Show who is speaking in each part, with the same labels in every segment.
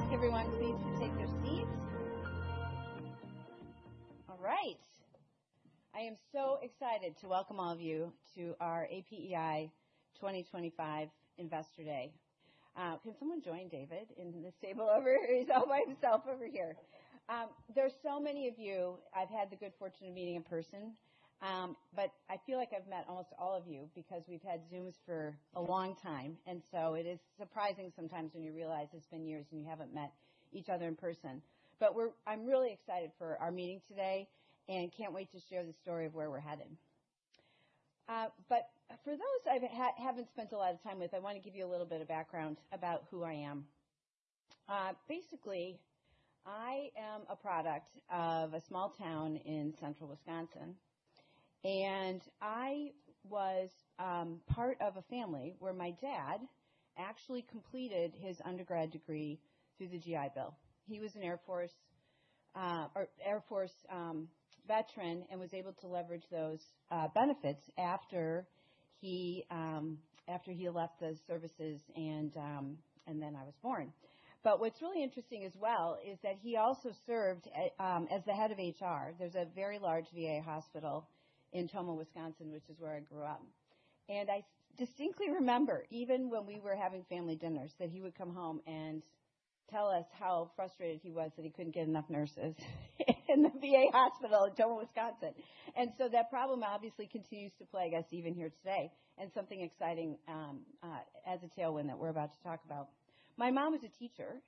Speaker 1: All right, can I ask everyone please to take their seats? All right. I am so excited to welcome all of you to our APEI 2025 Investor Day. Can someone join David in this table over? He's all by himself over here. There are so many of you I've had the good fortune of meeting in person, but I feel like I've met almost all of you because we've had Zooms for a long time. It is surprising sometimes when you realize it's been years and you haven't met each other in person. I'm really excited for our meeting today and can't wait to share the story of where we're headed. For those I haven't spent a lot of time with, I want to give you a little bit of background about who I am. Basically, I am a product of a small town in central Wisconsin, and I was part of a family where my dad actually completed his undergrad degree through the GI Bill. He was an Air Force veteran and was able to leverage those benefits after he left the services, and then I was born. What's really interesting as well is that he also served as the head of HR. There's a very large VA hospital in Tomah, Wisconsin, which is where I grew up. I distinctly remember, even when we were having family dinners, that he would come home and tell us how frustrated he was that he couldn't get enough nurses in the VA hospital in Tomah, Wisconsin. That problem obviously continues to plague us even here today. Something exciting as a tailwind that we're about to talk about. My mom was a teacher.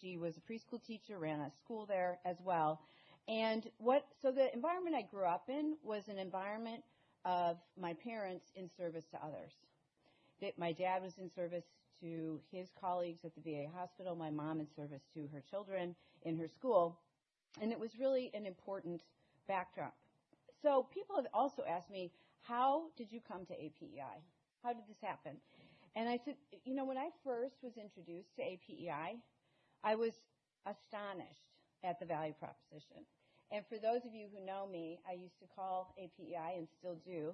Speaker 1: She was a preschool teacher, ran a school there as well. The environment I grew up in was an environment of my parents in service to others. My dad was in service to his colleagues at the VA hospital. My mom in service to her children in her school. It was really an important backdrop. People have also asked me, how did you come to APEI? How did this happen? I said, you know, when I first was introduced to APEI, I was astonished at the value proposition. For those of you who know me, I used to call APEI, and still do,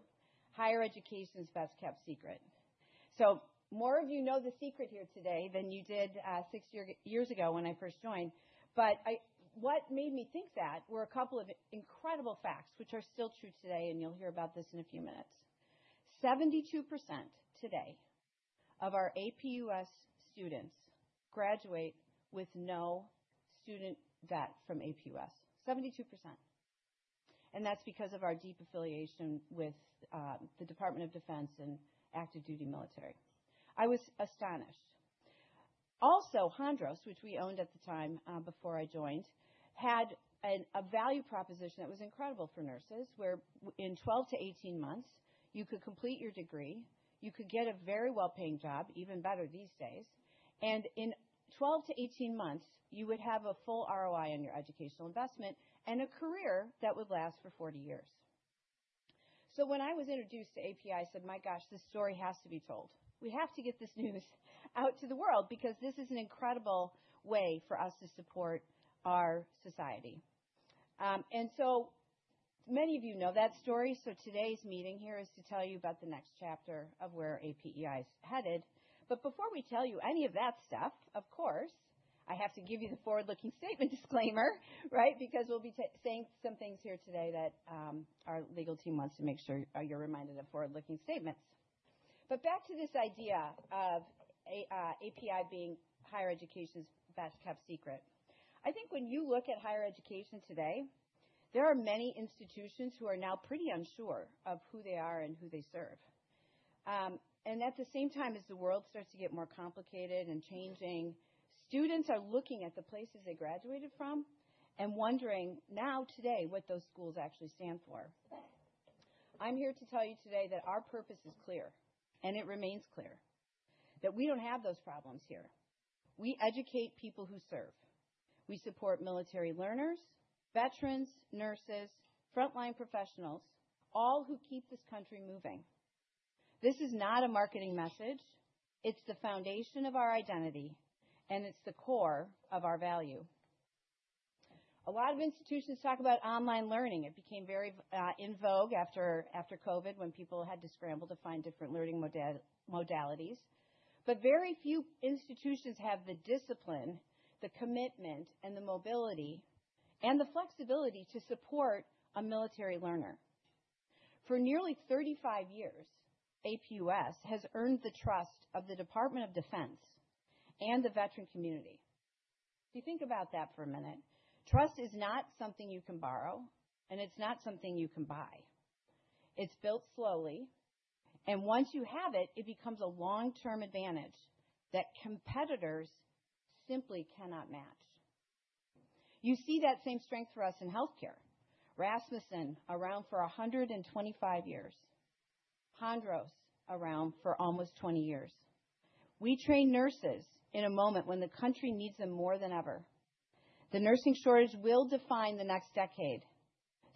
Speaker 1: higher education's best kept secret. More of you know the secret here today than you did six years ago when I first joined. What made me think that were a couple of incredible facts, which are still true today, and you'll hear about this in a few minutes. 72% today of our APUS students graduate with no student debt from APUS. 72%. That's because of our deep affiliation with the Department of Defense and active duty military. I was astonished. Also, Hondros, which we owned at the time before I joined, had a value proposition that was incredible for nurses, where in 12-18 months, you could complete your degree, you could get a very well-paying job, even better these days, and in 12-18 months, you would have a full ROI on your educational investment and a career that would last for 40 years. When I was introduced to APEI, I said, my gosh, this story has to be told. We have to get this news out to the world because this is an incredible way for us to support our society. So many of you know that story. Today's meeting here is to tell you about the next chapter of where APEI is headed. Before we tell you any of that stuff, of course, I have to give you the forward-looking statement disclaimer, right? We'll be saying some things here today that our legal team wants to make sure you're reminded of forward-looking statements. Back to this idea of APEI being higher education's best kept secret. I think when you look at higher education today, there are many institutions who are now pretty unsure of who they are and who they serve. At the same time as the world starts to get more complicated and changing, students are looking at the places they graduated from and wondering now, today, what those schools actually stand for. I'm here to tell you today that our purpose is clear, and it remains clear, that we don't have those problems here. We educate people who serve. We support military learners, veterans, nurses, frontline professionals, all who keep this country moving. This is not a marketing message. It's the foundation of our identity, and it's the core of our value. A lot of institutions talk about online learning. It became very in vogue after COVID when people had to scramble to find different learning modalities. Very few institutions have the discipline, the commitment, the mobility, and the flexibility to support a military learner. For nearly 35 years, APUS has earned the trust of the Department of Defense and the veteran community. If you think about that for a minute, trust is not something you can borrow, and it's not something you can buy. It's built slowly, and once you have it, it becomes a long-term advantage that competitors simply cannot match. You see that same strength for us in healthcare. Rasmussen around for 125 years. Hondros around for almost 20 years. We train nurses in a moment when the country needs them more than ever. The nursing shortage will define the next decade.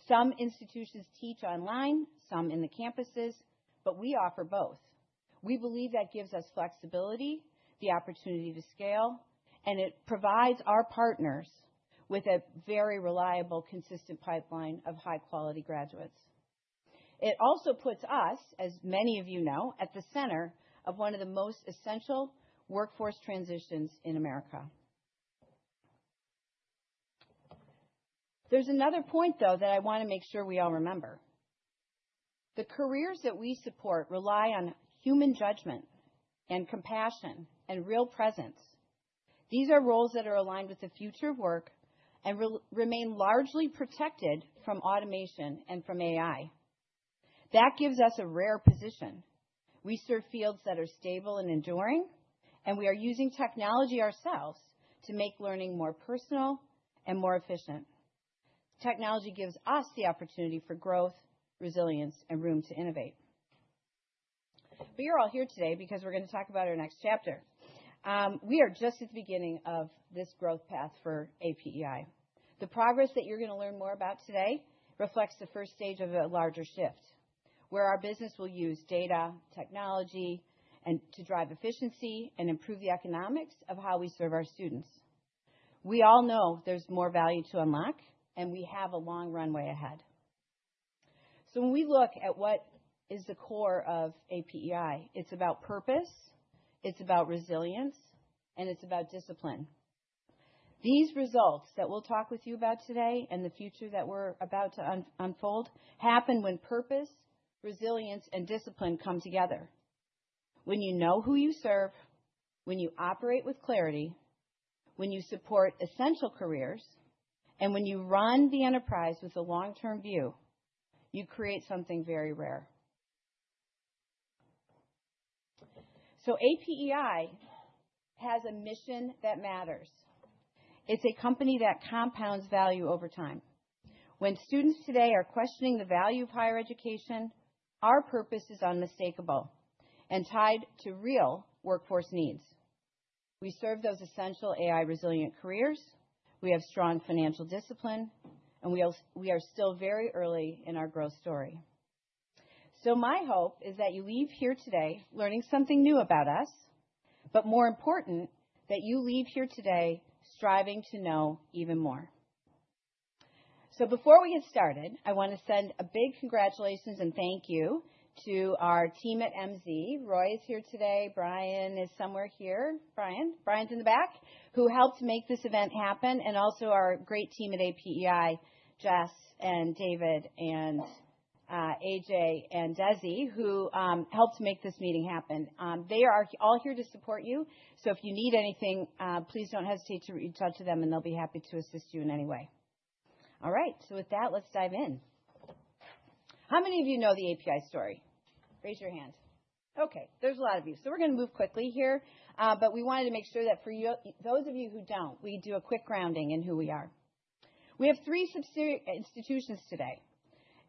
Speaker 1: Some institutions teach online, some in the campuses, but we offer both. We believe that gives us flexibility, the opportunity to scale, and it provides our partners with a very reliable, consistent pipeline of high-quality graduates. It also puts us, as many of you know, at the center of one of the most essential workforce transitions in America. There is another point, though, that I want to make sure we all remember. The careers that we support rely on human judgment and compassion and real presence. These are roles that are aligned with the future of work and remain largely protected from automation and from AI. That gives us a rare position. We serve fields that are stable and enduring, and we are using technology ourselves to make learning more personal and more efficient. Technology gives us the opportunity for growth, resilience, and room to innovate. You are all here today because we are going to talk about our next chapter. We are just at the beginning of this growth path for APEI. The progress that you're going to learn more about today reflects the first stage of a larger shift where our business will use data, technology, and to drive efficiency and improve the economics of how we serve our students. We all know there's more value to unlock, and we have a long runway ahead. When we look at what is the core of APEI, it's about purpose, it's about resilience, and it's about discipline. These results that we'll talk with you about today and the future that we're about to unfold happen when purpose, resilience, and discipline come together. When you know who you serve, when you operate with clarity, when you support essential careers, and when you run the enterprise with a long-term view, you create something very rare. APEI has a mission that matters. It's a company that compounds value over time. When students today are questioning the value of higher education, our purpose is unmistakable and tied to real workforce needs. We serve those essential AI-resilient careers. We have strong financial discipline, and we are still very early in our growth story. My hope is that you leave here today learning something new about us, but more important, that you leave here today striving to know even more. Before we get started, I want to send a big congratulations and thank you to our team at MZ. Roy is here today. Brian is somewhere here. Brian? Brian's in the back, who helped make this event happen, and also our great team at APEI, Jess and David and A.J. and Desi who helped make this meeting happen. They are all here to support you. If you need anything, please do not hesitate to reach out to them, and they will be happy to assist you in any way. All right, with that, let's dive in. How many of you know the APEI story? Raise your hand. Okay, there are a lot of you. We are going to move quickly here, but we wanted to make sure that for those of you who do not, we do a quick grounding in who we are. We have three institutions today,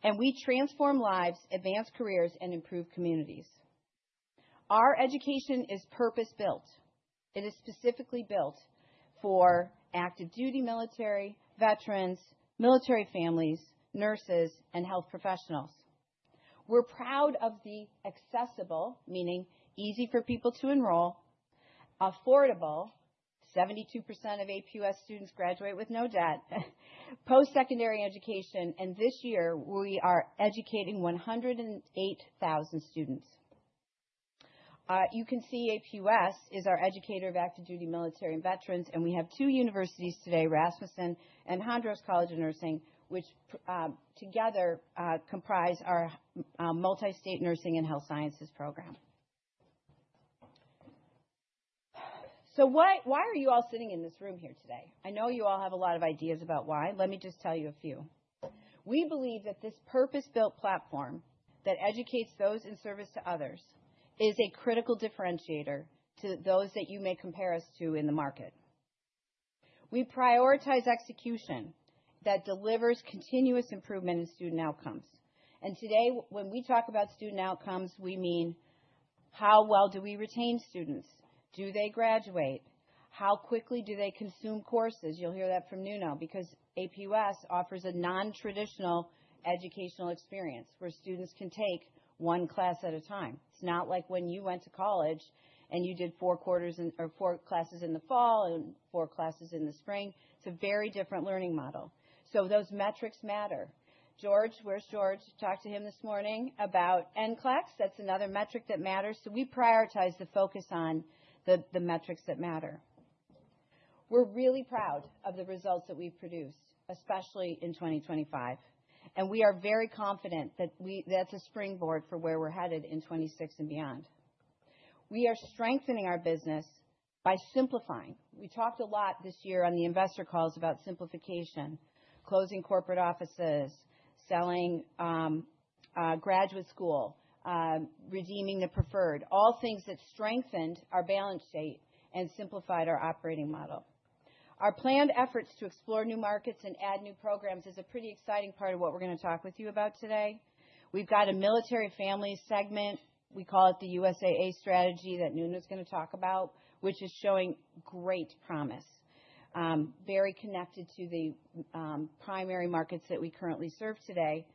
Speaker 1: and we transform lives, advance careers, and improve communities. Our education is purpose-built. It is specifically built for active duty military, veterans, military families, nurses, and health professionals. We are proud of the accessible, meaning easy for people to enroll, affordable. 72% of APUS students graduate with no debt, post-secondary education, and this year we are educating 108,000 students. You can see APUS is our educator of active duty military and veterans, and we have two universities today, Rasmussen and Hondros College of Nursing, which together comprise our multi-state nursing and health sciences program. Why are you all sitting in this room here today? I know you all have a lot of ideas about why. Let me just tell you a few. We believe that this purpose-built platform that educates those in service to others is a critical differentiator to those that you may compare us to in the market. We prioritize execution that delivers continuous improvement in student outcomes. Today, when we talk about student outcomes, we mean how well do we retain students? Do they graduate? How quickly do they consume courses? You'll hear that from Nuno because APUS offers a non-traditional educational experience where students can take one class at a time. It's not like when you went to college and you did four classes in the fall and four classes in the spring. It's a very different learning model. Those metrics matter. George, where's George? Talked to him this morning about NCLEX. That's another metric that matters. We prioritize the focus on the metrics that matter. We're really proud of the results that we've produced, especially in 2025. We are very confident that that's a springboard for where we're headed in 2026 and beyond. We are strengthening our business by simplifying. We talked a lot this year on the investor calls about simplification, closing corporate offices, selling graduate school, redeeming the preferred, all things that strengthened our balance sheet and simplified our operating model. Our planned efforts to explore new markets and add new programs is a pretty exciting part of what we're going to talk with you about today. We've got a military family segment. We call it the USAA strategy that Nuno's going to talk about, which is showing great promise, very connected to the primary markets that we currently serve today.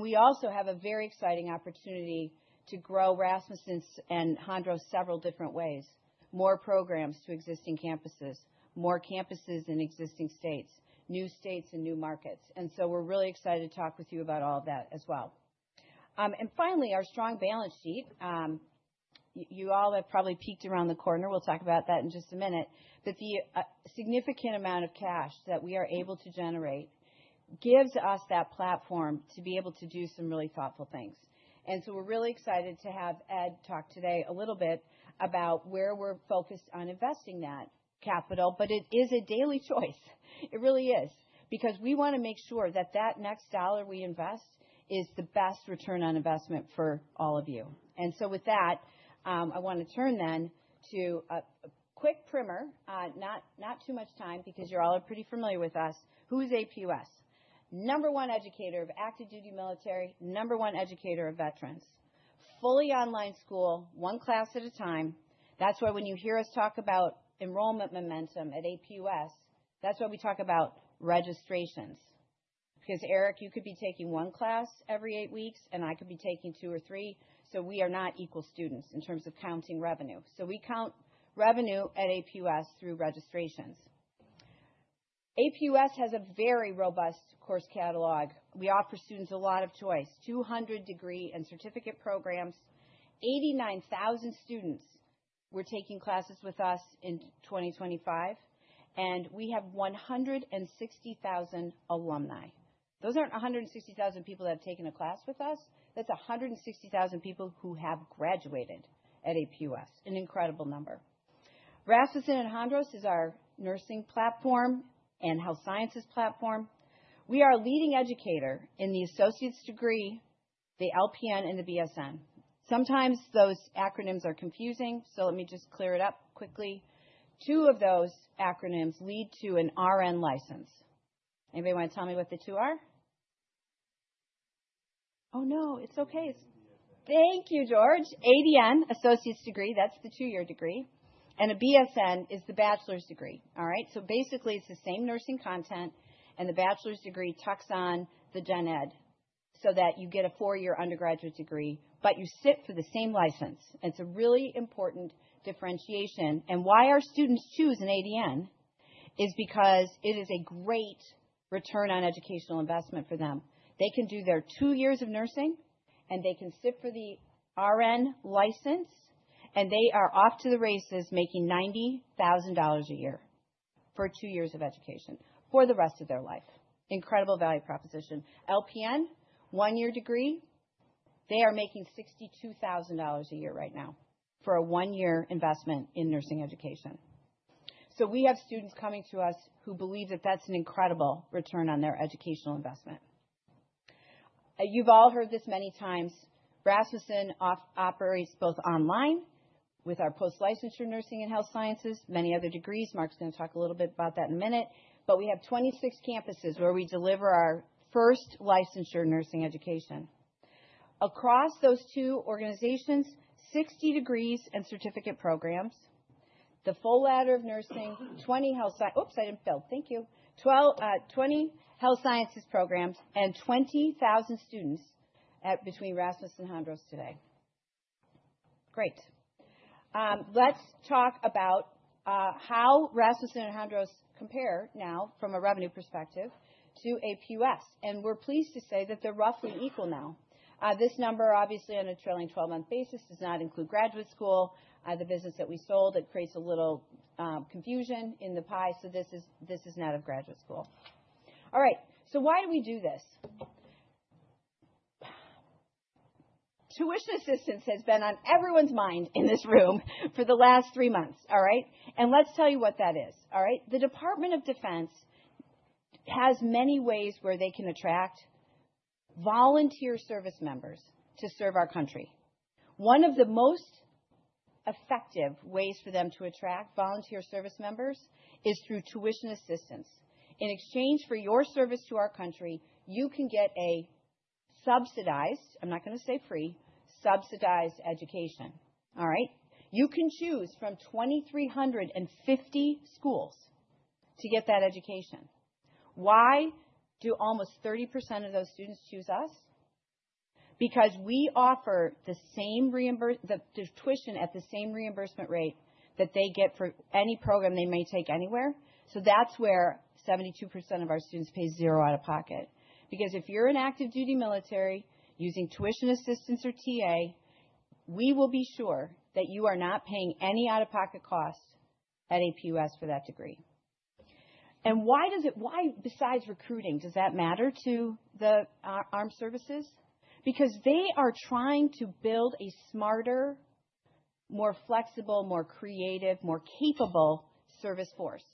Speaker 1: We also have a very exciting opportunity to grow Rasmussen's and Hondros several different ways, more programs to existing campuses, more campuses in existing states, new states, and new markets. We are really excited to talk with you about all of that as well. Finally, our strong balance sheet. You all have probably peeked around the corner. We'll talk about that in just a minute. The significant amount of cash that we are able to generate gives us that platform to be able to do some really thoughtful things. We are really excited to have Ed talk today a little bit about where we are focused on investing that capital, but it is a daily choice. It really is because we want to make sure that the next dollar we invest is the best return on investment for all of you. With that, I want to turn then to a quick primer, not too much time because you are all pretty familiar with us. Who is APUS? Number one educator of active duty military, number one educator of veterans, fully online school, one class at a time. That is why when you hear us talk about enrollment momentum at APUS, that is why we talk about registrations. Because Eric, you could be taking one class every eight weeks, and I could be taking two or three. We are not equal students in terms of counting revenue. We count revenue at APUS through registrations. APUS has a very robust course catalog. We offer students a lot of choice, 200 degree and certificate programs, 89,000 students were taking classes with us in 2025, and we have 160,000 alumni. Those are not 160,000 people that have taken a class with us. That is 160,000 people who have graduated at APUS, an incredible number. Rasmussen and Hondros is our nursing platform and health sciences platform. We are a leading educator in the associate's degree, the LPN, and the BSN. Sometimes those acronyms are confusing, so let me just clear it up quickly. Two of those acronyms lead to an RN license. Anybody want to tell me what the two are? Oh, no, it's okay. Thank you, George. ADN, associate's degree, that's the two-year degree, and a BSN is the bachelor's degree. All right, basically it's the same nursing content, and the bachelor's degree tucks on the gen ed so that you get a four-year undergraduate degree, but you sit for the same license. It's a really important differentiation. Why our students choose an ADN is because it is a great return on educational investment for them. They can do their two years of nursing, and they can sit for the RN license, and they are off to the races making $90,000 a year for two years of education for the rest of their life. Incredible value proposition. LPN, one-year degree, they are making $62,000 a year right now for a one-year investment in nursing education. We have students coming to us who believe that that's an incredible return on their educational investment. You've all heard this many times. Rasmussen operates both online with our post-licensure nursing and health sciences, many other degrees. Mark's going to talk a little bit about that in a minute, but we have 26 campuses where we deliver our first licensure nursing education. Across those two organizations, 60 degrees and certificate programs, the full ladder of nursing, 20 health science—oops, I didn't build. Thank you. Twenty health sciences programs and 20,000 students between Rasmussen and Hondros today. Great. Let's talk about how Rasmussen and Hondros compare now from a revenue perspective to APUS. We're pleased to say that they're roughly equal now. This number, obviously, on a trailing 12-month basis does not include graduate school, the business that we sold that creates a little confusion in the pie. This is not of graduate school. All right, why do we do this? Tuition assistance has been on everyone's mind in this room for the last three months, all right? Let me tell you what that is. All right, the Department of Defense has many ways where they can attract volunteer service members to serve our country. One of the most effective ways for them to attract volunteer service members is through tuition assistance. In exchange for your service to our country, you can get a subsidized—I am not going to say free—subsidized education. All right? You can choose from 2,350 schools to get that education. Why do almost 30% of those students choose us? Because we offer the same tuition at the same reimbursement rate that they get for any program they may take anywhere. That is where 72% of our students pay zero out of pocket. Because if you're an active duty military using tuition assistance or TA, we will be sure that you are not paying any out-of-pocket cost at APUS for that degree. Why besides recruiting does that matter to the armed services? They are trying to build a smarter, more flexible, more creative, more capable service force.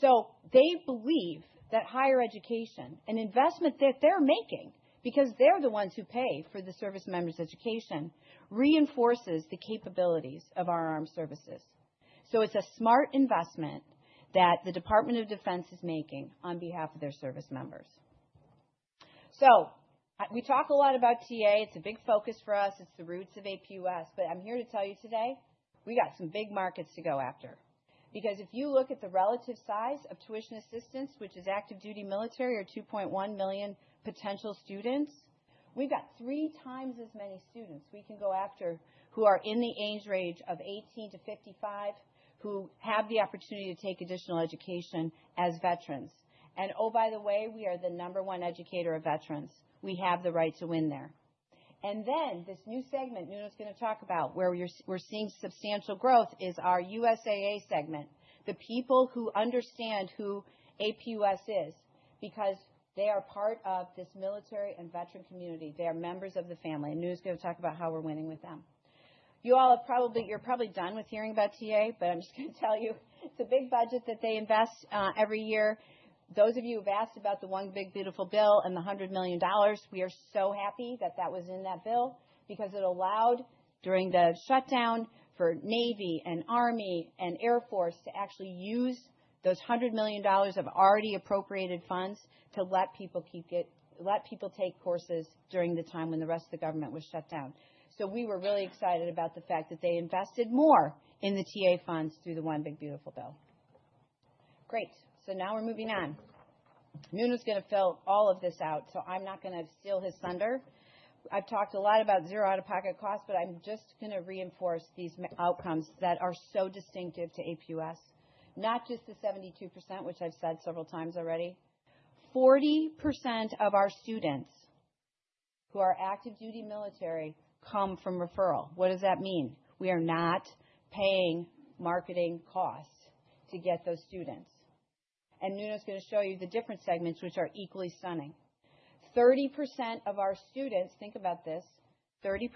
Speaker 1: They believe that higher education, an investment that they're making because they're the ones who pay for the service members' education, reinforces the capabilities of our armed services. It's a smart investment that the Department of Defense is making on behalf of their service members. We talk a lot about TA. It's a big focus for us. It's the roots of APUS. I'm here to tell you today, we got some big markets to go after. Because if you look at the relative size of tuition assistance, which is active duty military or 2.1 million potential students, we've got three times as many students we can go after who are in the age range of 18-55 who have the opportunity to take additional education as veterans. Oh, by the way, we are the number one educator of veterans. We have the right to win there. This new segment Nuno's going to talk about where we're seeing substantial growth is our USAA segment, the people who understand who APUS is because they are part of this military and veteran community. They are members of the family. Nuno's going to talk about how we're winning with them. You all have probably—you're probably done with hearing about TA, but I'm just going to tell you it's a big budget that they invest every year. Those of you who've asked about the One Big Beautiful Bill and the $100 million, we are so happy that that was in that bill because it allowed during the shutdown for Navy and Army and Air Force to actually use those $100 million of already appropriated funds to let people take courses during the time when the rest of the government was shut down. We were really excited about the fact that they invested more in the TA funds through the One Big Beautiful Bill. Great. Now we're moving on. Nuno's going to fill all of this out, so I'm not going to steal his thunder. I've talked a lot about zero out-of-pocket costs, but I'm just going to reinforce these outcomes that are so distinctive to APUS, not just the 72%, which I've said several times already. 40% of our students who are active duty military come from referral. What does that mean? We are not paying marketing costs to get those students. Nuno's going to show you the different segments, which are equally stunning. 30% of our students—think about this—30%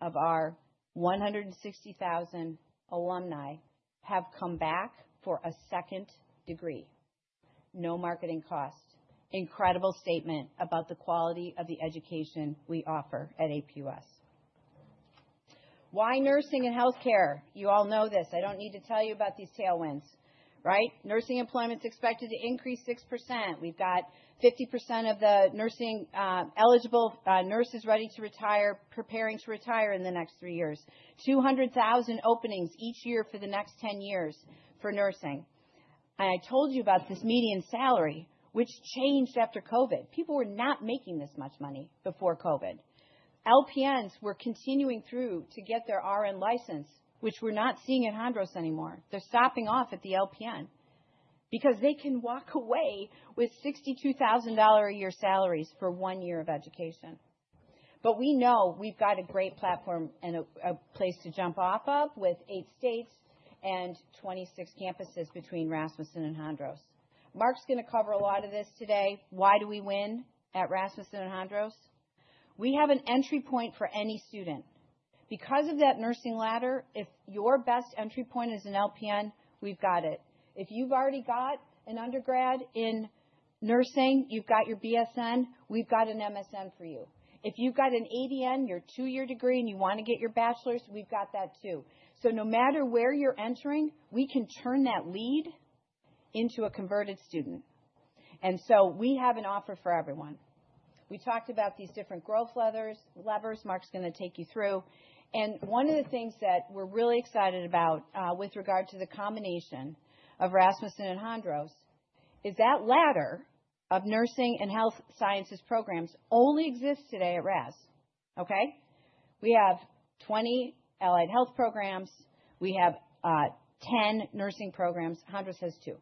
Speaker 1: of our 160,000 alumni have come back for a second degree. No marketing cost. Incredible statement about the quality of the education we offer at APUS. Why nursing and healthcare? You all know this. I don't need to tell you about these tailwinds, right? Nursing employment's expected to increase 6%. We've got 50% of the nursing eligible nurses ready to retire, preparing to retire in the next three years. 200,000 openings each year for the next 10 years for nursing. I told you about this median salary, which changed after COVID. People were not making this much money before COVID. LPNs were continuing through to get their RN license, which we're not seeing at Hondros anymore. They're stopping off at the LPN because they can walk away with $62,000 a year salaries for one year of education. We know we've got a great platform and a place to jump off of with eight states and 26 campuses between Rasmussen and Hondros. Mark's going to cover a lot of this today. Why do we win at Rasmussen and Hondros? We have an entry point for any student. Because of that nursing ladder, if your best entry point is an LPN, we've got it. If you've already got an undergrad in nursing, you've got your BSN, we've got an MSN for you. If you've got an ADN, your two-year degree, and you want to get your bachelor's, we've got that too. No matter where you're entering, we can turn that lead into a converted student. We have an offer for everyone. We talked about these different growth levers. Mark's going to take you through. One of the things that we're really excited about with regard to the combination of Rasmussen and Hondros is that ladder of nursing and health sciences programs only exists today at Rasmussen, okay? We have 20 allied health programs. We have 10 nursing programs. Hondros has two.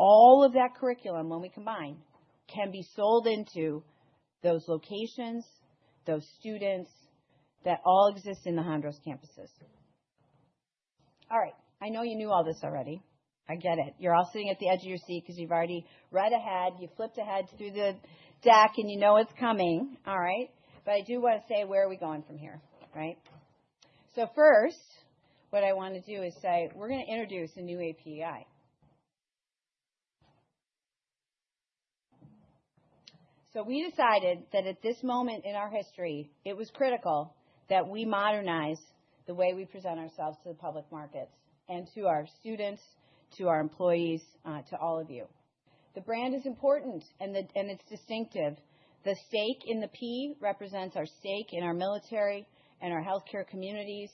Speaker 1: All of that curriculum, when we combine, can be sold into those locations, those students that all exist in the Hondros campuses. All right. I know you knew all this already. I get it. You're all sitting at the edge of your seat because you've already read ahead. You've flipped ahead through the deck, and you know it's coming, all right? I do want to say, where are we going from here, right? First, what I want to do is say we're going to introduce a new APEI. We decided that at this moment in our history, it was critical that we modernize the way we present ourselves to the public markets and to our students, to our employees, to all of you. The brand is important, and it's distinctive. The stake in the P represents our stake in our military and our healthcare communities.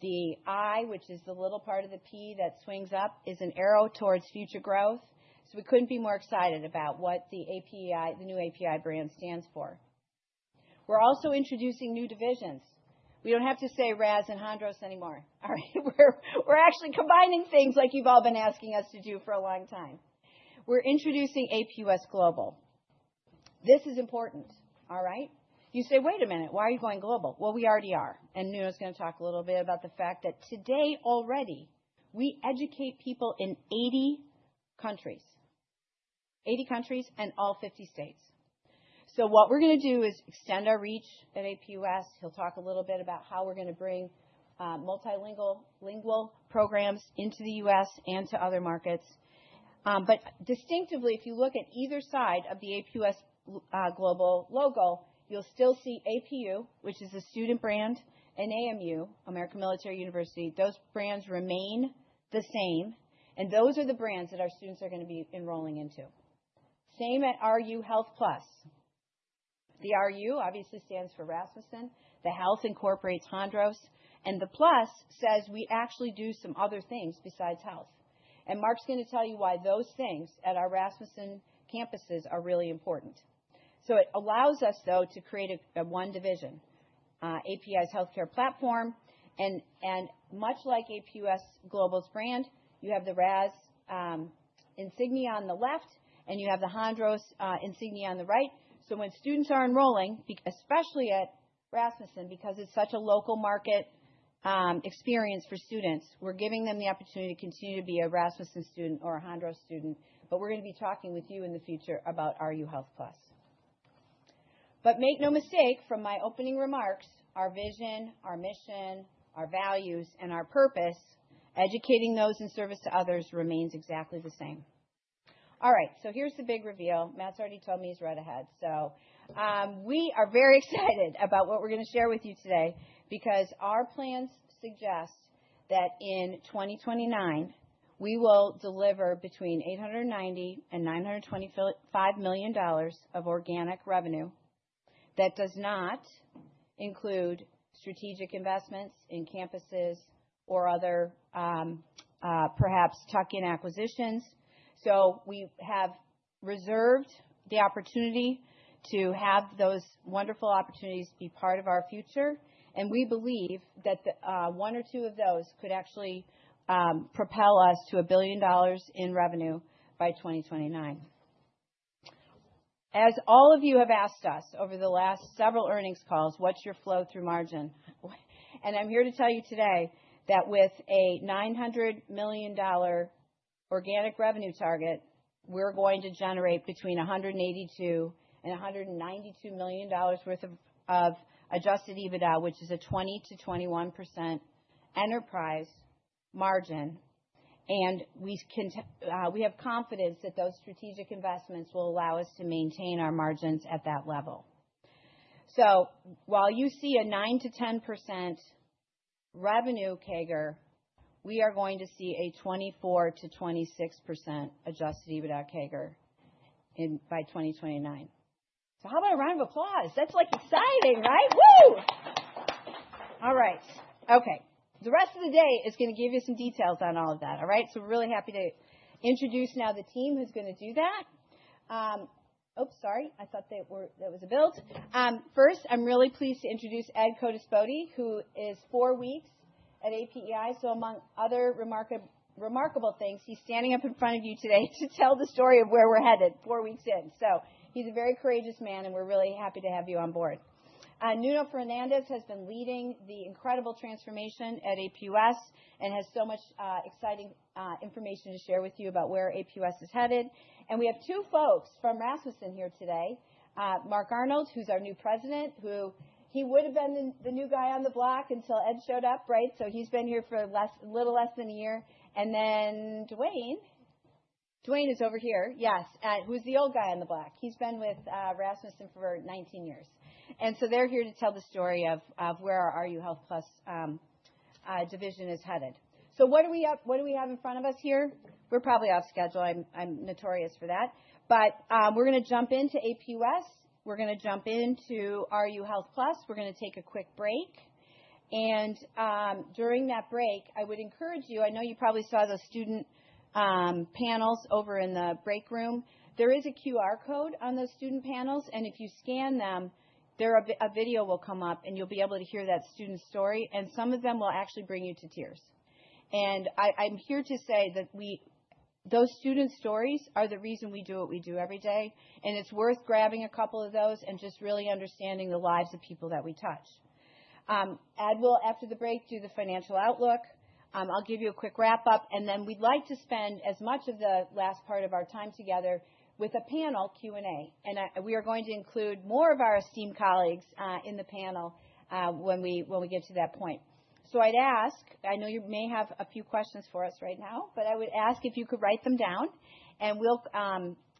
Speaker 1: The I, which is the little part of the P that swings up, is an arrow towards future growth. We couldn't be more excited about what the new APEI brand stands for. We're also introducing new divisions. We don't have to say Rasmussen and Hondros anymore, all right? We're actually combining things like you've all been asking us to do for a long time. We're introducing APUS Global. This is important, all right? You say, "Wait a minute, why are you going global?" We already are. Nuno's going to talk a little bit about the fact that today already we educate people in 80 countries, 80 countries and all 50 states. What we're going to do is extend our reach at APUS. He'll talk a little bit about how we're going to bring multilingual programs into the U.S. and to other markets. Distinctively, if you look at either side of the APUS Global logo, you'll still see APU, which is a student brand, and AMU, American Military University. Those brands remain the same, and those are the brands that our students are going to be enrolling into. Same at RU Health Plus. The RU obviously stands for Rasmussen. The Health incorporates Hondros. The Plus says we actually do some other things besides health. Mark's going to tell you why those things at our Rasmussen campuses are really important. It allows us, though, to create one division, APEI's healthcare platform. Much like APUS Global's brand, you have the RAS insignia on the left, and you have the Hondros insignia on the right. When students are enrolling, especially at Rasmussen, because it's such a local market experience for students, we're giving them the opportunity to continue to be a Rasmussen student or a Hondros student. We are going to be talking with you in the future about RU Health Plus. Make no mistake from my opening remarks, our vision, our mission, our values, and our purpose, educating those in service to others remains exactly the same. All right. Here's the big reveal. Matt's already told me he's read ahead. We are very excited about what we're going to share with you today because our plans suggest that in 2029, we will deliver between $890 million and $925 million of organic revenue that does not include strategic investments in campuses or other perhaps tuck-in acquisitions. We have reserved the opportunity to have those wonderful opportunities be part of our future. We believe that one or two of those could actually propel us to a billion dollars in revenue by 2029. As all of you have asked us over the last several earnings calls, what's your flow-through margin? I'm here to tell you today that with a $900 million organic revenue target, we're going to generate between $182 and $192 million worth of adjusted EBITDA, which is a 20% to 21% enterprise margin. We have confidence that those strategic investments will allow us to maintain our margins at that level. While you see a 9% to 10% revenue CAGR, we are going to see a 24% to 26% adjusted EBITDA CAGR by 2029. How about a round of applause? That's exciting, right? Woo! All right. Okay. The rest of the day is going to give you some details on all of that, all right? We are really happy to introduce now the team who's going to do that. Oops, sorry. I thought that was a build. First, I'm really pleased to introduce Edward Codispoti, who is four weeks at APEI. Among other remarkable things, he's standing up in front of you today to tell the story of where we're headed four weeks in. He's a very courageous man, and we're really happy to have you on board. Nuno Fernandes has been leading the incredible transformation at APUS and has so much exciting information to share with you about where APUS is headed. We have two folks from Rasmussen here today, Mark Arnold, who's our new president, who would have been the new guy on the block until Ed showed up, right? He has been here for a little less than a year. Dwayne is over here, yes, who is the old guy on the block. He has been with Rasmussen for 19 years. They are here to tell the story of where our RU Health Plus division is headed. What do we have in front of us here? We are probably off schedule. I am notorious for that. We are going to jump into APUS. We are going to jump into RU Health Plus. We are going to take a quick break. During that break, I would encourage you—I know you probably saw those student panels over in the break room. There is a QR code on those student panels. If you scan them, a video will come up, and you will be able to hear that student's story. Some of them will actually bring you to tears. I'm here to say that those student stories are the reason we do what we do every day. It's worth grabbing a couple of those and just really understanding the lives of people that we touch. Ed will, after the break, do the financial outlook. I'll give you a quick wrap-up. We would like to spend as much of the last part of our time together with a panel Q&A. We are going to include more of our esteemed colleagues in the panel when we get to that point. I know you may have a few questions for us right now, but I would ask if you could write them down. We'll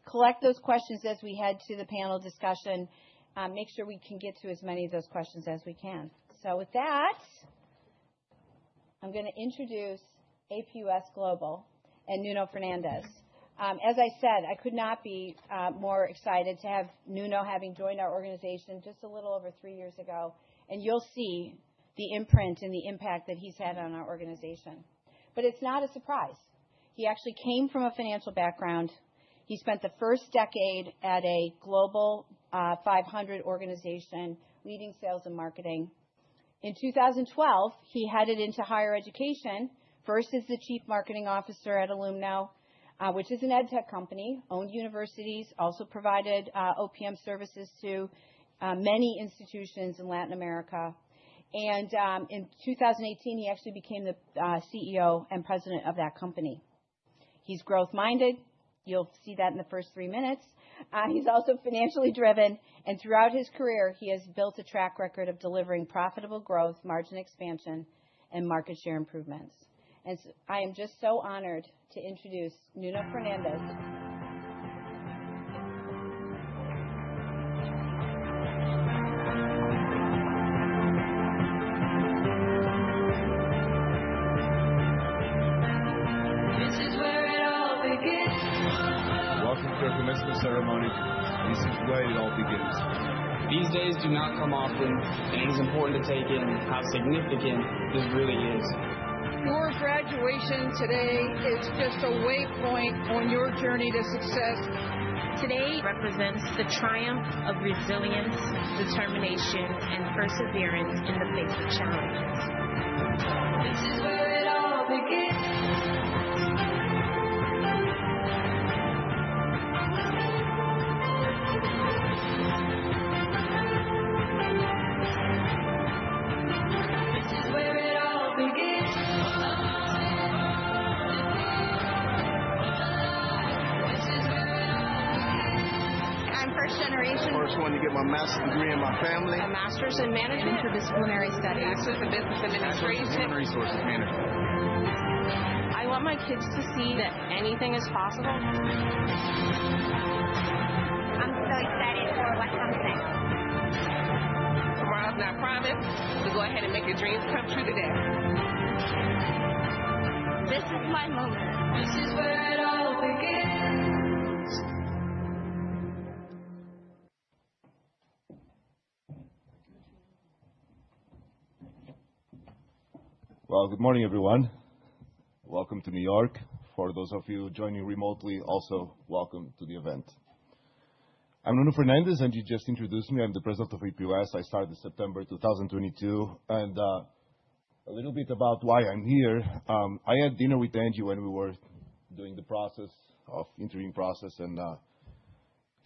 Speaker 1: collect those questions as we head to the panel discussion and make sure we can get to as many of those questions as we can. With that, I'm going to introduce APUS Global and Nuno Fernandes. As I said, I could not be more excited to have Nuno having joined our organization just a little over three years ago. You'll see the imprint and the impact that he's had on our organization. It's not a surprise. He actually came from a financial background. He spent the first decade at a Global 500 organization, leading sales and marketing. In 2012, he headed into higher education versus the Chief Marketing Officer at Alliant International University which is an edtech company, owned universities, also provided OPM services to many institutions in Latin America. In 2018, he actually became the CEO and President of that company. He's growth-minded. You'll see that in the first three minutes. He's also financially driven. Throughout his career, he has built a track record of delivering profitable growth, margin expansion, and market share improvements. I am just so honored to introduce Nuno Fernandes.
Speaker 2: This is where it all begins.
Speaker 3: Welcome to our commencement ceremony. This is where it all begins.
Speaker 2: These days do not come often, and it is important to take in how significant this really is. Your graduation today is just a waypoint on your journey to success. Today represents the triumph of resilience, determination, and perseverance in the face of challenges. This is where it all begins. This is where it all begins. I'm first generation. The first one to get my master's degree in my family. A master's in management. Interdisciplinary studies. Master's in business administration. Interdisciplinary source of management. I want my kids to see that anything is possible. I'm so excited for what comes next. Tomorrow's not promised. Go ahead and make your dreams come true today. This is my moment. This is where it all begins.
Speaker 4: Good morning, everyone. Welcome to New York. For those of you joining remotely, also welcome to the event. I'm Nuno Fernandes, and you just introduced me. I'm the president of APUS. I started in September 2022. A little bit about why I'm here. I had dinner with Angela Selden when we were doing the process of interviewing process.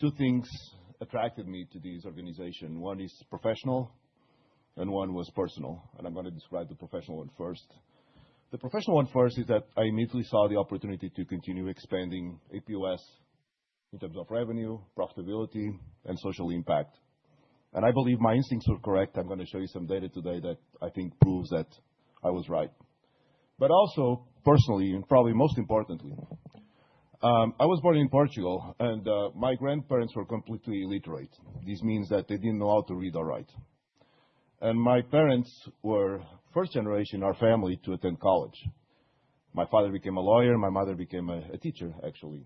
Speaker 4: Two things attracted me to this organization. One is professional, and one was personal. I'm going to describe the professional one first. The professional one is that I immediately saw the opportunity to continue expanding APUS in terms of revenue, profitability, and social impact. I believe my instincts were correct. I'm going to show you some data today that I think proves that I was right. Personally, and probably most importantly, I was born in Portugal, and my grandparents were completely illiterate. This means that they did not know how to read or write. My parents were first generation in our family to attend college. My father became a lawyer. My mother became a teacher, actually.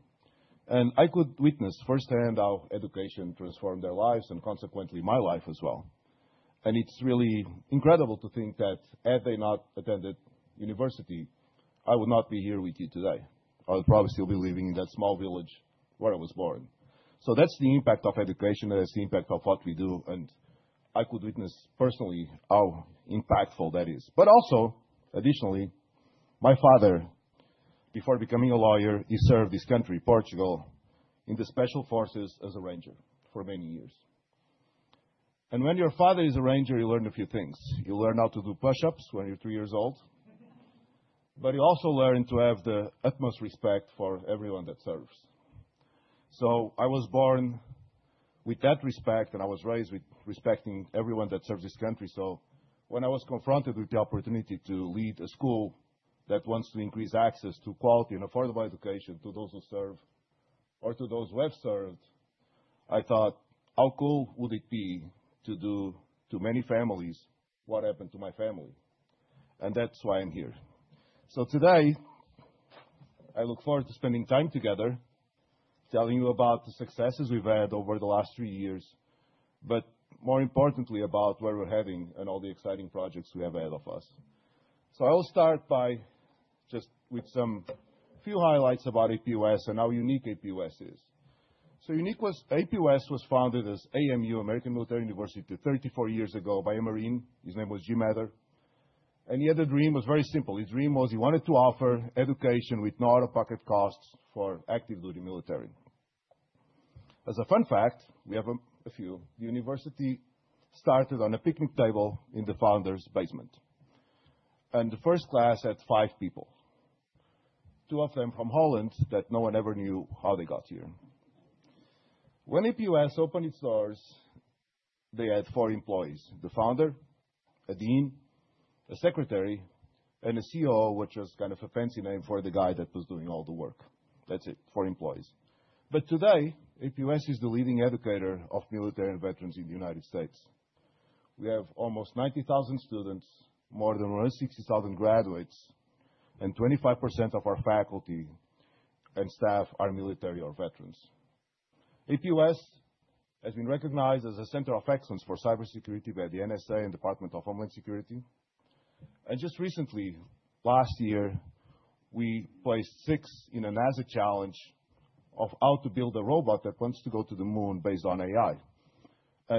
Speaker 4: I could witness firsthand how education transformed their lives and consequently my life as well. It is really incredible to think that had they not attended university, I would not be here with you today. I would probably still be living in that small village where I was born. That is the impact of education. That is the impact of what we do. I could witness personally how impactful that is. Additionally, my father, before becoming a lawyer, served this country, Portugal, in the special forces as a ranger for many years. When your father is a ranger, you learn a few things. You learn how to do push-ups when you're three years old. You also learn to have the utmost respect for everyone that serves. I was born with that respect, and I was raised with respecting everyone that serves this country. When I was confronted with the opportunity to lead a school that wants to increase access to quality and affordable education to those who serve or to those who have served, I thought, how cool would it be to do to many families what happened to my family? That's why I'm here. Today, I look forward to spending time together telling you about the successes we've had over the last three years, but more importantly, about where we're heading and all the exciting projects we have ahead of us. I will start with a few highlights about APUS and how unique APUS is. APUS was founded as AMU, American Military University, 34 years ago by a Marine. His name was James H. Madison. He had a dream. It was very simple. His dream was he wanted to offer education with no out-of-pocket costs for active-duty military. As a fun fact, we have a few. The university started on a picnic table in the founder's basement. The first class had five people, two of them from Holland that no one ever knew how they got here. When APUS opened its doors, they had four employees: the founder, a dean, a secretary, and a COO, which was kind of a fancy name for the guy that was doing all the work. That's it. Four employees. Today, APUS is the leading educator of military and veterans in the United States. We have almost 90,000 students, more than 160,000 graduates, and 25% of our faculty and staff are military or veterans. APUS has been recognized as a center of excellence for cybersecurity by the NSA and Department of Homeland Security. Just recently, last year, we placed sixth in a NASA challenge of how to build a robot that wants to go to the moon based on AI.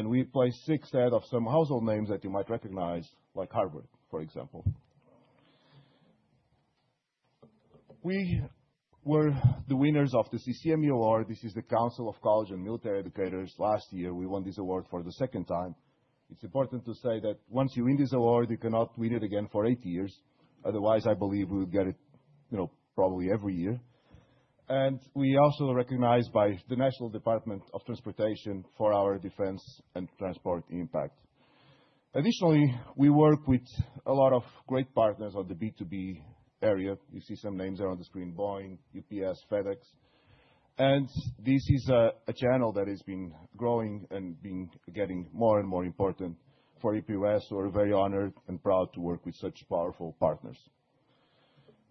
Speaker 4: We placed sixth ahead of some household names that you might recognize, like Harvard, for example. We were the winners of the CCMU Award. This is the Council of College and Military Educators. Last year, we won this award for the second time. It's important to say that once you win this award, you cannot win it again for eight years. Otherwise, I believe we would get it probably every year. We are also recognized by the National Department of Transportation for our defense and transport impact. Additionally, we work with a lot of great partners on the B2B area. You see some names there on the screen: Boeing, UPS, FedEx. This is a channel that has been growing and been getting more and more important for APUS. We're very honored and proud to work with such powerful partners.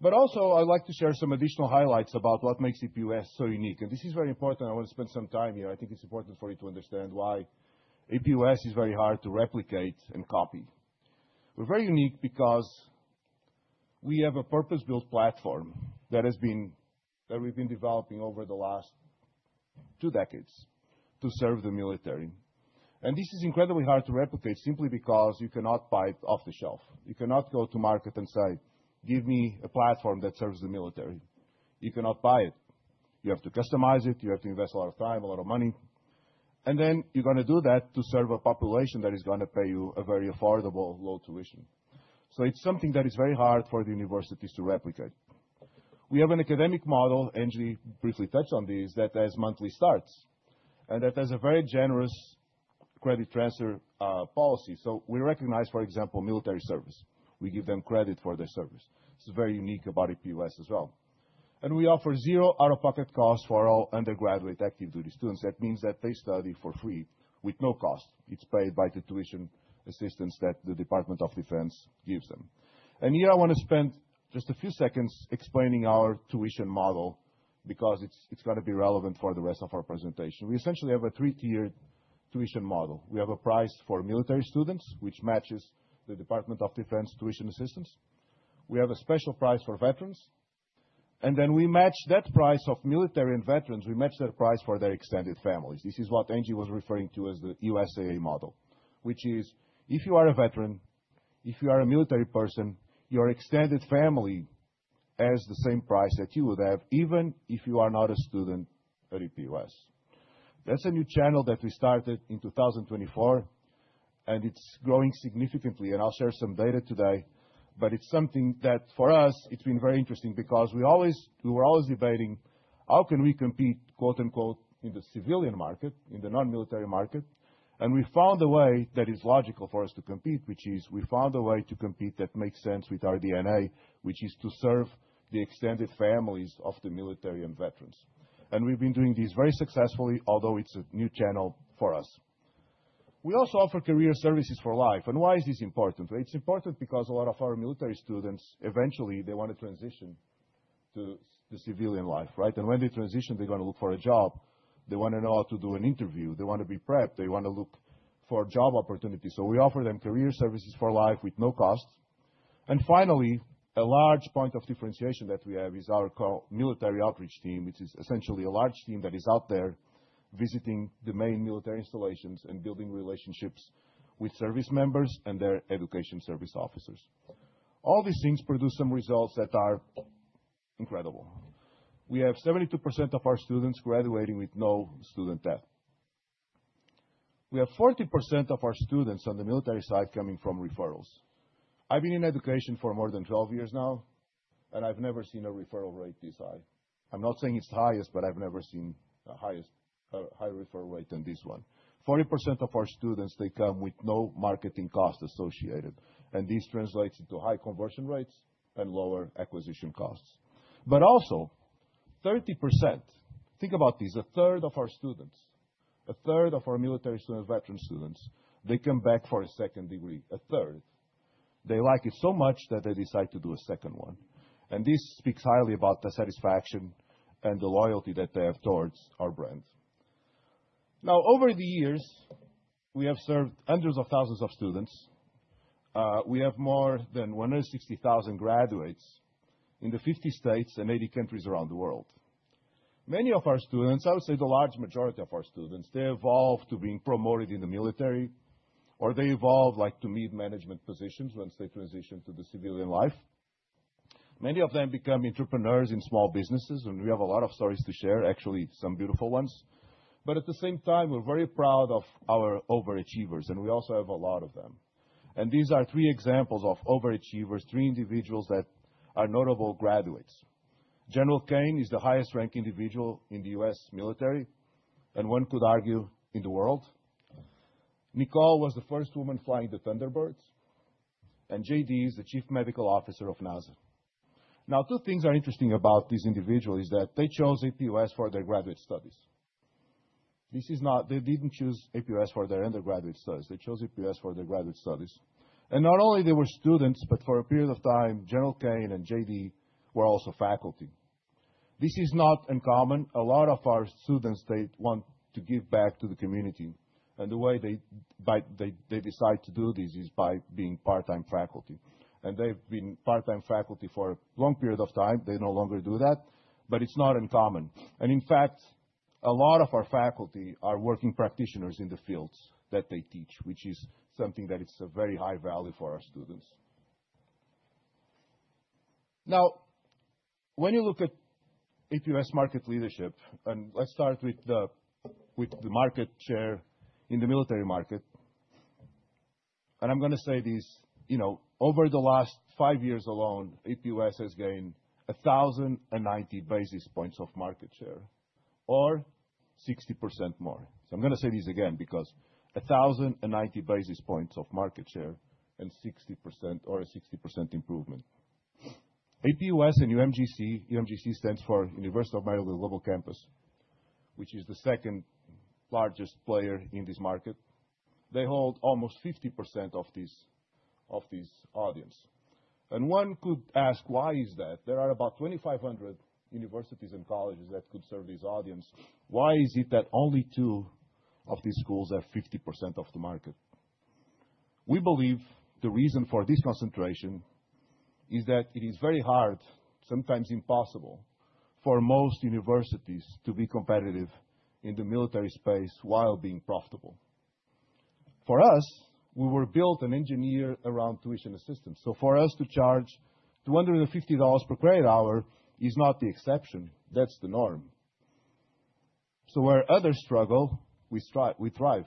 Speaker 4: I would also like to share some additional highlights about what makes APUS so unique. This is very important. I want to spend some time here. I think it's important for you to understand why APUS is very hard to replicate and copy. We're very unique because we have a purpose-built platform that we've been developing over the last two decades to serve the military. This is incredibly hard to replicate simply because you cannot buy it off the shelf. You cannot go to market and say, "Give me a platform that serves the military." You cannot buy it. You have to customize it. You have to invest a lot of time, a lot of money. You are going to do that to serve a population that is going to pay you a very affordable low tuition. It is something that is very hard for the universities to replicate. We have an academic model, Angela Selden briefly touched on this, that has monthly starts and that has a very generous credit transfer policy. We recognize, for example, military service. We give them credit for their service. It's very unique about APUS as well. We offer zero out-of-pocket costs for all undergraduate active-duty students. That means that they study for free with no cost. It's paid by the tuition assistance that the Department of Defense gives them. Here, I want to spend just a few seconds explaining our tuition model because it's going to be relevant for the rest of our presentation. We essentially have a three-tiered tuition model. We have a price for military students, which matches the Department of Defense tuition assistance. We have a special price for veterans. We match that price of military and veterans. We match that price for their extended families. This is what Angela Selden was referring to as the USAA model, which is, if you are a veteran, if you are a military person, your extended family has the same price that you would have, even if you are not a student at APUS. That is a new channel that we started in 2024, and it is growing significantly. I will share some data today. It is something that, for us, has been very interesting because we were always debating, how can we compete, quote-unquote, "in the civilian market, in the non-military market"? We found a way that is logical for us to compete, which is we found a way to compete that makes sense with our DNA, which is to serve the extended families of the military and veterans. We have been doing this very successfully, although it is a new channel for us. We also offer career services for life. Why is this important? It's important because a lot of our military students, eventually, they want to transition to civilian life, right? When they transition, they're going to look for a job. They want to know how to do an interview. They want to be prepped. They want to look for job opportunities. We offer them career services for life with no cost. Finally, a large point of differentiation that we have is our military outreach team, which is essentially a large team that is out there visiting the main military installations and building relationships with service members and their education service officers. All these things produce some results that are incredible. We have 72% of our students graduating with no student debt. We have 40% of our students on the military side coming from referrals. I've been in education for more than 12 years now, and I've never seen a referral rate this high. I'm not saying it's the highest, but I've never seen a higher referral rate than this one. 40% of our students, they come with no marketing cost associated. This translates into high conversion rates and lower acquisition costs. Also, 30%, think about this, a third of our students, a third of our military students, veteran students, they come back for a second degree. A third. They like it so much that they decide to do a second one. This speaks highly about the satisfaction and the loyalty that they have towards our brand. Over the years, we have served hundreds of thousands of students. We have more than 160,000 graduates in the 50 states and 80 countries around the world. Many of our students, I would say the large majority of our students, they evolve to being promoted in the military, or they evolve to mid-management positions once they transition to the civilian life. Many of them become entrepreneurs in small businesses. We have a lot of stories to share, actually, some beautiful ones. At the same time, we're very proud of our overachievers. We also have a lot of them. These are three examples of overachievers, three individuals that are notable graduates. Gen. Charles Q. Brown Jr. is the highest-ranked individual in the U.S. military, and one could argue in the world. Nicole Malachowski was the first woman flying the Thunderbirds. J.D. Polk is the chief medical officer of NASA. Two things are interesting about these individuals is that they chose APUS for their graduate studies. They didn't choose APUS for their undergraduate studies. They chose APUS for their graduate studies. Not only were they students, but for a period of time, Gen. Charles Q. Brown Jr. and J.D. Polk were also faculty. This is not uncommon. A lot of our students want to give back to the community. The way they decide to do this is by being part-time faculty. They have been part-time faculty for a long period of time. They no longer do that. It is not uncommon. In fact, a lot of our faculty are working practitioners in the fields that they teach, which is something that is a very high value for our students. Now, when you look at APUS market leadership, and let's start with the market share in the military market. Over the last five years alone, APUS has gained 1,090 bps of market share, or 60% more. I'm going to say this again because 1,090 bps of market share and 60% or a 60% improvement. APUS and UMGC, UMGC stands for University of Maryland Global Campus, which is the second largest player in this market. They hold almost 50% of this audience. One could ask, why is that? There are about 2,500 universities and colleges that could serve this audience. Why is it that only two of these schools have 50% of the market? We believe the reason for this concentration is that it is very hard, sometimes impossible, for most universities to be competitive in the military space while being profitable. For us, we were built and engineered around tuition assistance. For us to charge $250 per credit hour is not the exception. That's the norm. Where others struggle, we thrive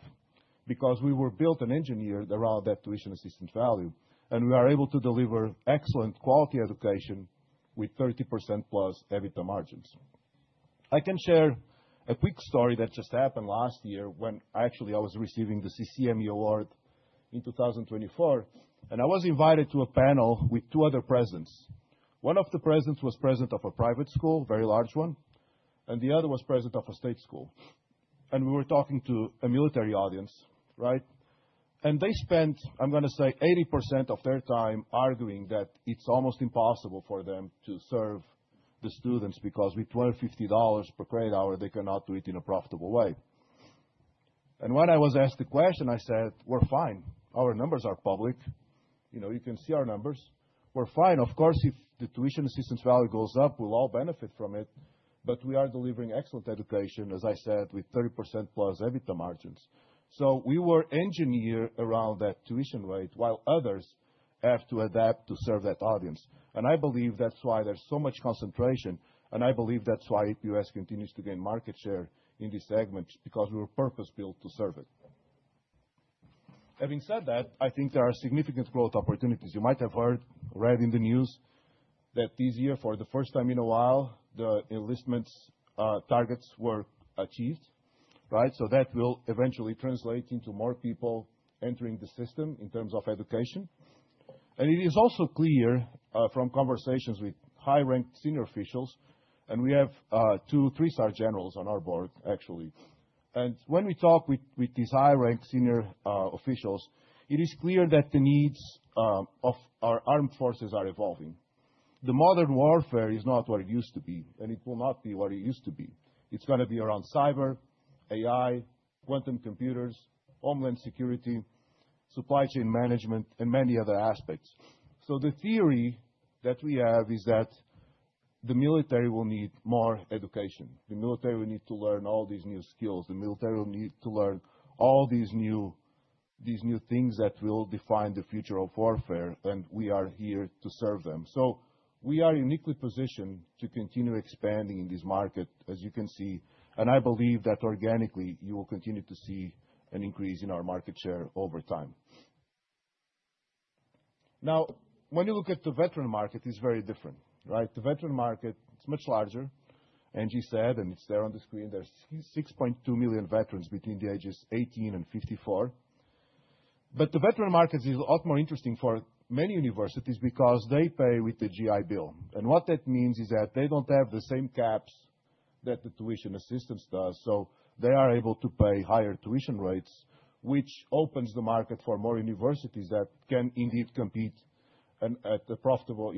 Speaker 4: because we were built and engineered around that tuition assistance value. We are able to deliver excellent quality education with 30%+ EBITDA margins. I can share a quick story that just happened last year when actually I was receiving the CCMU Award in 2024. I was invited to a panel with two other presidents. One of the presidents was president of a private school, a very large one, and the other was president of a state school. We were talking to a military audience, right? They spent, I'm going to say, 80% of their time arguing that it's almost impossible for them to serve the students because with $250 per credit hour, they cannot do it in a profitable way. When I was asked the question, I said, "We're fine. Our numbers are public. You can see our numbers. We're fine. Of course, if the tuition assistance value goes up, we'll all benefit from it. We are delivering excellent education, as I said, with 30%+ EBITDA margins. We were engineered around that tuition rate while others have to adapt to serve that audience. I believe that's why there's so much concentration. I believe that's why APUS continues to gain market share in this segment because we were purpose-built to serve it. Having said that, I think there are significant growth opportunities. You might have heard or read in the news that this year, for the first time in a while, the enlistment targets were achieved, right? That will eventually translate into more people entering the system in terms of education. It is also clear from conversations with high-ranked senior officials. We have two Three Star Generals on our board, actually. When we talk with these high-ranked senior officials, it is clear that the needs of our armed forces are evolving. Modern warfare is not what it used to be, and it will not be what it used to be. It is going to be around cyber, AI, quantum computers, homeland security, supply chain management, and many other aspects. The theory that we have is that the military will need more education. The military will need to learn all these new skills. The military will need to learn all these new things that will define the future of warfare. We are here to serve them. We are uniquely positioned to continue expanding in this market, as you can see. I believe that organically, you will continue to see an increase in our market share over time. Now, when you look at the veteran market, it's very different, right? The veteran market, it's much larger, Angela Selden said, and it's there on the screen. There's 6.2 million veterans between the ages 18 and 54. The veteran market is a lot more interesting for many universities because they pay with the GI Bill. What that means is that they don't have the same caps that the tuition assistance does. They are able to pay higher tuition rates, which opens the market for more universities that can indeed compete in a profitable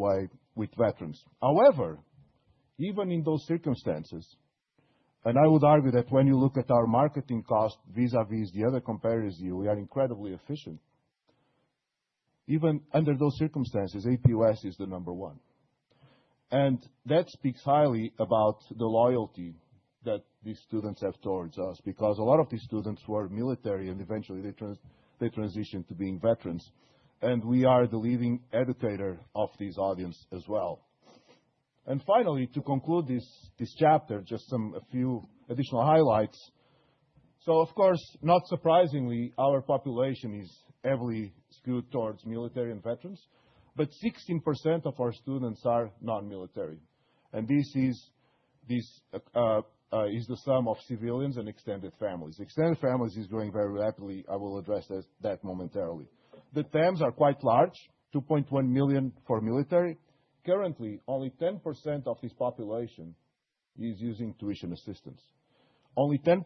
Speaker 4: way with veterans. However, even in those circumstances, and I would argue that when you look at our marketing cost vis-à-vis the other comparisons, we are incredibly efficient. Even under those circumstances, APUS is the number one. That speaks highly about the loyalty that these students have towards us because a lot of these students were military and eventually they transitioned to being veterans. We are the leading educator of this audience as well. Finally, to conclude this chapter, just a few additional highlights. Of course, not surprisingly, our population is heavily skewed towards military and veterans. Sixteen percent of our students are non-military. This is the sum of civilians and extended families. Extended families is growing very rapidly. I will address that momentarily. The TAMs are quite large, 2.1 million for military. Currently, only 10% of this population is using tuition assistance. Only 10%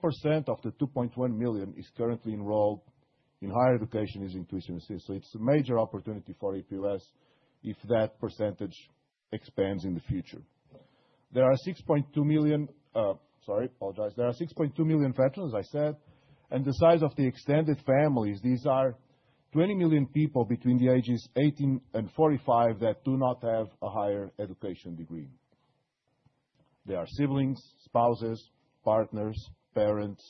Speaker 4: of the 2.1 million is currently enrolled in higher education using tuition assistance. It is a major opportunity for APUS if that percentage expands in the future. There are 6.2 million—sorry, apologize—there are 6.2 million veterans, I said. The size of the extended families, these are 20 million people between the ages 18 and 45 that do not have a higher education degree. They are siblings, spouses, partners, parents,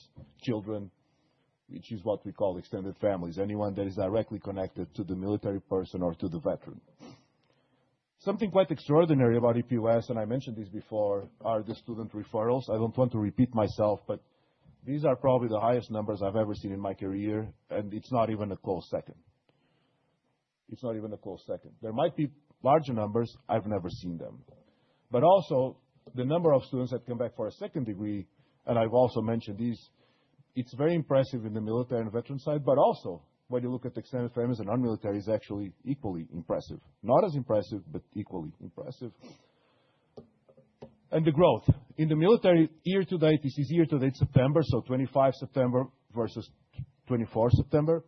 Speaker 4: children, which is what we call extended families, anyone that is directly connected to the military person or to the veteran. Something quite extraordinary about APUS, and I mentioned this before, are the student referrals. I do not want to repeat myself, but these are probably the highest numbers I have ever seen in my career. It is not even a close second. It is not even a close second. There might be larger numbers. I have never seen them. Also, the number of students that come back for a second degree, and I have also mentioned this, it is very impressive in the military and veteran side. Also, when you look at the extended families and non-military, it's actually equally impressive. Not as impressive, but equally impressive. The growth. In the military year to date, this is year to date, September, so 25 September versus 24 September.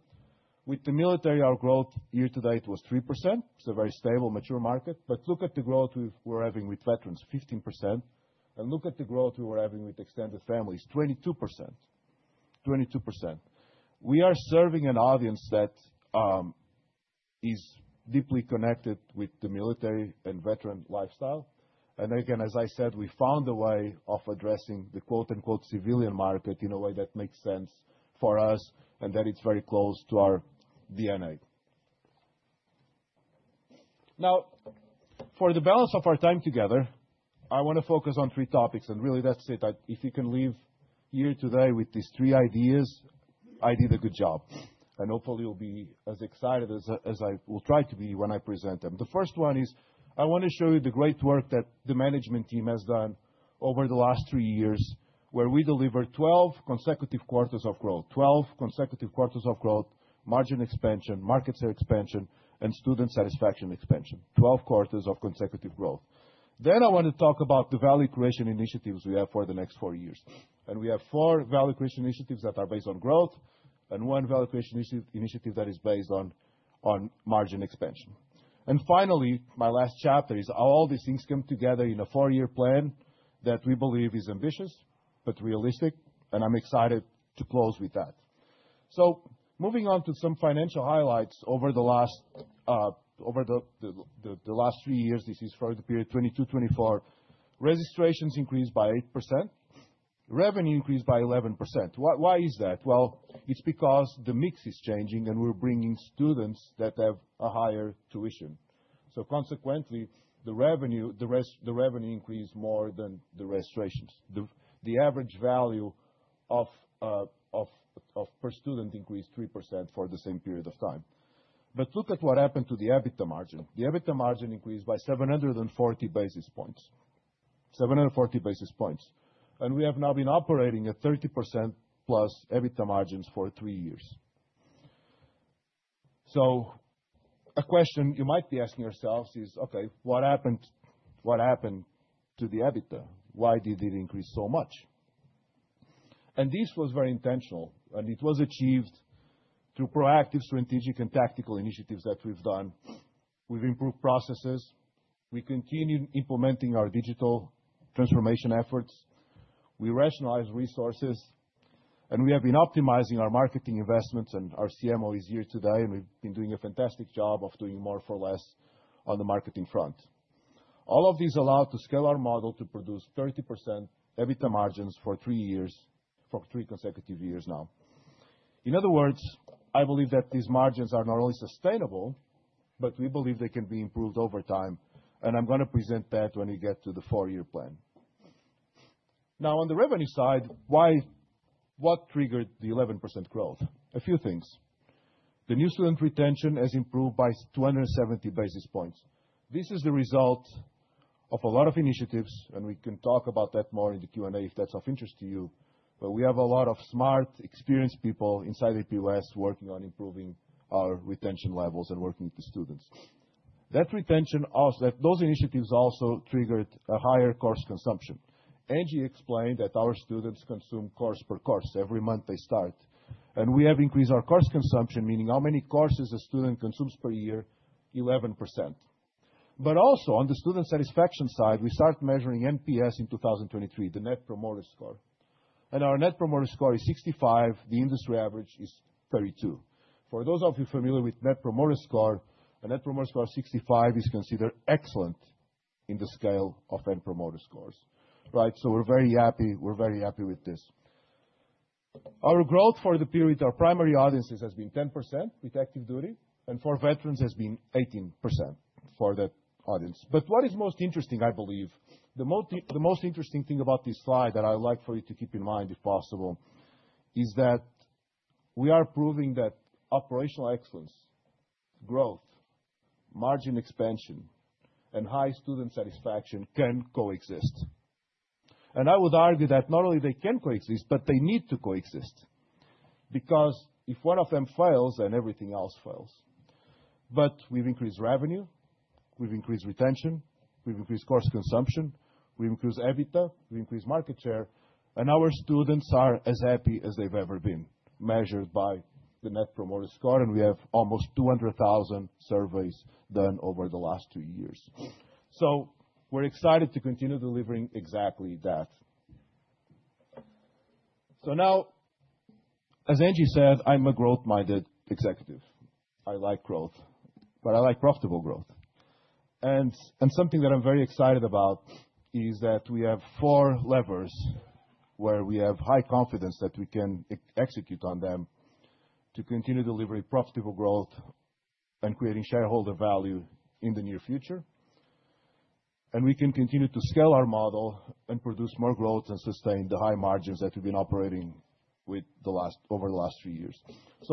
Speaker 4: With the military, our growth year to date was 3%. It's a very stable, mature market. Look at the growth we're having with veterans, 15%. Look at the growth we were having with extended families, 22%. 22%. We are serving an audience that is deeply connected with the military and veteran lifestyle. Again, as I said, we found a way of addressing the quote-unquote "civilian market" in a way that makes sense for us and that it's very close to our DNA. Now, for the balance of our time together, I want to focus on three topics. Really, that's it. If you can leave here today with these three ideas, I did a good job. Hopefully, you'll be as excited as I will try to be when I present them. The first one is I want to show you the great work that the management team has done over the last three years, where we delivered 12 consecutive quarters of growth, 12 consecutive quarters of growth, margin expansion, market share expansion, and student satisfaction expansion, 12 quarters of consecutive growth. I want to talk about the value creation initiatives we have for the next four years. We have four value creation initiatives that are based on growth and one value creation initiative that is based on margin expansion. Finally, my last chapter is how all these things come together in a four-year plan that we believe is ambitious but realistic. I'm excited to close with that. Moving on to some financial highlights over the last three years, this is for the period 2022 to 2024, registrations increased by 8%. Revenue increased by 11%. Why is that? It is because the mix is changing, and we're bringing students that have a higher tuition. Consequently, the revenue increased more than the registrations. The average value per student increased 3% for the same period of time. Look at what happened to the EBITDA margin. The EBITDA margin increased by 740 bps, 740 bps. We have now been operating at 30%+ EBITDA margins for three years. A question you might be asking yourselves is, okay, what happened to the EBITDA? Why did it increase so much? This was very intentional. It was achieved through proactive, strategic, and tactical initiatives that we've done. We've improved processes. We continue implementing our digital transformation efforts. We rationalize resources. We have been optimizing our marketing investments. Our CMO is here today. We have been doing a fantastic job of doing more for less on the marketing front. All of these allowed us to scale our model to produce 30% EBITDA margins for three years, for three consecutive years now. In other words, I believe that these margins are not only sustainable, but we believe they can be improved over time. I am going to present that when we get to the four-year plan. Now, on the revenue side, what triggered the 11% growth? A few things. The new student retention has improved by 270 bps. This is the result of a lot of initiatives. We can talk about that more in the Q&A if that is of interest to you. We have a lot of smart, experienced people inside APUS working on improving our retention levels and working with the students. Those initiatives also triggered a higher course consumption. Angela Selden explained that our students consume course per course every month they start. We have increased our course consumption, meaning how many courses a student consumes per year, 11%. On the student satisfaction side, we started measuring NPS in 2023, the Net Promoter Score. Our Net Promoter Score is 65. The industry average is 32. For those of you familiar with Net Promoter Score, a Net Promoter Score of 65 is considered excellent in the scale of Net Promoter Scores, right? We are very happy. We are very happy with this. Our growth for the period, our primary audiences, has been 10% with active duty. For veterans, it has been 18% for that audience. What is most interesting, I believe, the most interesting thing about this slide that I would like for you to keep in mind, if possible, is that we are proving that operational excellence, growth, margin expansion, and high student satisfaction can coexist. I would argue that not only they can coexist, but they need to coexist because if one of them fails, then everything else fails. We have increased revenue. We have increased retention. We have increased course consumption. We have increased EBITDA. We have increased market share. Our students are as happy as they have ever been, measured by the Net Promoter Score. We have almost 200,000 surveys done over the last two years. We are excited to continue delivering exactly that. As Angela Selden said, I am a growth-minded executive. I like growth, but I like profitable growth. Something that I'm very excited about is that we have four levers where we have high confidence that we can execute on them to continue delivering profitable growth and creating shareholder value in the near future. We can continue to scale our model and produce more growth and sustain the high margins that we've been operating with over the last three years.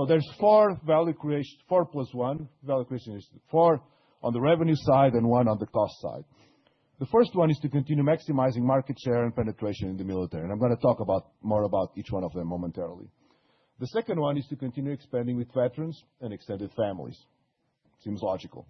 Speaker 4: There is four value creation, 4 + 1. Value creation is four on the revenue side and one on the cost side. The first one is to continue maximizing market share and penetration in the military. I'm going to talk more about each one of them momentarily. The second one is to continue expanding with veterans and extended families. Seems logical.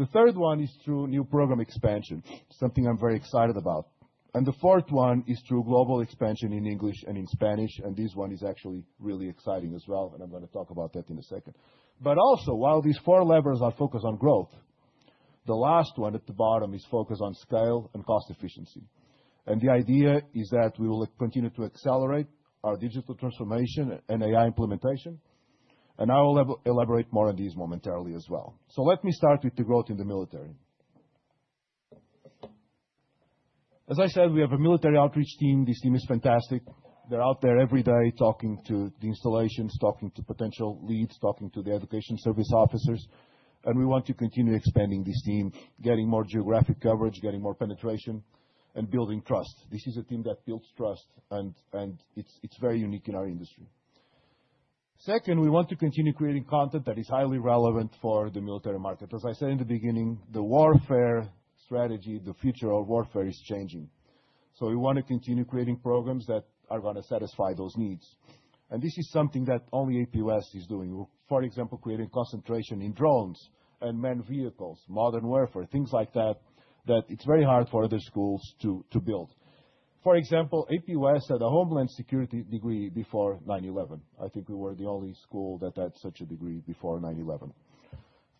Speaker 4: The third one is through new program expansion, something I'm very excited about. The fourth one is through global expansion in English and in Spanish. This one is actually really exciting as well. I'm going to talk about that in a second. While these four levers are focused on growth, the last one at the bottom is focused on scale and cost efficiency. The idea is that we will continue to accelerate our digital transformation and AI implementation. I will elaborate more on these momentarily as well. Let me start with the growth in the military. As I said, we have a military outreach team. This team is fantastic. They're out there every day talking to the installations, talking to potential leads, talking to the education service officers. We want to continue expanding this team, getting more geographic coverage, getting more penetration, and building trust. This is a team that builds trust. It is very unique in our industry. Second, we want to continue creating content that is highly relevant for the military market. As I said in the beginning, the warfare strategy, the future of warfare is changing. We want to continue creating programs that are going to satisfy those needs. This is something that only APUS is doing, for example, creating concentration in drones and manned vehicles, modern warfare, things like that, that it is very hard for other schools to build. For example, APUS had a Homeland Security degree before 9/11. I think we were the only school that had such a degree before 9/11.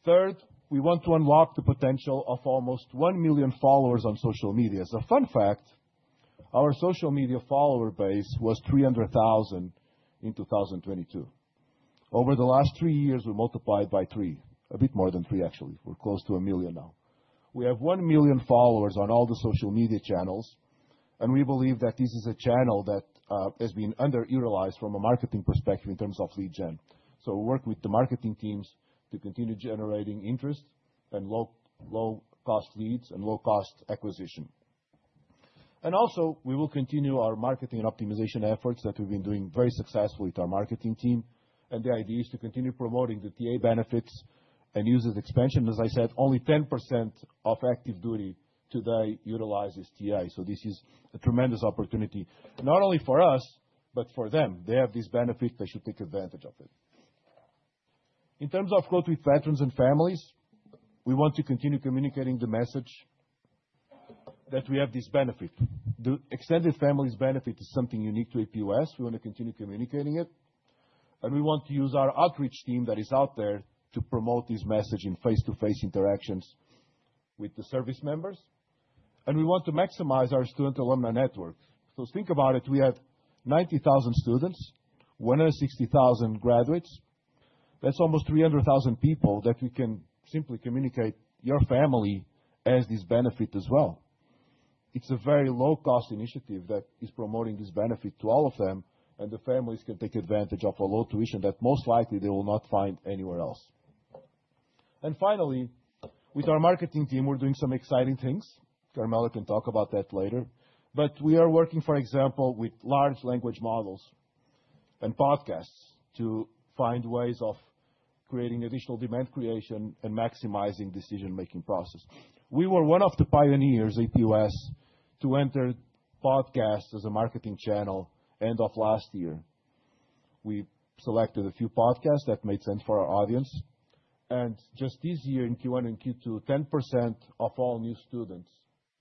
Speaker 4: Third, we want to unlock the potential of almost one million followers on social media. As a fun fact, our social media follower base was 300,000 in 2022. Over the last three years, we multiplied by three, a bit more than three, actually. We're close to a million now. We have one million followers on all the social media channels. We believe that this is a channel that has been underutilized from a marketing perspective in terms of lead gen. We work with the marketing teams to continue generating interest and low-cost leads and low-cost acquisition. We will continue our marketing and optimization efforts that we've been doing very successfully with our marketing team. The idea is to continue promoting the TA benefits and users' expansion. As I said, only 10% of active duty today utilizes TA. This is a tremendous opportunity, not only for us, but for them. They have this benefit. They should take advantage of it. In terms of growth with veterans and families, we want to continue communicating the message that we have this benefit. The extended family's benefit is something unique to APUS. We want to continue communicating it. We want to use our outreach team that is out there to promote this message in face-to-face interactions with the service members. We want to maximize our student alumni network. Think about it. We have 90,000 students, 160,000 graduates. That is almost 300,000 people that we can simply communicate your family has this benefit as well. It is a very low-cost initiative that is promoting this benefit to all of them. The families can take advantage of a low tuition that most likely they will not find anywhere else. Finally, with our marketing team, we are doing some exciting things. Karmela can talk about that later. We are working, for example, with large language models and podcasts to find ways of creating additional demand creation and maximizing decision-making processes. We were one of the pioneers, APUS, to enter podcasts as a marketing channel end of last year. We selected a few podcasts that made sense for our audience. Just this year, in Q1 and Q2, 10% of all new students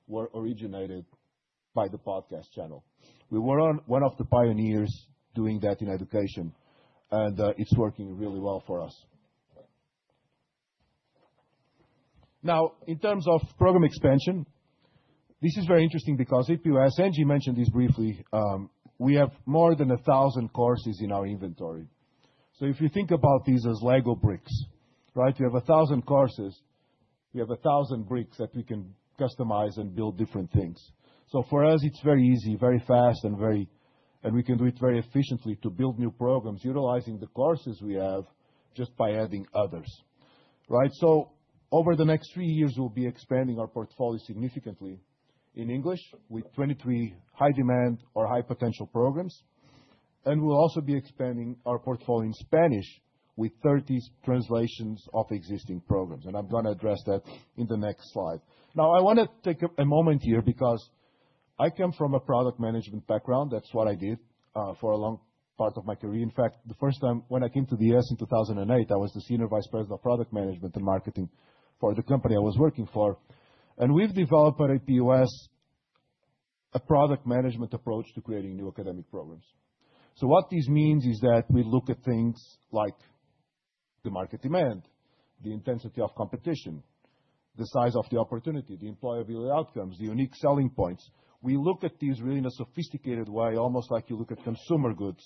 Speaker 4: were originated by the podcast channel. We were one of the pioneers doing that in education. It is working really well for us. Now, in terms of program expansion, this is very interesting because APUS, Angela Selden mentioned this briefly, we have more than 1,000 courses in our inventory. If you think about these as Lego bricks, right? You have 1,000 courses. We have 1,000 bricks that we can customize and build different things. For us, it is very easy, very fast, and we can do it very efficiently to build new programs utilizing the courses we have just by adding others, right? Over the next three years, we'll be expanding our portfolio significantly in English with 23 high-demand or high-potential programs. We'll also be expanding our portfolio in Spanish with 30 translations of existing programs. I'm going to address that in the next slide. I want to take a moment here because I come from a product management background. That's what I did for a long part of my career. In fact, the first time when I came to the U.S. in 2008, I was the Senior Vice President of Product Management and Marketing for the company I was working for. We've developed at APUS a product management approach to creating new academic programs. What this means is that we look at things like the market demand, the intensity of competition, the size of the opportunity, the employability outcomes, the unique selling points. We look at these really in a sophisticated way, almost like you look at consumer goods.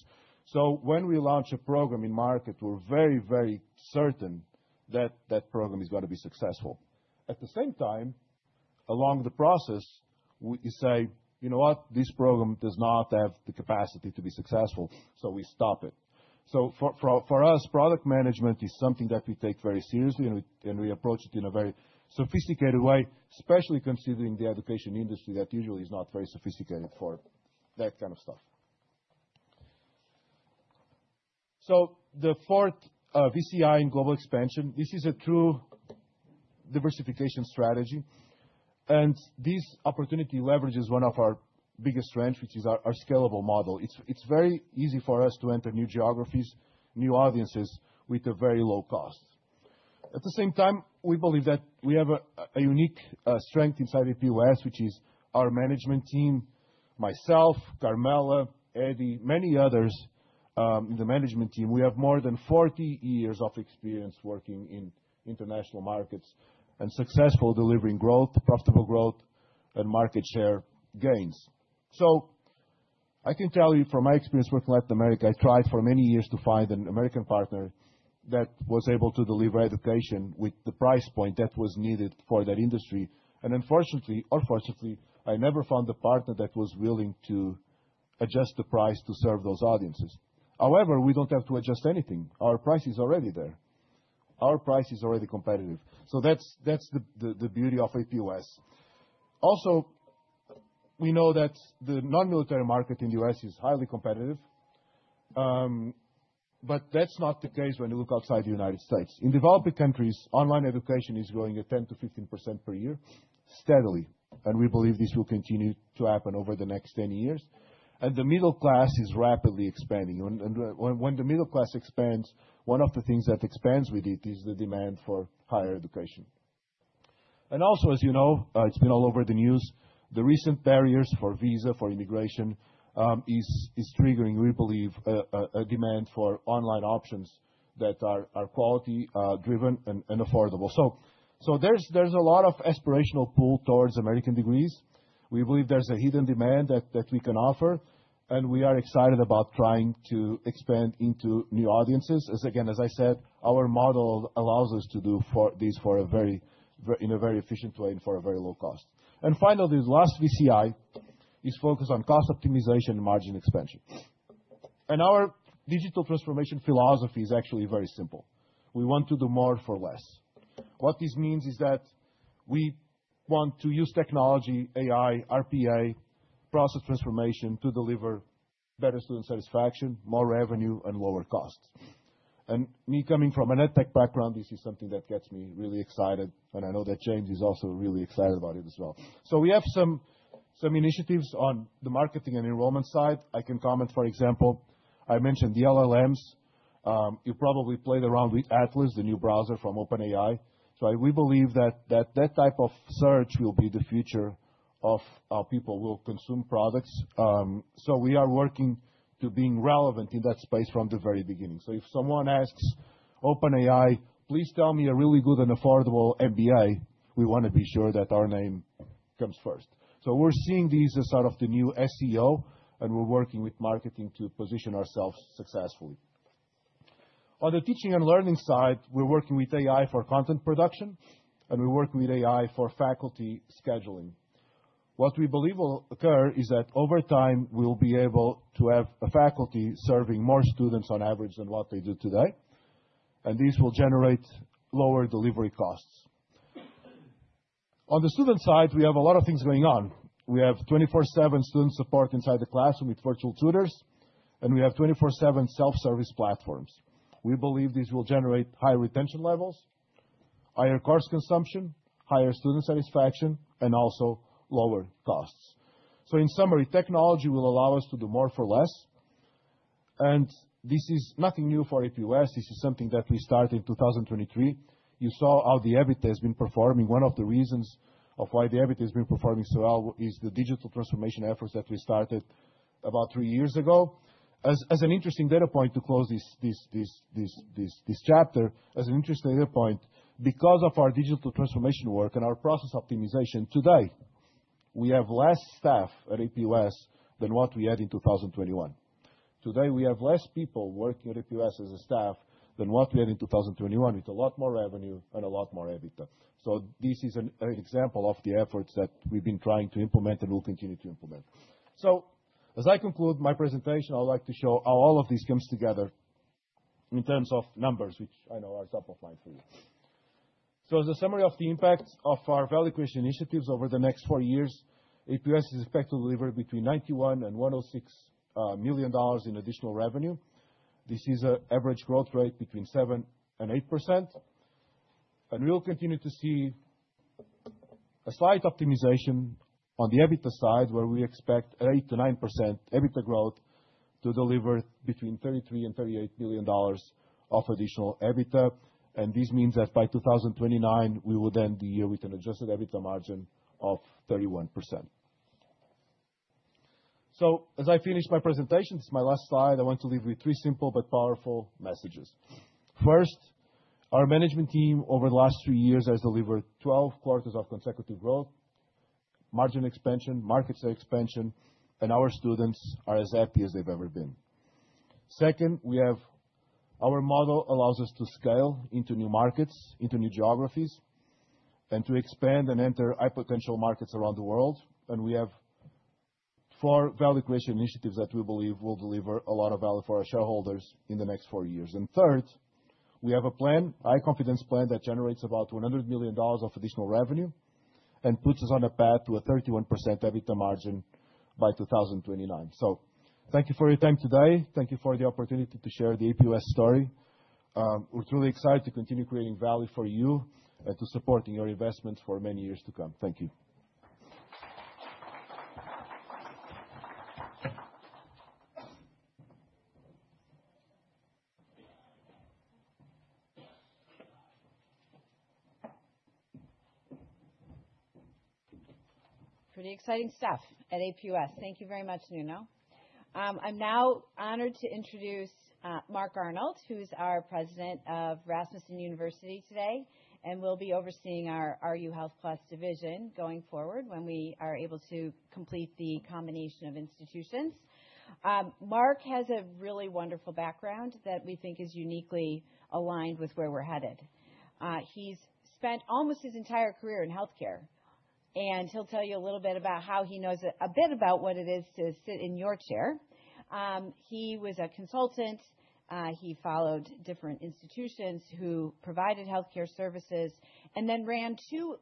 Speaker 4: When we launch a program in market, we're very, very certain that that program is going to be successful. At the same time, along the process, we say, you know what? This program does not have the capacity to be successful. We stop it. For us, product management is something that we take very seriously. We approach it in a very sophisticated way, especially considering the education industry that usually is not very sophisticated for that kind of stuff. The fourth VCI and global expansion, this is a true diversification strategy. This opportunity leverages one of our biggest strengths, which is our scalable model. It's very easy for us to enter new geographies, new audiences with a very low cost. At the same time, we believe that we have a unique strength inside APUS, which is our management team, myself, Karmela, Eddie, many others in the management team. We have more than 40 years of experience working in international markets and successfully delivering growth, profitable growth, and market share gains. I can tell you from my experience working in Latin America, I tried for many years to find an American partner that was able to deliver education with the price point that was needed for that industry. Unfortunately or fortunately, I never found a partner that was willing to adjust the price to serve those audiences. However, we do not have to adjust anything. Our price is already there. Our price is already competitive. That is the beauty of APUS. Also, we know that the non-military market in the U.S. is highly competitive. That is not the case when you look outside the United States. In developing countries, online education is growing at 10% to 15% per year steadily. We believe this will continue to happen over the next 10 years. The middle class is rapidly expanding. When the middle class expands, one of the things that expands with it is the demand for higher education. Also, as you know, it has been all over the news, the recent barriers for visa, for immigration, are triggering, we believe, a demand for online options that are quality-driven and affordable. There is a lot of aspirational pull towards American degrees. We believe there is a hidden demand that we can offer. We are excited about trying to expand into new audiences. Again, as I said, our model allows us to do this in a very efficient way and for a very low cost. Finally, the last VCI is focused on cost optimization and margin expansion. Our digital transformation philosophy is actually very simple. We want to do more for less. What this means is that we want to use technology, AI, RPA, process transformation to deliver better student satisfaction, more revenue, and lower costs. Me coming from a net tech background, this is something that gets me really excited. I know that James is also really excited about it as well. We have some initiatives on the marketing and enrollment side. I can comment, for example, I mentioned the LLMs. You probably played around with Atlas, the new browser from OpenAI. We believe that that type of search will be the future of how people will consume products. We are working to being relevant in that space from the very beginning. If someone asks OpenAI, please tell me a really good and affordable MBA, we want to be sure that our name comes first. We are seeing these as sort of the new SEO. We are working with marketing to position ourselves successfully. On the teaching and learning side, we are working with AI for content production. We work with AI for faculty scheduling. What we believe will occur is that over time, we will be able to have a faculty serving more students on average than what they do today. This will generate lower delivery costs. On the student side, we have a lot of things going on. We have 24/7 student support inside the classroom with virtual tutors. We have 24/7 self-service platforms. We believe this will generate high retention levels, higher course consumption, higher student satisfaction, and also lower costs. In summary, technology will allow us to do more for less. This is nothing new for APUS. This is something that we started in 2023. You saw how the EBITDA has been performing. One of the reasons why the EBITDA has been performing so well is the digital transformation efforts that we started about three years ago. As an interesting data point to close this chapter, as an interesting data point, because of our digital transformation work and our process optimization, today, we have less staff at APUS than what we had in 2021. Today, we have less people working at APUS as a staff than what we had in 2021, with a lot more revenue and a lot more EBITDA. This is an example of the efforts that we've been trying to implement and will continue to implement. As I conclude my presentation, I would like to show how all of this comes together in terms of numbers, which I know are top of mind for you. As a summary of the impacts of our value creation initiatives over the next four years, APUS is expected to deliver between $91 million and $106 million in additional revenue. This is an average growth rate between 7% and 8%. We will continue to see a slight optimization on the EBITDA side, where we expect 8% to 9% EBITDA growth to deliver between $33 million and $38 million of additional EBITDA. This means that by 2029, we will end the year with an adjusted EBITDA margin of 31%. As I finish my presentation, this is my last slide. I want to leave with three simple but powerful messages. First, our management team over the last three years has delivered 12 quarters of consecutive growth, margin expansion, market share expansion, and our students are as happy as they've ever been. Second, our model allows us to scale into new markets, into new geographies, and to expand and enter high-potential markets around the world. We have four value creation initiatives that we believe will deliver a lot of value for our shareholders in the next four years. Third, we have a plan, a high-confidence plan that generates about $100 million of additional revenue and puts us on a path to a 31% EBITDA margin by 2029. Thank you for your time today. Thank you for the opportunity to share the APUS story. We're truly excited to continue creating value for you and to support your investments for many years to come. Thank you.
Speaker 1: Pretty exciting stuff at APUS. Thank you very much, Nuno. I'm now honored to introduce Mark Arnold, who is our President of Rasmussen University today, and will be overseeing our RU Health Plus division going forward when we are able to complete the combination of institutions. Mark has a really wonderful background that we think is uniquely aligned with where we're headed. He's spent almost his entire career in health care. He'll tell you a little bit about how he knows a bit about what it is to sit in your chair. He was a consultant. He followed different institutions who provided health care services and then ran two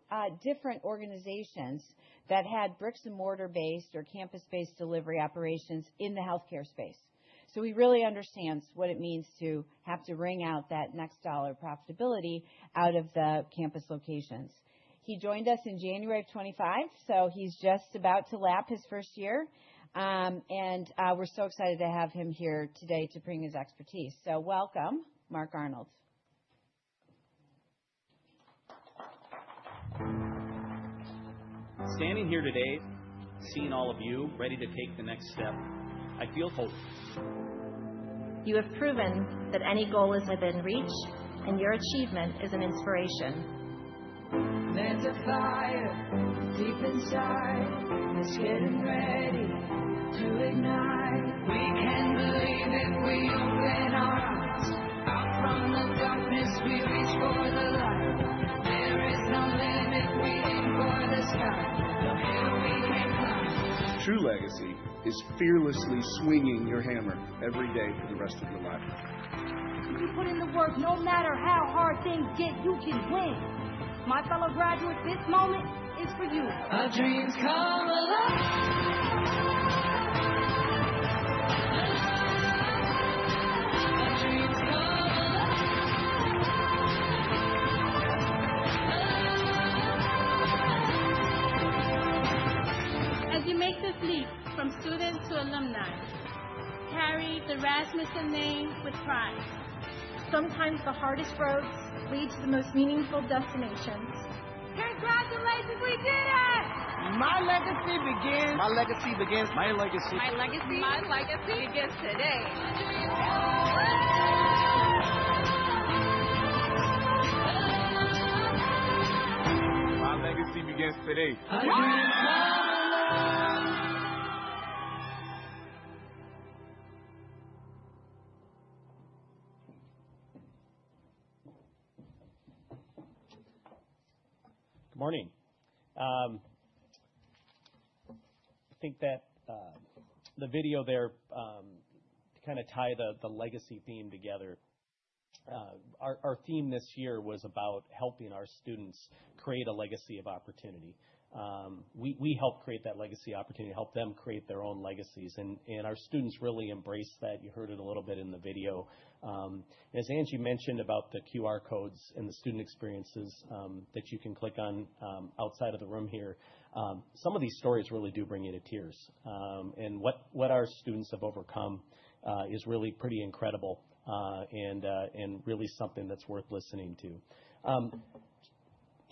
Speaker 1: different organizations that had bricks-and-mortar-based or campus-based delivery operations in the health care space. He really understands what it means to have to wring out that next dollar profitability out of the campus locations. He joined us in January of 2025. He is just about to lap his first year. We are so excited to have him here today to bring his expertise. Welcome, Mark Arnold.
Speaker 2: Standing here today, seeing all of you ready to take the next step, I feel hopeful. You have proven that any goal has been reached, and your achievement is an inspiration. There's a fire deep inside that's getting ready to ignite. We can believe if we open our eyes. Out from the darkness, we reach for the light. There is no limit; we aim for the sky. The hill we can climb. True legacy is fearlessly swinging your hammer every day for the rest of your life. You put in the work. No matter how hard things get, you can win. My fellow graduates, this moment is for you. Our dreams come alive. Our dreams come alive. As you make this leap from student to alumni, carry the Rasmussen name with pride. Sometimes the hardest roads lead to the most meaningful destinations. Congratulations. We did it. My legacy begins. My legacy begins. My legacy. My legacy. My legacy. Begins today. My legacy begins today.
Speaker 5: Good morning. I think that the video there kind of tied the legacy theme together. Our theme this year was about helping our students create a legacy of opportunity. We helped create that legacy opportunity, helped them create their own legacies. Our students really embraced that. You heard it a little bit in the video. As Angela Selden mentioned about the QR codes and the student experiences that you can click on outside of the room here, some of these stories really do bring you to tears. What our students have overcome is really pretty incredible and really something that's worth listening to.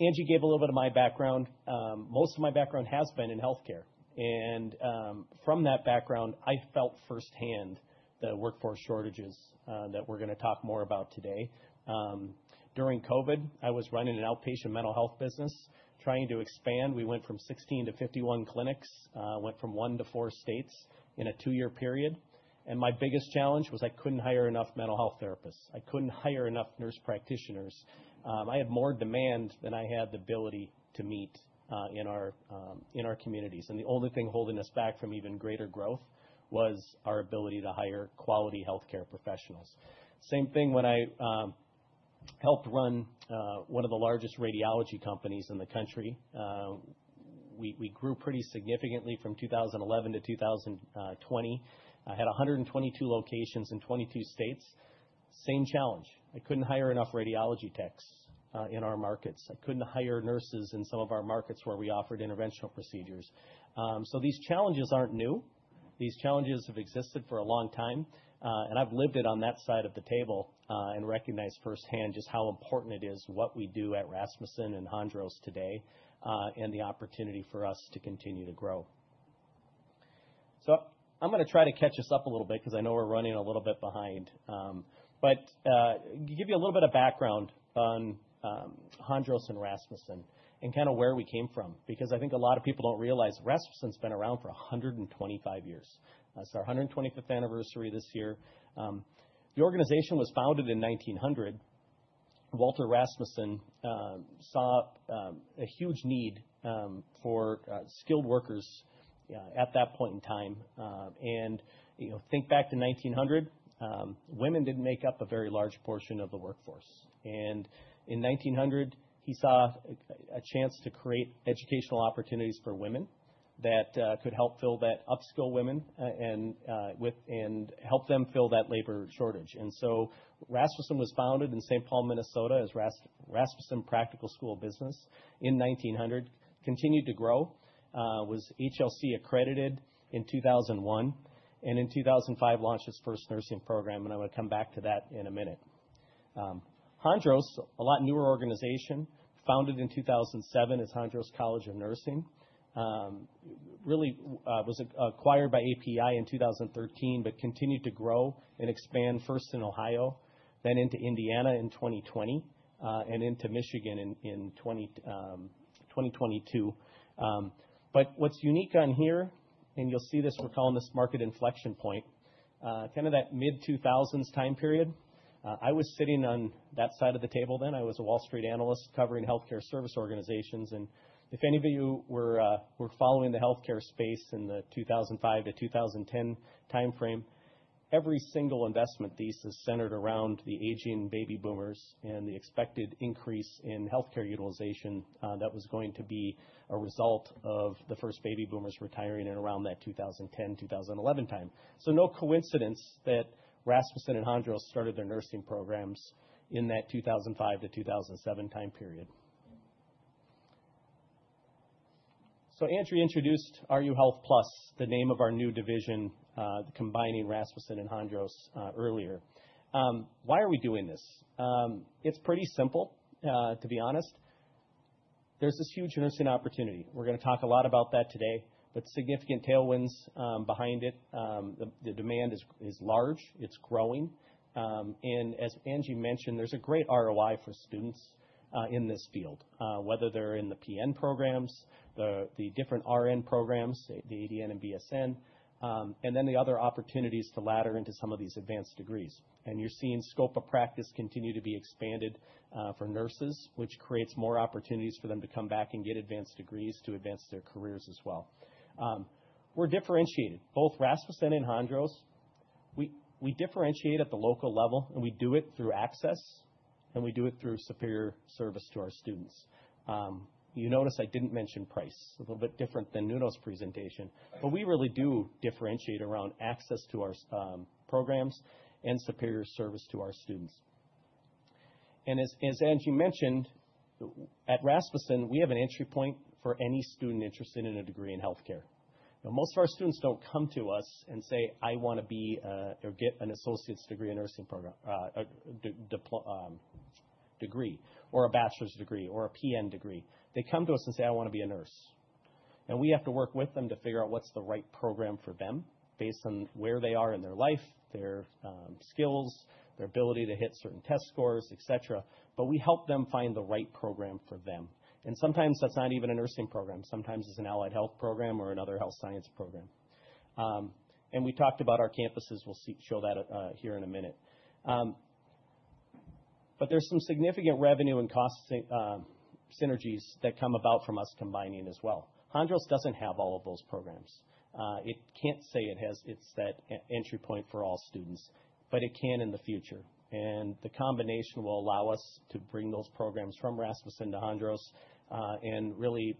Speaker 5: Angela Selden gave a little bit of my background. Most of my background has been in health care. From that background, I felt firsthand the workforce shortages that we're going to talk more about today. During COVID, I was running an outpatient mental health business, trying to expand. We went from 16 to 51 clinics, went from one to four states in a two-year period. My biggest challenge was I couldn't hire enough mental health therapists. I couldn't hire enough nurse practitioners. I had more demand than I had the ability to meet in our communities. The only thing holding us back from even greater growth was our ability to hire quality health care professionals. Same thing when I helped run one of the largest radiology companies in the country. We grew pretty significantly from 2011 to 2020. I had 122 locations in 22 states. Same challenge. I couldn't hire enough radiology techs in our markets. I couldn't hire nurses in some of our markets where we offered interventional procedures. These challenges aren't new. These challenges have existed for a long time. I've lived it on that side of the table and recognized firsthand just how important it is what we do at Rasmussen and Hondros today and the opportunity for us to continue to grow. I'm going to try to catch us up a little bit because I know we're running a little bit behind. To give you a little bit of background on Hondros and Rasmussen and kind of where we came from, I think a lot of people don't realize Rasmussen's been around for 125 years. It's our 125th anniversary this year. The organization was founded in 1900. Walter Rasmussen saw a huge need for skilled workers at that point in time. Think back to 1900. Women didn't make up a very large portion of the workforce. In 1900, he saw a chance to create educational opportunities for women that could help upskill women and help them fill that labor shortage. Rasmussen was founded in St. Paul, Minnesota, as Rasmussen Practical School of Business in 1900, continued to grow, was HLC accredited in 2001, and in 2005 launched its first nursing program. I want to come back to that in a minute. Hondros, a lot newer organization, founded in 2007 as Hondros College of Nursing, really was acquired by APEI in 2013, but continued to grow and expand first in Ohio, then into Indiana in 2020, and into Michigan in 2022. What is unique on here, and you will see this, we are calling this market inflection point, kind of that mid-2000s time period. I was sitting on that side of the table then. I was a Wall Street analyst covering health care service organizations. If any of you were following the health care space in the 2005 to 2010 time frame, every single investment thesis centered around the aging baby boomers and the expected increase in health care utilization that was going to be a result of the first baby boomers retiring in around that 2010, 2011 time. No coincidence that Rasmussen and Hondros started their nursing programs in that 2005 to 2007 time period. Angela Selden introduced RU Health Plus, the name of our new division, combining Rasmussen and Hondros earlier. Why are we doing this? It's pretty simple, to be honest. There's this huge nursing opportunity. We're going to talk a lot about that today. Significant tailwinds behind it. The demand is large. It's growing. As Angela Selden mentioned, there's a great ROI for students in this field, whether they're in the PN programs, the different RN programs, the ADN and BSN, and then the other opportunities to ladder into some of these advanced degrees. You're seeing scope of practice continue to be expanded for nurses, which creates more opportunities for them to come back and get advanced degrees to advance their careers as well. We're differentiated. Both Rasmussen and Hondros, we differentiate at the local level, and we do it through access, and we do it through superior service to our students. You notice I didn't mention price, a little bit different than Nuno's presentation. We really do differentiate around access to our programs and superior service to our students. As Angela Selden mentioned, at Rasmussen, we have an entry point for any student interested in a degree in health care. Most of our students don't come to us and say, "I want to be or get an associate's degree in nursing program, degree, or a bachelor's degree or a PN degree." They come to us and say, "I want to be a nurse." We have to work with them to figure out what's the right program for them based on where they are in their life, their skills, their ability to hit certain test scores, et cetera. We help them find the right program for them. Sometimes that's not even a nursing program. Sometimes it's an allied health program or another health science program. We talked about our campuses. We'll show that here in a minute. There are some significant revenue and cost synergies that come about from us combining as well. Hondros doesn't have all of those programs. It cannot say it has its entry point for all students, but it can in the future. The combination will allow us to bring those programs from Rasmussen to Hondros and really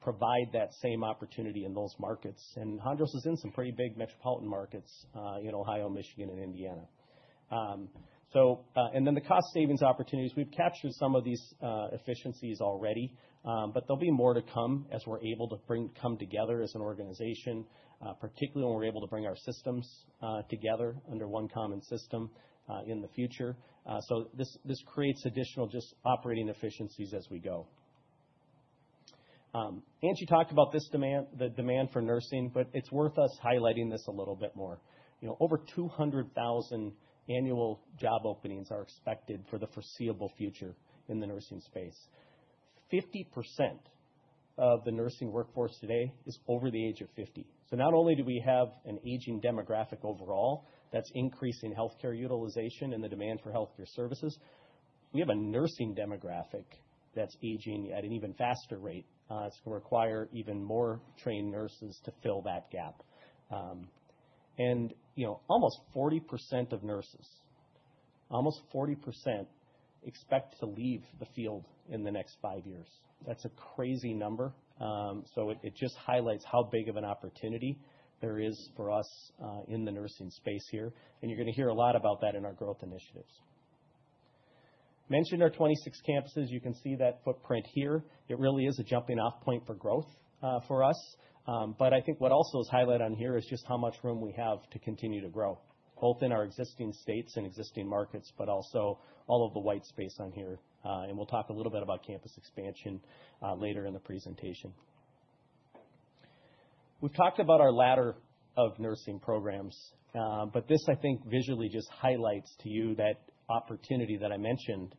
Speaker 5: provide that same opportunity in those markets. Hondros is in some pretty big metropolitan markets in Ohio, Michigan, and Indiana. The cost savings opportunities, we have captured some of these efficiencies already, but there will be more to come as we are able to come together as an organization, particularly when we are able to bring our systems together under one common system in the future. This creates additional just operating efficiencies as we go. Angela Selden talked about the demand for nursing, but it is worth us highlighting this a little bit more. Over 200,000 annual job openings are expected for the foreseeable future in the nursing space. 50% of the nursing workforce today is over the age of 50. Not only do we have an aging demographic overall that's increasing health care utilization and the demand for health care services, we have a nursing demographic that's aging at an even faster rate. It's going to require even more trained nurses to fill that gap. Almost 40% of nurses, almost 40% expect to leave the field in the next five years. That's a crazy number. It just highlights how big of an opportunity there is for us in the nursing space here. You're going to hear a lot about that in our growth initiatives. Mentioned our 26 campuses. You can see that footprint here. It really is a jumping-off point for growth for us. I think what also is highlighted on here is just how much room we have to continue to grow, both in our existing states and existing markets, but also all of the white space on here. We will talk a little bit about campus expansion later in the presentation. We have talked about our ladder of nursing programs. This, I think, visually just highlights to you that opportunity that I mentioned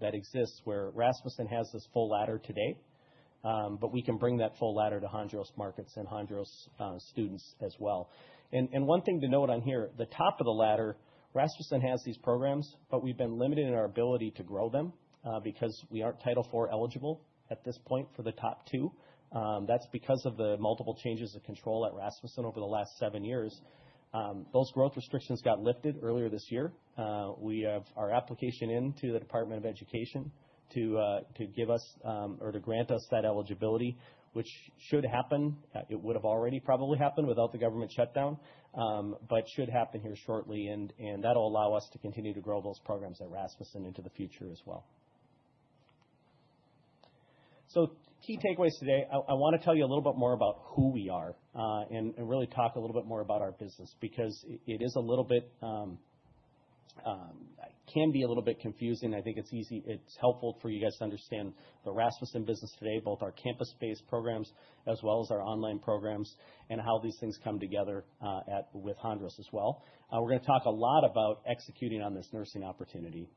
Speaker 5: that exists where Rasmussen has this full ladder today. We can bring that full ladder to Hondros markets and Hondros students as well. One thing to note on here, the top of the ladder, Rasmussen has these programs, but we have been limited in our ability to grow them because we are not Title IV eligible at this point for the top two. That is because of the multiple changes of control at Rasmussen over the last seven years. Those growth restrictions got lifted earlier this year. We have our application in to the Department of Education to give us or to grant us that eligibility, which should happen. It would have already probably happened without the government shutdown, but should happen here shortly. That will allow us to continue to grow those programs at Rasmussen into the future as well. Key takeaways today, I want to tell you a little bit more about who we are and really talk a little bit more about our business because it is a little bit can be a little bit confusing. I think it's helpful for you guys to understand the Rasmussen business today, both our campus-based programs as well as our online programs and how these things come together with Hondros as well. We're going to talk a lot about executing on this nursing opportunity.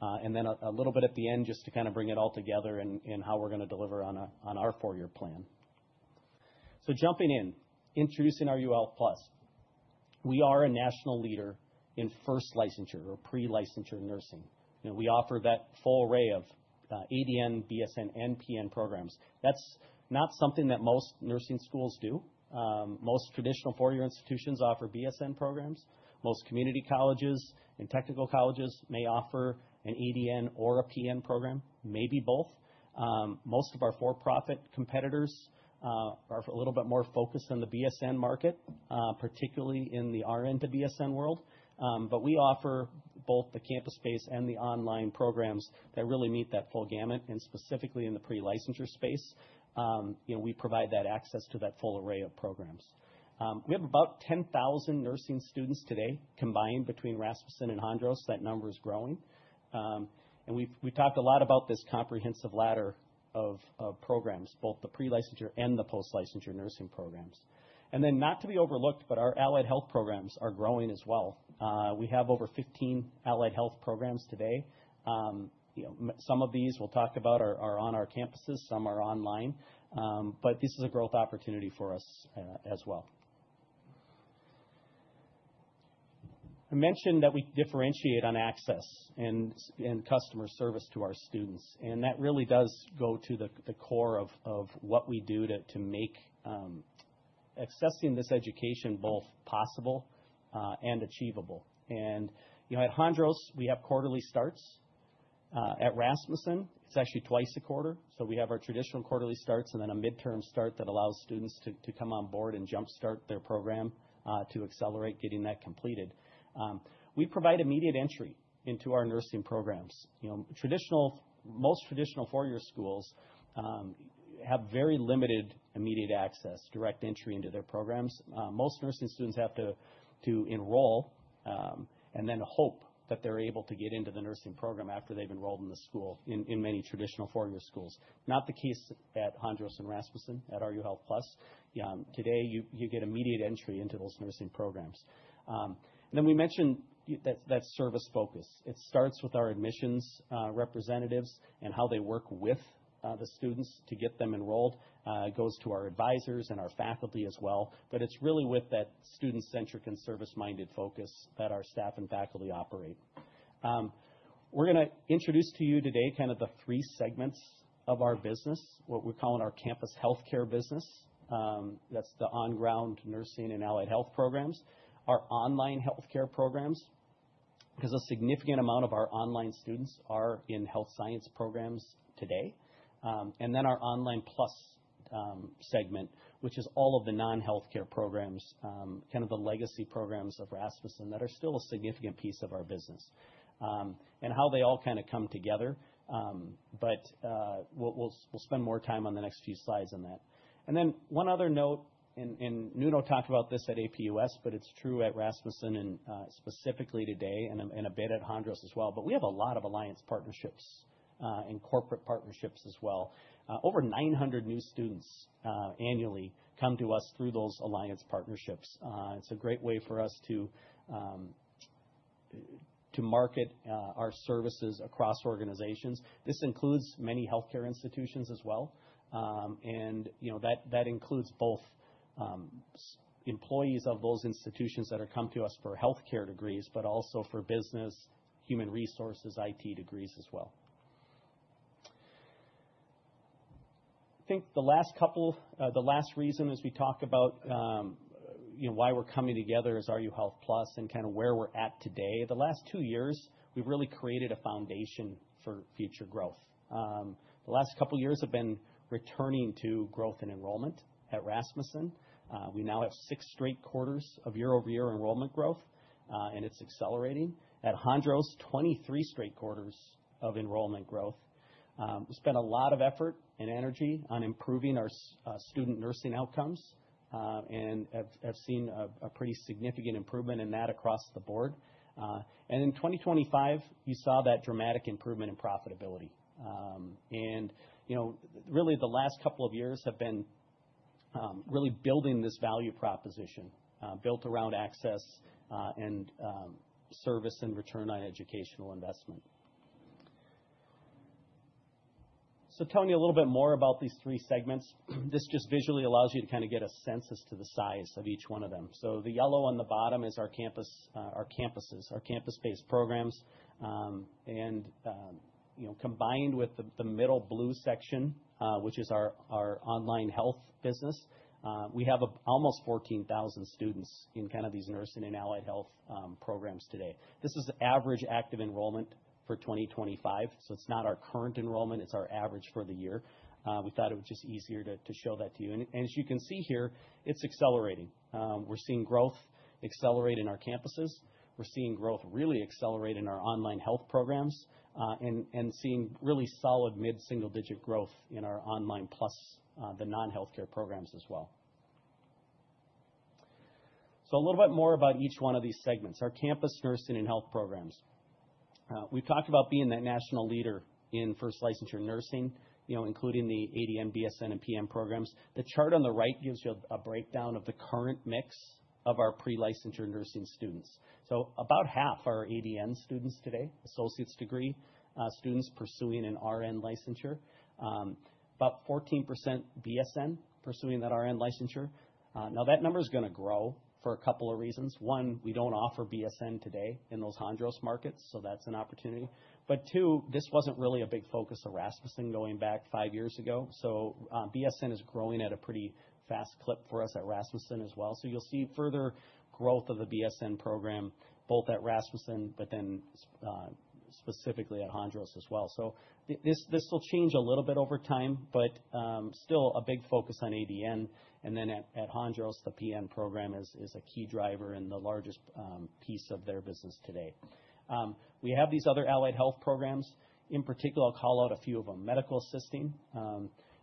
Speaker 5: A little bit at the end just to kind of bring it all together and how we're going to deliver on our four-year plan. Jumping in, introducing RU Health Plus. We are a national leader in first licensure or pre-licensure nursing. We offer that full array of ADN, BSN, and PN programs. That's not something that most nursing schools do. Most traditional four-year institutions offer BSN programs. Most community colleges and technical colleges may offer an ADN or a PN program, maybe both. Most of our for-profit competitors are a little bit more focused on the BSN market, particularly in the RN to BSN world. We offer both the campus-based and the online programs that really meet that full gamut and specifically in the pre-licensure space. We provide that access to that full array of programs. We have about 10,000 nursing students today combined between Rasmussen and Hondros. That number is growing. We have talked a lot about this comprehensive ladder of programs, both the pre-licensure and the post-licensure nursing programs. Not to be overlooked, our allied health programs are growing as well. We have over 15 allied health programs today. Some of these we will talk about are on our campuses. Some are online. This is a growth opportunity for us as well. I mentioned that we differentiate on access and customer service to our students. That really does go to the core of what we do to make accessing this education both possible and achievable. At Hondros, we have quarterly starts. At Rasmussen, it is actually twice a quarter. We have our traditional quarterly starts and then a midterm start that allows students to come on board and jump-start their program to accelerate getting that completed. We provide immediate entry into our nursing programs. Most traditional four-year schools have very limited immediate access, direct entry into their programs. Most nursing students have to enroll and then hope that they're able to get into the nursing program after they've enrolled in the school in many traditional four-year schools. Not the case at Hondros and Rasmussen, at RU Health Plus. Today, you get immediate entry into those nursing programs. We mentioned that service focus. It starts with our admissions representatives and how they work with the students to get them enrolled. It goes to our advisors and our faculty as well. It is really with that student-centric and service-minded focus that our staff and faculty operate. We're going to introduce to you today kind of the three segments of our business, what we're calling our campus health care business. That's the on-ground nursing and allied health programs, our online health care programs, because a significant amount of our online students are in health science programs today, and then our online plus segment, which is all of the non-health care programs, kind of the legacy programs of Rasmussen that are still a significant piece of our business, and how they all kind of come together. We'll spend more time on the next few slides on that. One other note, Nuno talked about this at APUS, but it's true at Rasmussen and specifically today and a bit at Hondros as well. We have a lot of alliance partnerships and corporate partnerships as well. Over 900 new students annually come to us through those alliance partnerships. It's a great way for us to market our services across organizations. This includes many health care institutions as well. That includes both employees of those institutions that have come to us for health care degrees, but also for business, human resources, IT degrees as well. I think the last couple, the last reason as we talk about why we're coming together is RU Health Plus and kind of where we're at today. The last two years, we've really created a foundation for future growth. The last couple of years have been returning to growth and enrollment at Rasmussen. We now have six straight quarters of year-over-year enrollment growth, and it's accelerating. At Hondros, 23 straight quarters of enrollment growth. We spent a lot of effort and energy on improving our student nursing outcomes and have seen a pretty significant improvement in that across the board. In 2025, you saw that dramatic improvement in profitability. Really, the last couple of years have been really building this value proposition built around access and service and return on educational investment. Telling you a little bit more about these three segments, this just visually allows you to kind of get a sense as to the size of each one of them. The yellow on the bottom is our campuses, our campus-based programs. Combined with the middle blue section, which is our online health business, we have almost 14,000 students in kind of these nursing and allied health programs today. This is average active enrollment for 2025. It is not our current enrollment. It is our average for the year. We thought it was just easier to show that to you. As you can see here, it's accelerating. We're seeing growth accelerate in our campuses. We're seeing growth really accelerate in our online health programs and seeing really solid mid-single-digit growth in our online plus the non-health care programs as well. A little bit more about each one of these segments. Our campus nursing and health programs. We've talked about being that national leader in first licensure nursing, including the ADN, BSN, and PN programs. The chart on the right gives you a breakdown of the current mix of our pre-licensure nursing students. About half are ADN students today, associate's degree students pursuing an RN licensure. About 14% BSN pursuing that RN licensure. That number is going to grow for a couple of reasons. One, we don't offer BSN today in those Hondros markets, so that's an opportunity. Two, this wasn't really a big focus of Rasmussen going back five years ago. BSN is growing at a pretty fast clip for us at Rasmussen as well. You'll see further growth of the BSN program both at Rasmussen, but then specifically at Hondros as well. This will change a little bit over time, but still a big focus on ADN. At Hondros, the PN program is a key driver and the largest piece of their business today. We have these other allied health programs. In particular, I'll call out a few of them, medical assisting.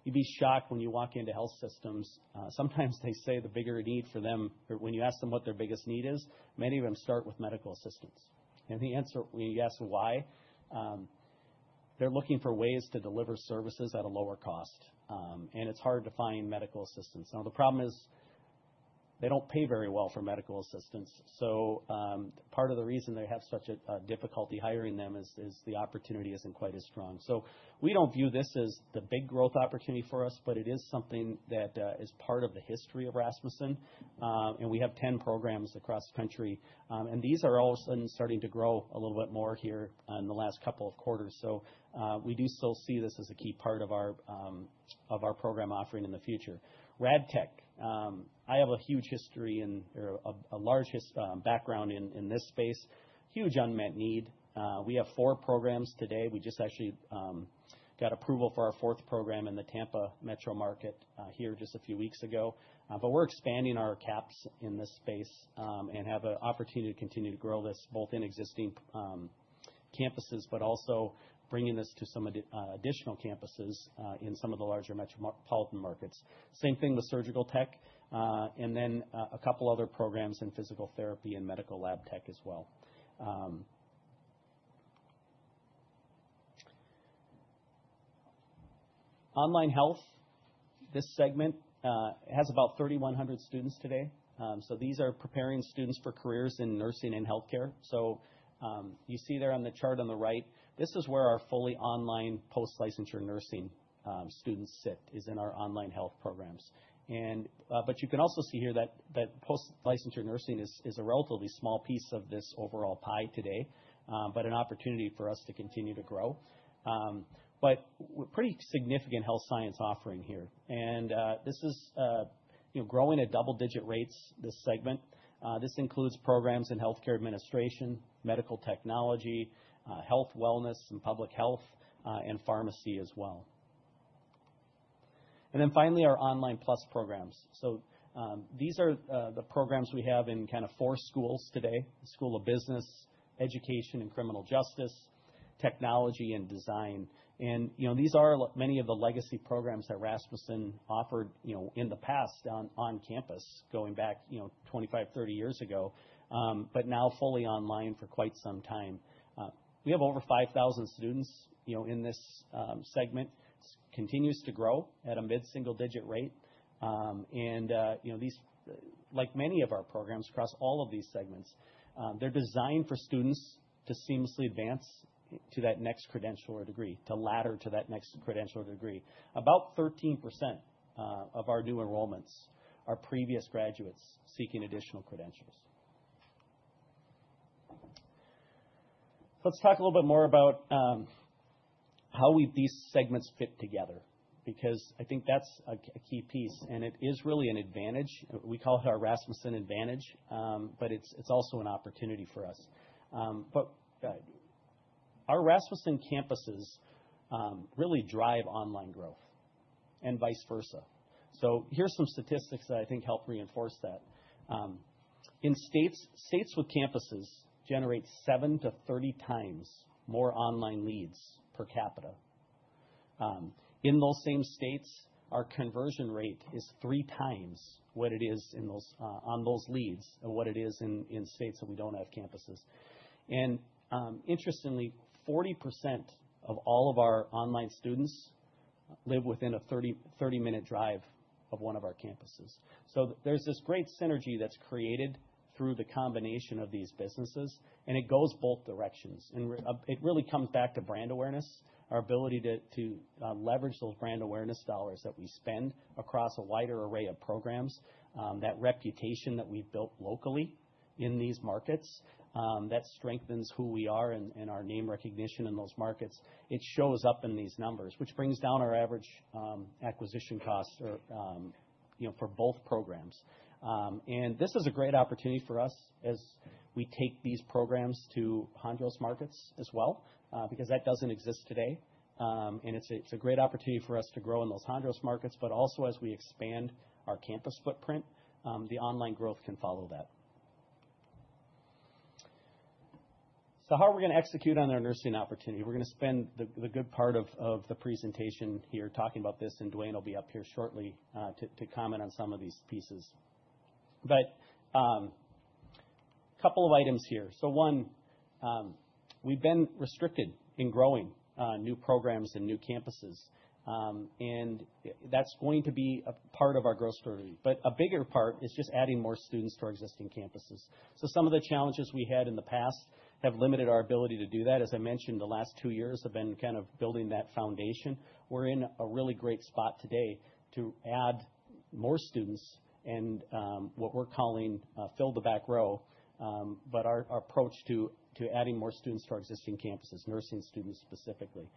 Speaker 5: You'd be shocked when you walk into health systems. Sometimes they say the bigger need for them, or when you ask them what their biggest need is, many of them start with medical assistance. The answer, when you ask why, is they're looking for ways to deliver services at a lower cost. It's hard to find medical assistants. The problem is they don't pay very well for medical assistants. Part of the reason they have such a difficulty hiring them is the opportunity isn't quite as strong. We don't view this as the big growth opportunity for us, but it is something that is part of the history of Rasmussen. We have 10 programs across the country. These are all suddenly starting to grow a little bit more here in the last couple of quarters. We do still see this as a key part of our program offering in the future. RadTech, I have a huge history and a large background in this space. Huge unmet need. We have four programs today. We just actually got approval for our fourth program in the Tampa Metro market here just a few weeks ago. We are expanding our caps in this space and have an opportunity to continue to grow this both in existing campuses, but also bringing this to some additional campuses in some of the larger metropolitan markets. Same thing with surgical tech. There are a couple of other programs in physical therapy and medical lab tech as well. Online health, this segment has about 3,100 students today. These are preparing students for careers in nursing and health care. You see there on the chart on the right, this is where our fully online post-licensure nursing students sit, in our online health programs. You can also see here that post-licensure nursing is a relatively small piece of this overall pie today, but an opportunity for us to continue to grow. Pretty significant health science offering here. This is growing at double-digit rates, this segment. This includes programs in health care administration, medical technology, health wellness and public health, and pharmacy as well. Finally, our online plus programs. These are the programs we have in kind of four schools today: School of Business, Education and Criminal Justice, Technology and Design. These are many of the legacy programs that Rasmussen offered in the past on campus going back 25, 30 years ago, but now fully online for quite some time. We have over 5,000 students in this segment. It continues to grow at a mid-single-digit rate. Like many of our programs across all of these segments, they're designed for students to seamlessly advance to that next credential or degree, to ladder to that next credential or degree. About 13% of our new enrollments are previous graduates seeking additional credentials. Let's talk a little bit more about how these segments fit together because I think that's a key piece. It is really an advantage. We call it our Rasmussen advantage, but it's also an opportunity for us. Our Rasmussen campuses really drive online growth and vice versa. Here are some statistics that I think help reinforce that. In states with campuses, we generate 7-30 times more online leads per capita. In those same states, our conversion rate is three times what it is on those leads and what it is in states that we don't have campuses. Interestingly, 40% of all of our online students live within a 30-minute drive of one of our campuses. There is this great synergy that is created through the combination of these businesses. It goes both directions. It really comes back to brand awareness, our ability to leverage those brand awareness dollars that we spend across a wider array of programs, that reputation that we have built locally in these markets, that strengthens who we are and our name recognition in those markets. It shows up in these numbers, which brings down our average acquisition cost for both programs. This is a great opportunity for us as we take these programs to Hondros markets as well because that does not exist today. It is a great opportunity for us to grow in those Hondros markets, but also as we expand our campus footprint, the online growth can follow that. How are we going to execute on our nursing opportunity? We're going to spend the good part of the presentation here talking about this. Dwayne will be up here shortly to comment on some of these pieces. A couple of items here. One, we've been restricted in growing new programs and new campuses. That's going to be a part of our growth story. A bigger part is just adding more students to our existing campuses. Some of the challenges we had in the past have limited our ability to do that. As I mentioned, the last two years have been kind of building that foundation. We're in a really great spot today to add more students and what we're calling fill the back row, but our approach to adding more students to our existing campuses, nursing students specifically.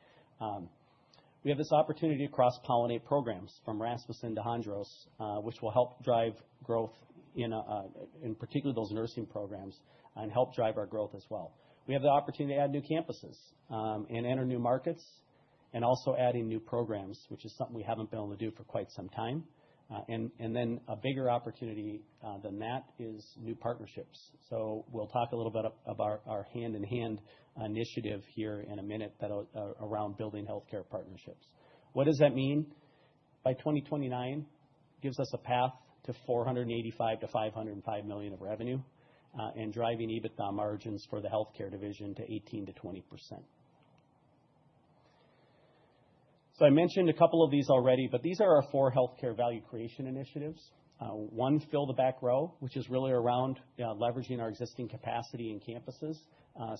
Speaker 5: We have this opportunity to cross-pollinate programs from Rasmussen to Hondros, which will help drive growth in particular those nursing programs and help drive our growth as well. We have the opportunity to add new campuses and enter new markets and also adding new programs, which is something we haven't been able to do for quite some time. A bigger opportunity than that is new partnerships. We will talk a little bit about our Hand-in-Hand Initiative here in a minute around building health care partnerships. What does that mean? By 2029, it gives us a path to $485 million to $505 million of revenue and driving EBITDA margins for the health care division to 18%-20%. I mentioned a couple of these already, but these are our four health care value creation initiatives. One, fill the back row, which is really around leveraging our existing capacity in campuses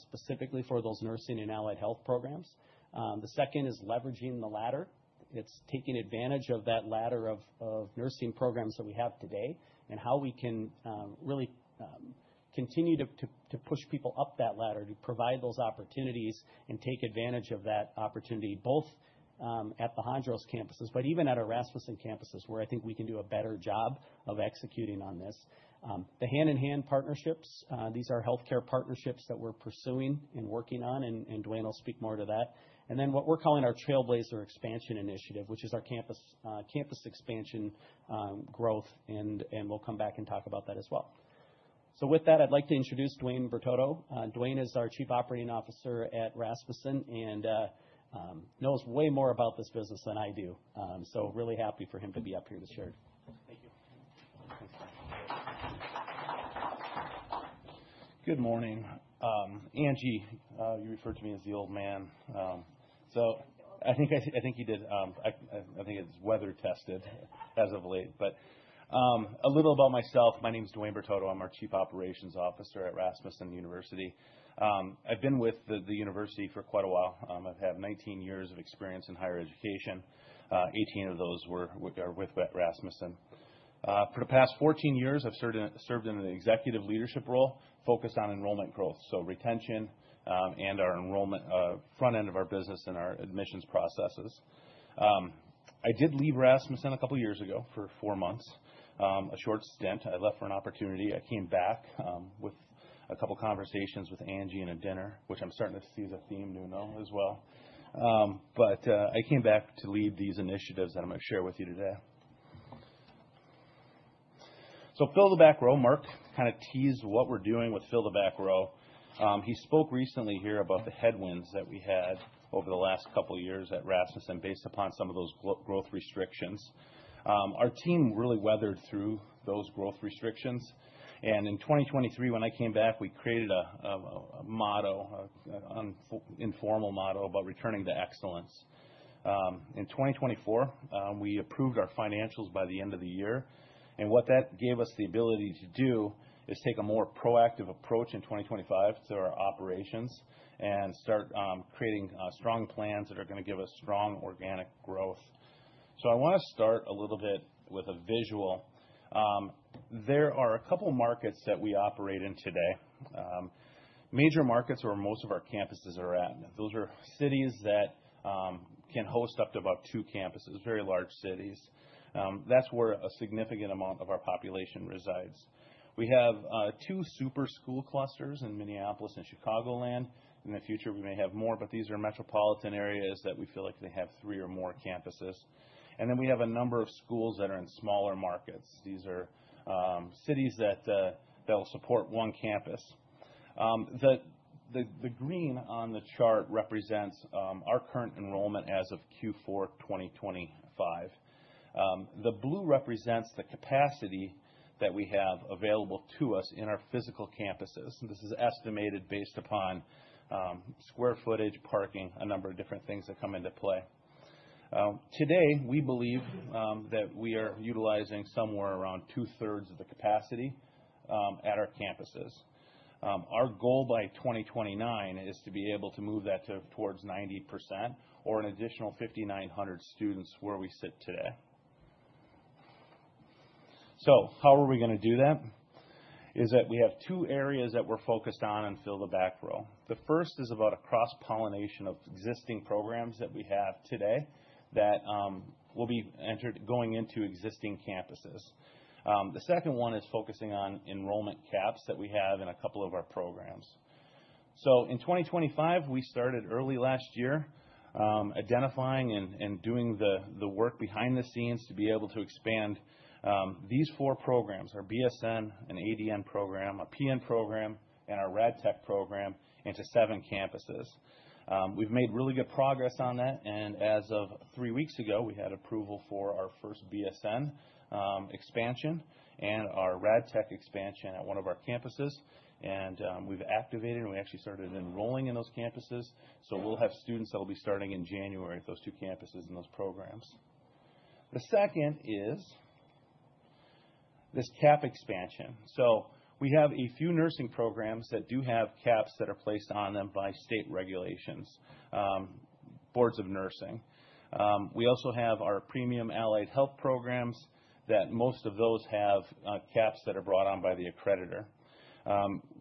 Speaker 5: specifically for those nursing and allied health programs. The second is leveraging the ladder. It's taking advantage of that ladder of nursing programs that we have today and how we can really continue to push people up that ladder to provide those opportunities and take advantage of that opportunity both at the Hondros campuses, but even at our Rasmussen campuses where I think we can do a better job of executing on this. The hand-in-hand partnerships, these are health care partnerships that we're pursuing and working on. Dwayne will speak more to that. What we're calling our Trailblazer Expansion Initiative, which is our campus expansion growth, we'll come back and talk about that as well. With that, I'd like to introduce Dwayne Bertotto. Dwayne is our Chief Operating Officer at Rasmussen and knows way more about this business than I do. Really happy for him to be up here to share.
Speaker 6: Thanks Mark. Good morning. Angela Selden, you referred to me as the old man. I think you did. I think it is weather tested as of late. A little about myself. My name is Dwayne Bertotto. I am our Chief Operations Officer at Rasmussen University. I have been with the university for quite a while. I have had 19 years of experience in higher education, 18 of those were with Rasmussen. For the past 14 years, I have served in an executive leadership role focused on enrollment growth, retention, and our enrollment front end of our business and our admissions processes. I did leave Rasmussen a couple of years ago for four months, a short stint. I left for an opportunity. I came back with a couple of conversations with Angela Selden and a dinner, which I'm starting to see the theme noon as well. I came back to lead these initiatives that I'm going to share with you today. Fill the back row, Mark kind of teased what we're doing with fill the back row. He spoke recently here about the headwinds that we had over the last couple of years at Rasmussen based upon some of those growth restrictions. Our team really weathered through those growth restrictions. In 2023, when I came back, we created a motto, an informal motto about returning to excellence. In 2024, we approved our financials by the end of the year. What that gave us the ability to do is take a more proactive approach in 2025 to our operations and start creating strong plans that are going to give us strong organic growth. I want to start a little bit with a visual. There are a couple of markets that we operate in today. Major markets where most of our campuses are at. Those are cities that can host up to about two campuses, very large cities. That's where a significant amount of our population resides. We have two super school clusters in Minneapolis and Chicagoland. In the future, we may have more, but these are metropolitan areas that we feel like they have three or more campuses. Then we have a number of schools that are in smaller markets. These are cities that will support one campus. The green on the chart represents our current enrollment as of Q4 2025. The blue represents the capacity that we have available to us in our physical campuses. This is estimated based upon square footage, parking, a number of different things that come into play. Today, we believe that we are utilizing somewhere around 2/3 of the capacity at our campuses. Our goal by 2029 is to be able to move that towards 90% or an additional 5,900 students where we sit today. How are we going to do that? We have two areas that we're focused on in fill the back row. The first is about a cross-pollination of existing programs that we have today that will be entered going into existing campuses. The second one is focusing on enrollment caps that we have in a couple of our programs. In 2025, we started early last year identifying and doing the work behind the scenes to be able to expand these four programs, our BSN and ADN program, our PN program, and our RadTech program into seven campuses. We've made really good progress on that. As of three weeks ago, we had approval for our first BSN expansion and our RadTech expansion at one of our campuses. We've activated and we actually started enrolling in those campuses. We'll have students that will be starting in January at those two campuses and those programs. The second is this cap expansion. We have a few nursing programs that do have caps that are placed on them by state regulations, boards of nursing. We also have our premium allied health programs that most of those have caps that are brought on by the accreditor.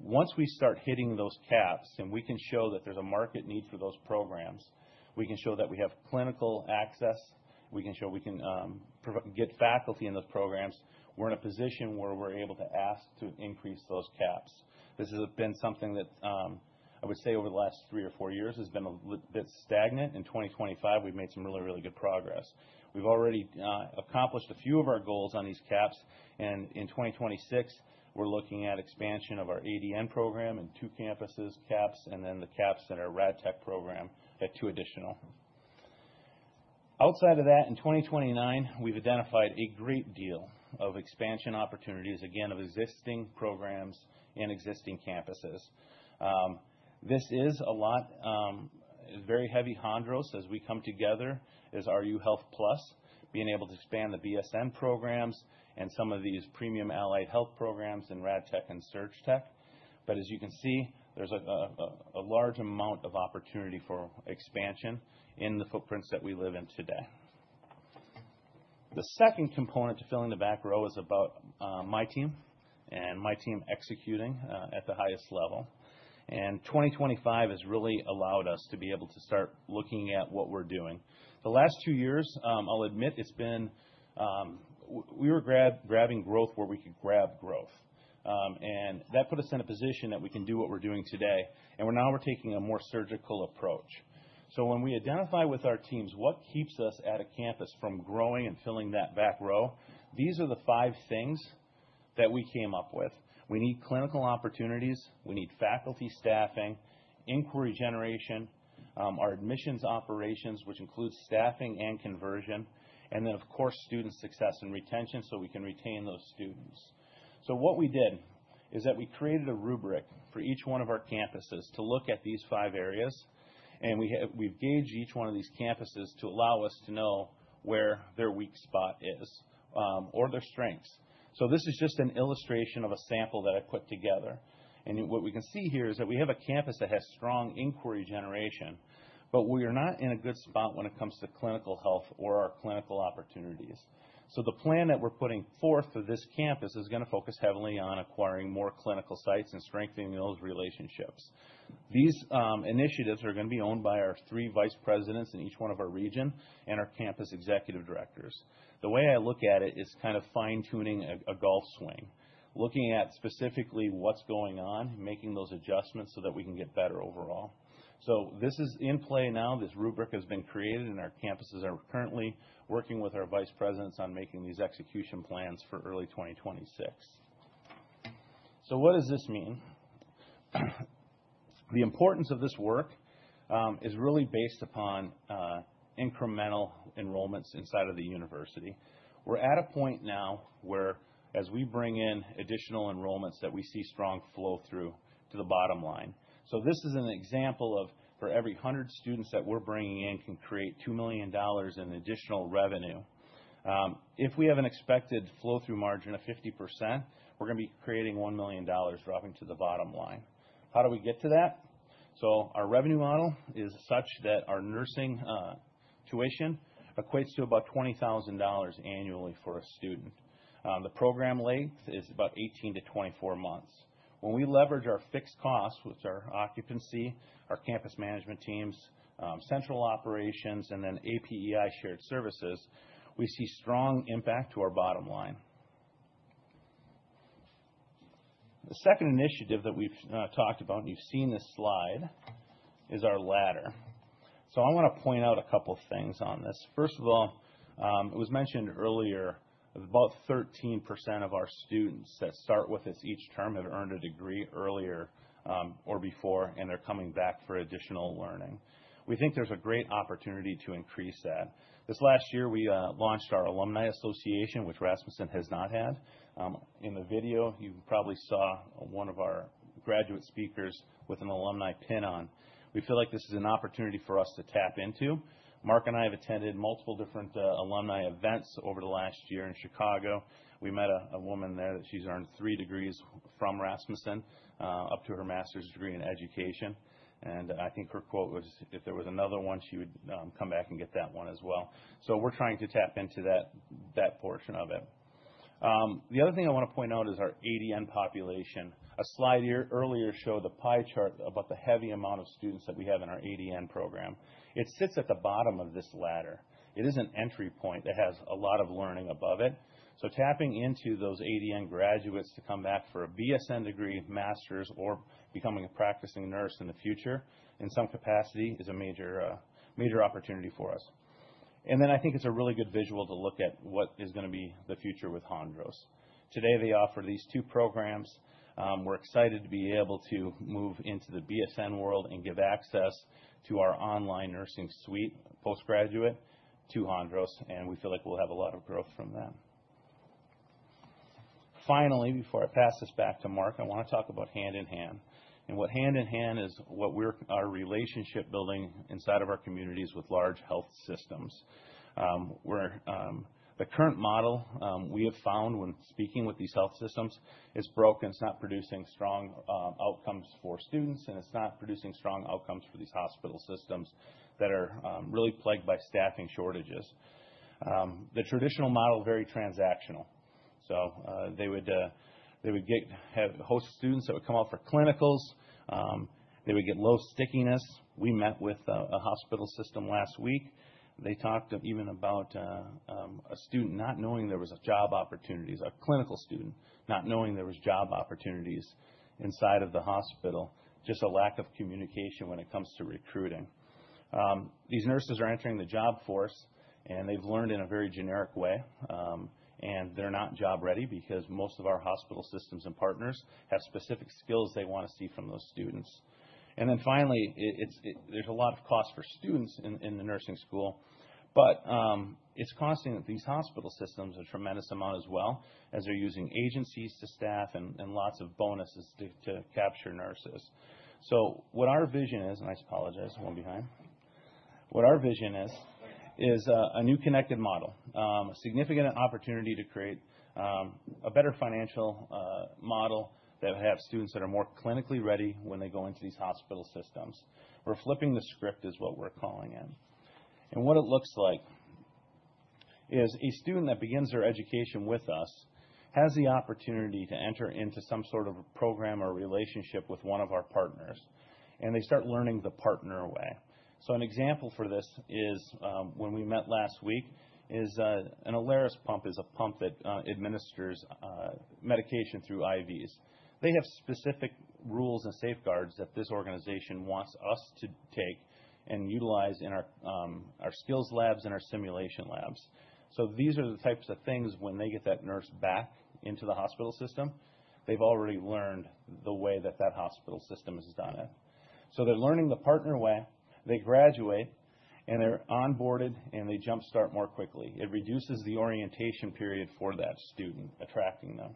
Speaker 6: Once we start hitting those caps and we can show that there's a market need for those programs, we can show that we have clinical access. We can show we can get faculty in those programs. We're in a position where we're able to ask to increase those caps. This has been something that I would say over the last three or four years has been a bit stagnant. In 2025, we've made some really, really good progress. We've already accomplished a few of our goals on these caps. In 2026, we're looking at expansion of our ADN program in two campuses, caps, and then the caps in our RadTech program at two additional. Outside of that, in 2029, we've identified a great deal of expansion opportunities, again, of existing programs and existing campuses. This is a lot. Very heavy Hondros as we come together is our RU Health Plus, being able to expand the BSN programs and some of these premium allied health programs and RadTech and Surgical Tech. As you can see, there is a large amount of opportunity for expansion in the footprints that we live in today. The second component to filling the back row is about my team and my team executing at the highest level. 2025 has really allowed us to be able to start looking at what we are doing. The last two years, I'll admit, it's been we were grabbing growth where we could grab growth. That put us in a position that we can do what we are doing today. Now we are taking a more surgical approach. When we identify with our teams what keeps us at a campus from growing and filling that back row? These are the five things that we came up with. We need clinical opportunities. We need faculty staffing, inquiry generation, our admissions operations, which includes staffing and conversion, and then, of course, student success and retention so we can retain those students. What we did is that we created a rubric for each one of our campuses to look at these five areas. We have gauged each one of these campuses to allow us to know where their weak spot is or their strengths. This is just an illustration of a sample that I put together. What we can see here is that we have a campus that has strong inquiry generation, but we are not in a good spot when it comes to clinical health or our clinical opportunities. The plan that we're putting forth for this campus is going to focus heavily on acquiring more clinical sites and strengthening those relationships. These initiatives are going to be owned by our three vice presidents in each one of our regions and our campus executive directors. The way I look at it is kind of fine-tuning a golf swing, looking at specifically what's going on and making those adjustments so that we can get better overall. This is in play now. This rubric has been created, and our campuses are currently working with our vice presidents on making these execution plans for early 2026. What does this mean? The importance of this work is really based upon incremental enrollments inside of the university. We're at a point now where, as we bring in additional enrollments, we see strong flow-through to the bottom line. This is an example of, for every 100 students that we're bringing in, can create $2 million in additional revenue. If we have an expected flow-through margin of 50%, we're going to be creating $1 million dropping to the bottom line. How do we get to that? Our revenue model is such that our nursing tuition equates to about $20,000 annually for a student. The program length is about 18 to 24 months. When we leverage our fixed costs with our occupancy, our campus management teams, central operations, and then APEI shared services, we see strong impact to our bottom line. The second initiative that we've talked about, and you've seen this slide, is our ladder. I want to point out a couple of things on this. First of all, it was mentioned earlier about 13% of our students that start with us each term have earned a degree earlier or before, and they're coming back for additional learning. We think there's a great opportunity to increase that. This last year, we launched our alumni association, which Rasmussen has not had. In the video, you probably saw one of our graduate speakers with an alumni pin on. We feel like this is an opportunity for us to tap into. Mark and I have attended multiple different alumni events over the last year in Chicago. We met a woman there that she's earned three degrees from Rasmussen up to her master's degree in education. I think her quote was, "If there was another one, she would come back and get that one as well." We are trying to tap into that portion of it. The other thing I want to point out is our ADN population. A slide earlier showed the pie chart about the heavy amount of students that we have in our ADN program. It sits at the bottom of this ladder. It is an entry point that has a lot of learning above it. Tapping into those ADN graduates to come back for a BSN degree, master's, or becoming a practicing nurse in the future in some capacity is a major opportunity for us. I think it is a really good visual to look at what is going to be the future with Hondros. Today, they offer these two programs. We are excited to be able to move into the BSN world and give access to our online nursing suite postgraduate to Hondros. We feel like we will have a lot of growth from them. Finally, before I pass this back to Mark, I want to talk about hand in hand. What hand in hand is what we're our relationship building inside of our communities with large health systems. The current model we have found when speaking with these health systems is broken. It's not producing strong outcomes for students, and it's not producing strong outcomes for these hospital systems that are really plagued by staffing shortages. The traditional model is very transactional. They would host students that would come out for clinicals. They would get low stickiness. We met with a hospital system last week. They talked even about a student not knowing there were job opportunities, a clinical student not knowing there were job opportunities inside of the hospital, just a lack of communication when it comes to recruiting. These nurses are entering the job force, and they've learned in a very generic way. They're not job ready because most of our hospital systems and partners have specific skills they want to see from those students. Finally, there's a lot of cost for students in the nursing school, but it's costing these hospital systems a tremendous amount as well as they're using agencies to staff and lots of bonuses to capture nurses. What our vision is, and I apologize, I'm going behind. What our vision is a new connected model, a significant opportunity to create a better financial model that would have students that are more clinically ready when they go into these hospital systems. We're flipping the script is what we're calling it. What it looks like is a student that begins their education with us has the opportunity to enter into some sort of a program or relationship with one of our partners. They start learning the partner way. An example for this is when we met last week, an Alaris pump is a pump that administers medication through IVs. They have specific rules and safeguards that this organization wants us to take and utilize in our skills labs and our simulation labs. These are the types of things when they get that nurse back into the hospital system, they've already learned the way that that hospital system has done it. They're learning the partner way. They graduate, and they're onboarded, and they jump-start more quickly. It reduces the orientation period for that student, attracting them.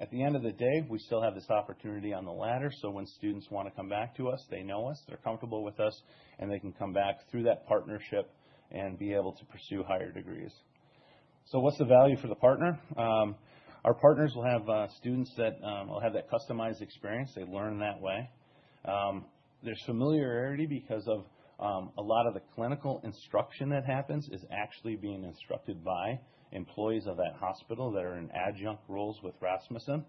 Speaker 6: At the end of the day, we still have this opportunity on the ladder. When students want to come back to us, they know us, they're comfortable with us, and they can come back through that partnership and be able to pursue higher degrees. What's the value for the partner? Our partners will have students that will have that customized experience. They learn that way. There's familiarity because a lot of the clinical instruction that happens is actually being instructed by employees of that hospital that are in adjunct roles with Rasmussen.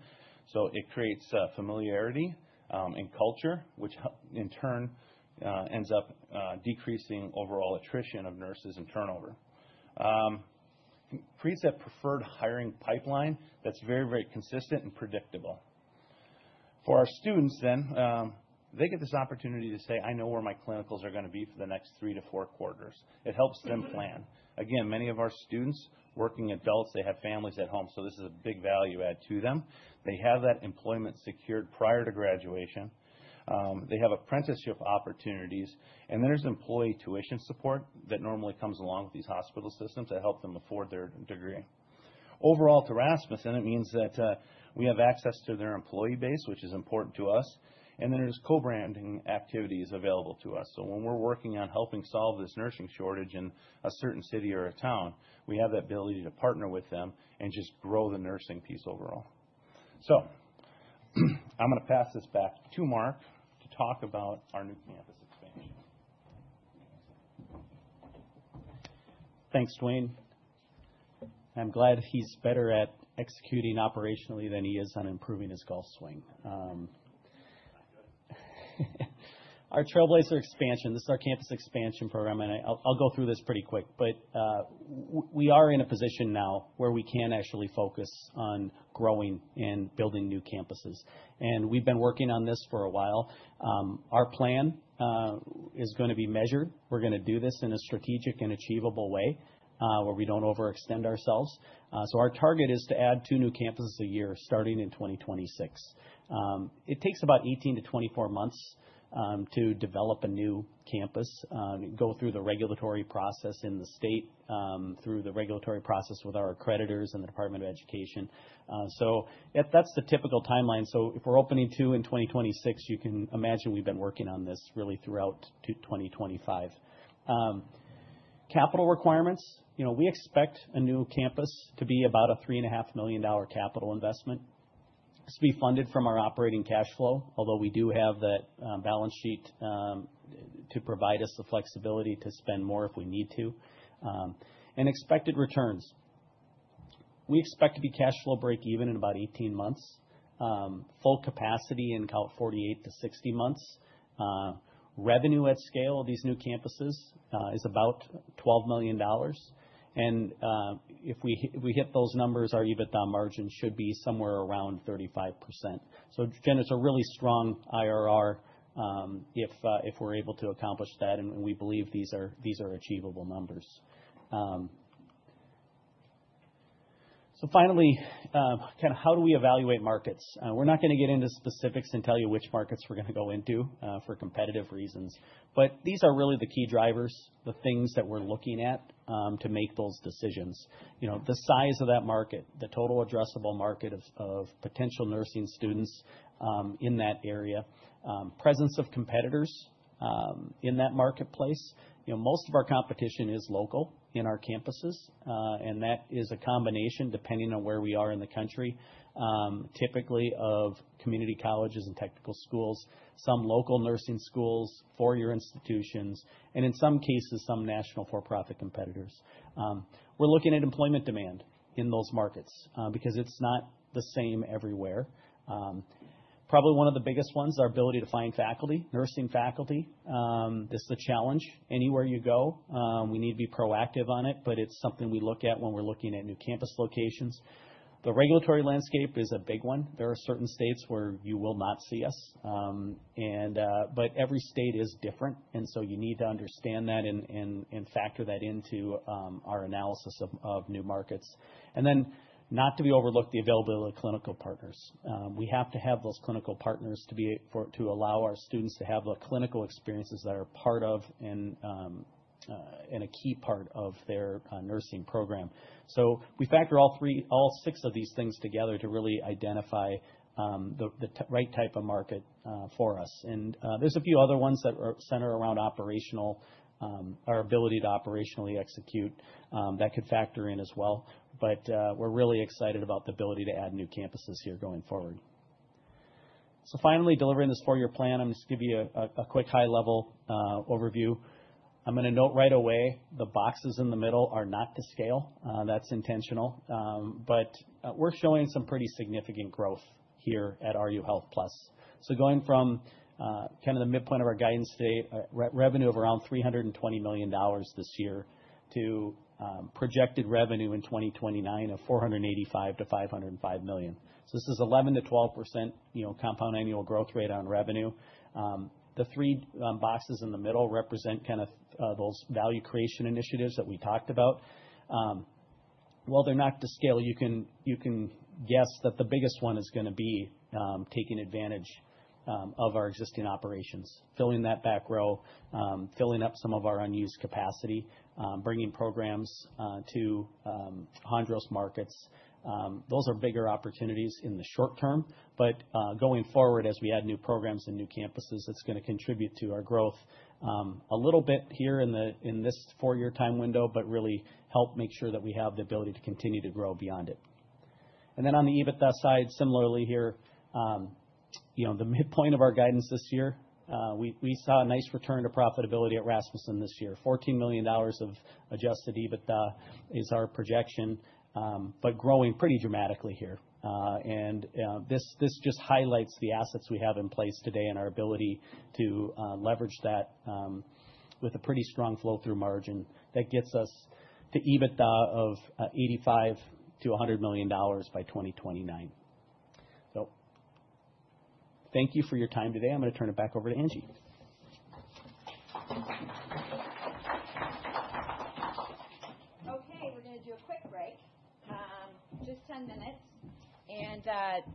Speaker 6: It creates familiarity and culture, which in turn ends up decreasing overall attrition of nurses and turnover. It creates a preferred hiring pipeline that's very, very consistent and predictable. For our students, then, they get this opportunity to say, "I know where my clinicals are going to be for the next three to four quarters." It helps them plan. Again, many of our students, working adults, they have families at home, so this is a big value add to them. They have that employment secured prior to graduation. They have apprenticeship opportunities. There is employee tuition support that normally comes along with these hospital systems that help them afford their degree. Overall, to Rasmussen, it means that we have access to their employee base, which is important to us. There are co-branding activities available to us. When we are working on helping solve this nursing shortage in a certain city or a town, we have the ability to partner with them and just grow the nursing piece overall. I'm going to pass this back to Mark to talk about our new campus expansion.
Speaker 5: Thanks, Dwayne. I'm glad he's better at executing operationally than he is on improving his golf swing. Our Trailblazer expansion, this is our campus expansion program, and I'll go through this pretty quick. We are in a position now where we can actually focus on growing and building new campuses. We've been working on this for a while. Our plan is going to be measured. We're going to do this in a strategic and achievable way where we don't overextend ourselves. Our target is to add two new campuses a year starting in 2026. It takes about 18 to 24 months to develop a new campus, go through the regulatory process in the state, through the regulatory process with our creditors and the Department of Education. That's the typical timeline. If we're opening two in 2026, you can imagine we've been working on this really throughout 2025. Capital requirements. We expect a new campus to be about a $3.5 million capital investment. It's to be funded from our operating cash flow, although we do have that balance sheet to provide us the flexibility to spend more if we need to. Expected returns. We expect to be cash flow break-even in about 18 months. Full capacity in about 48 to 60 months. Revenue at scale of these new campuses is about $12 million. If we hit those numbers, our EBITDA margin should be somewhere around 35%. Again, it's a really strong IRR if we're able to accomplish that, and we believe these are achievable numbers. Finally, kind of how do we evaluate markets? We're not going to get into specifics and tell you which markets we're going to go into for competitive reasons. These are really the key drivers, the things that we're looking at to make those decisions. The size of that market, the total addressable market of potential nursing students in that area, presence of competitors in that marketplace. Most of our competition is local in our campuses, and that is a combination, depending on where we are in the country, typically of community colleges and technical schools, some local nursing schools, four-year institutions, and in some cases, some national for-profit competitors. We're looking at employment demand in those markets because it's not the same everywhere. Probably one of the biggest ones is our ability to find faculty, nursing faculty. This is a challenge anywhere you go. We need to be proactive on it, but it's something we look at when we're looking at new campus locations. The regulatory landscape is a big one. There are certain states where you will not see us. Every state is different, and you need to understand that and factor that into our analysis of new markets. Not to be overlooked, the availability of clinical partners. We have to have those clinical partners to allow our students to have the clinical experiences that are part of and a key part of their nursing program. We factor all six of these things together to really identify the right type of market for us. There are a few other ones that center around our ability to operationally execute that could factor in as well. We're really excited about the ability to add new campuses here going forward. Finally, delivering this four-year plan, I'm just going to give you a quick high-level overview. I'm going to note right away the boxes in the middle are not to scale. That's intentional. We're showing some pretty significant growth here at RU Health Plus. Going from kind of the midpoint of our guidance today, revenue of around $320 million this year to projected revenue in 2029 of $485 to $505 million. This is 11% to 12% compound annual growth rate on revenue. The three boxes in the middle represent kind of those value creation initiatives that we talked about. While they're not to scale, you can guess that the biggest one is going to be taking advantage of our existing operations, filling that back row, filling up some of our unused capacity, bringing programs to Hondros markets. Those are bigger opportunities in the short term. Going forward, as we add new programs and new campuses, it's going to contribute to our growth a little bit here in this four-year time window, but really help make sure that we have the ability to continue to grow beyond it. On the EBITDA side, similarly here, the midpoint of our guidance this year, we saw a nice return to profitability at Rasmussen this year. $14 million of adjusted EBITDA is our projection, but growing pretty dramatically here. This just highlights the assets we have in place today and our ability to leverage that with a pretty strong flow-through margin that gets us to EBITDA of $85 to $100 million by 2029. Thank you for your time today. I'm going to turn it back over to Angela Selden.
Speaker 1: Okay. We're going to do a quick break, just 10 minutes. Ed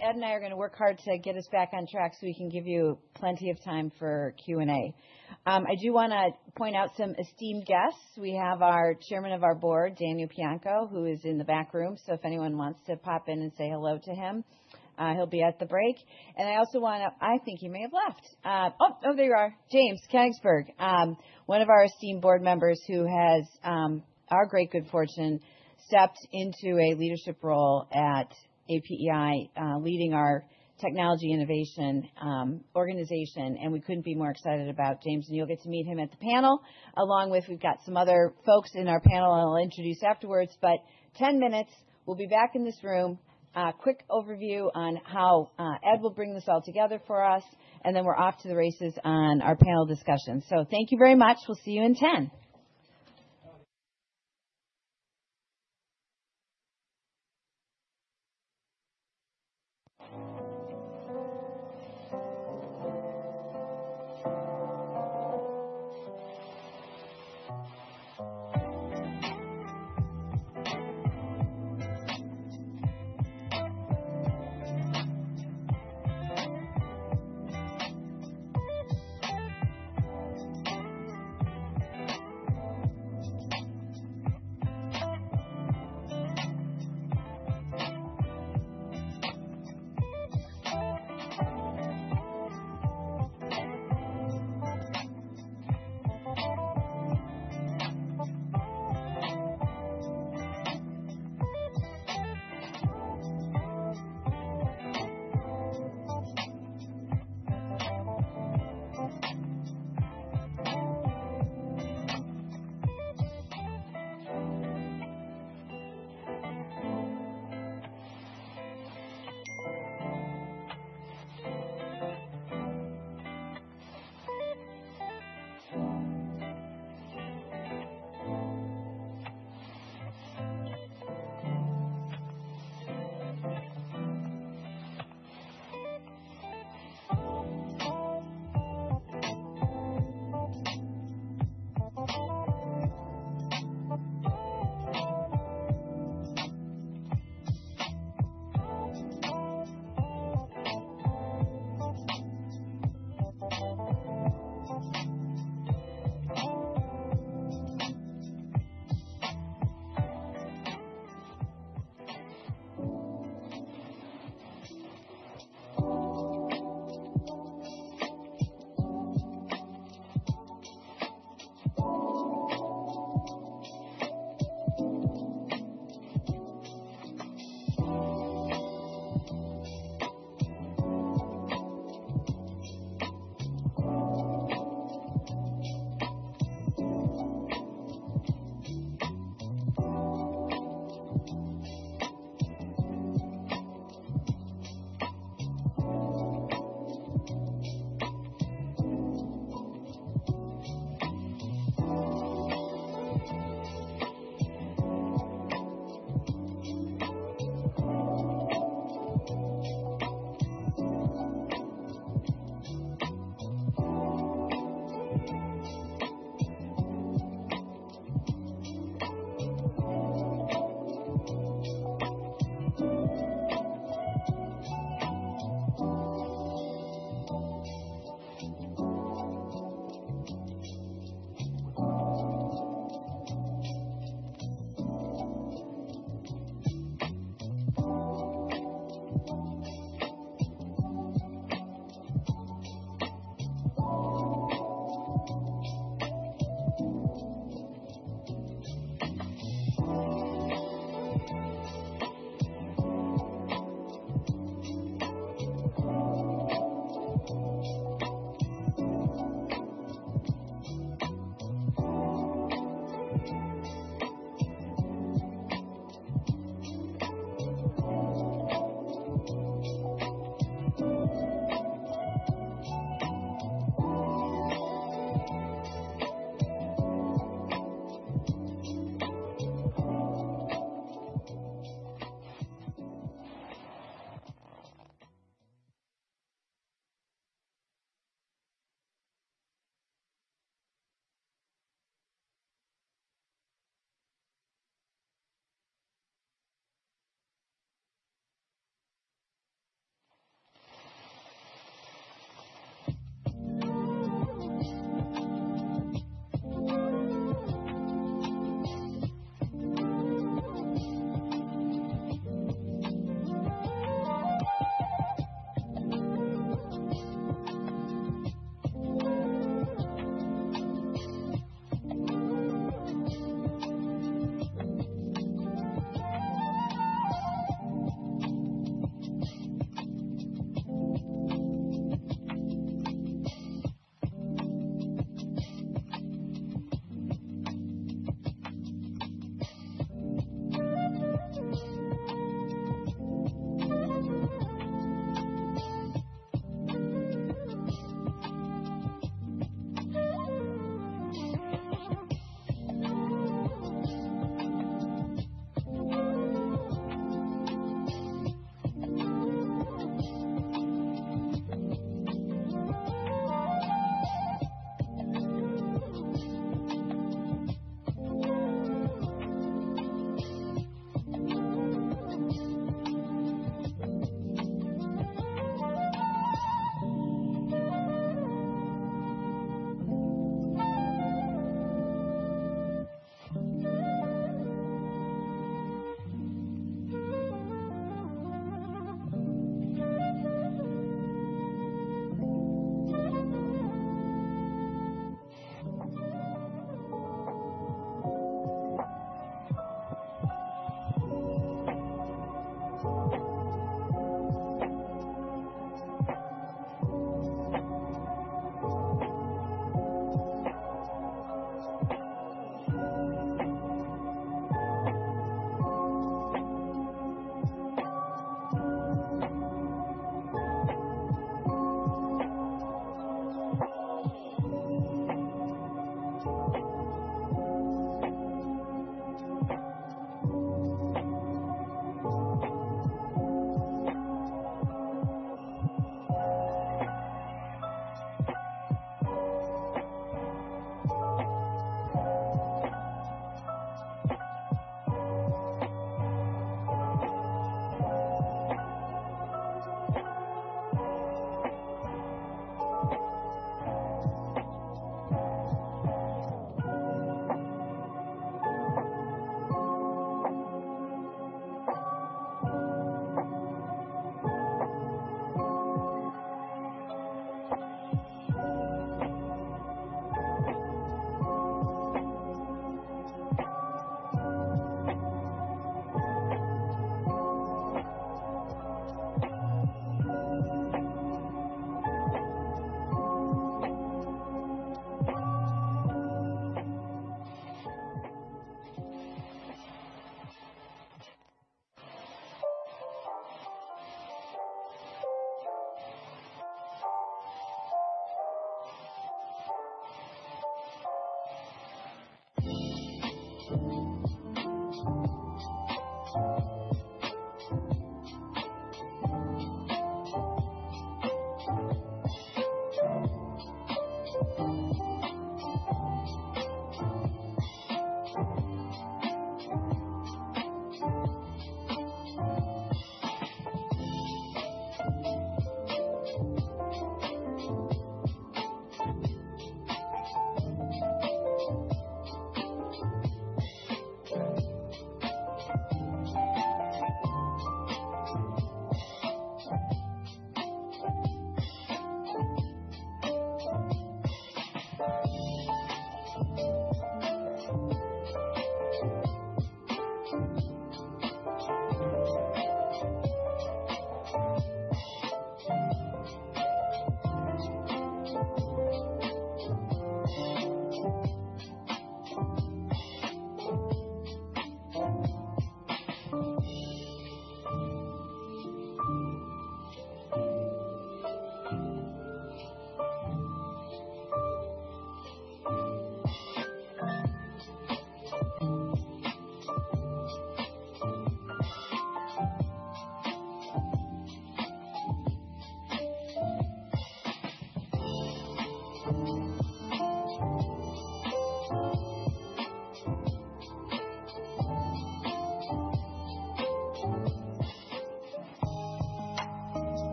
Speaker 1: and I are going to work hard to get us back on track so we can give you plenty of time for Q&A. I do want to point out some esteemed guests. We have our chairman of our board, Daniel Pianko, who is in the back room. If anyone wants to pop in and say hello to him, he'll be at the break. I also want to—I think he may have left. Oh, there you are. James Kenigsberg, one of our esteemed board members who has, our great good fortune, stepped into a leadership role at APEI, leading our technology innovation organization. We couldn't be more excited about James. You'll get to meet him at the panel, along with—we've got some other folks in our panel I'll introduce afterwards. Ten minutes. We'll be back in this room. Quick overview on how Ed will bring this all together for us. Then we're off to the races on our panel discussion. Thank you very much. We'll see you in 10.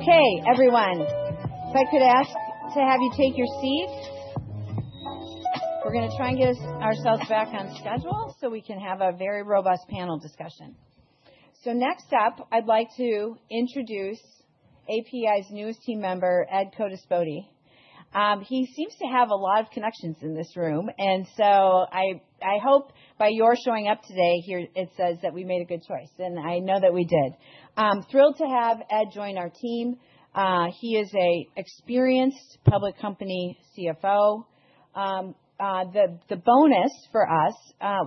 Speaker 1: Okay, everyone, if I could ask to have you take your seats. We're going to try and get ourselves back on schedule so we can have a very robust panel discussion. Next up, I'd like to introduce APEI's newest team member, Edward Codispoti. He seems to have a lot of connections in this room, and I hope by your showing up today here, it says that we made a good choice, and I know that we did. I'm thrilled to have Ed join our team. He is an experienced public company CFO. The bonus for us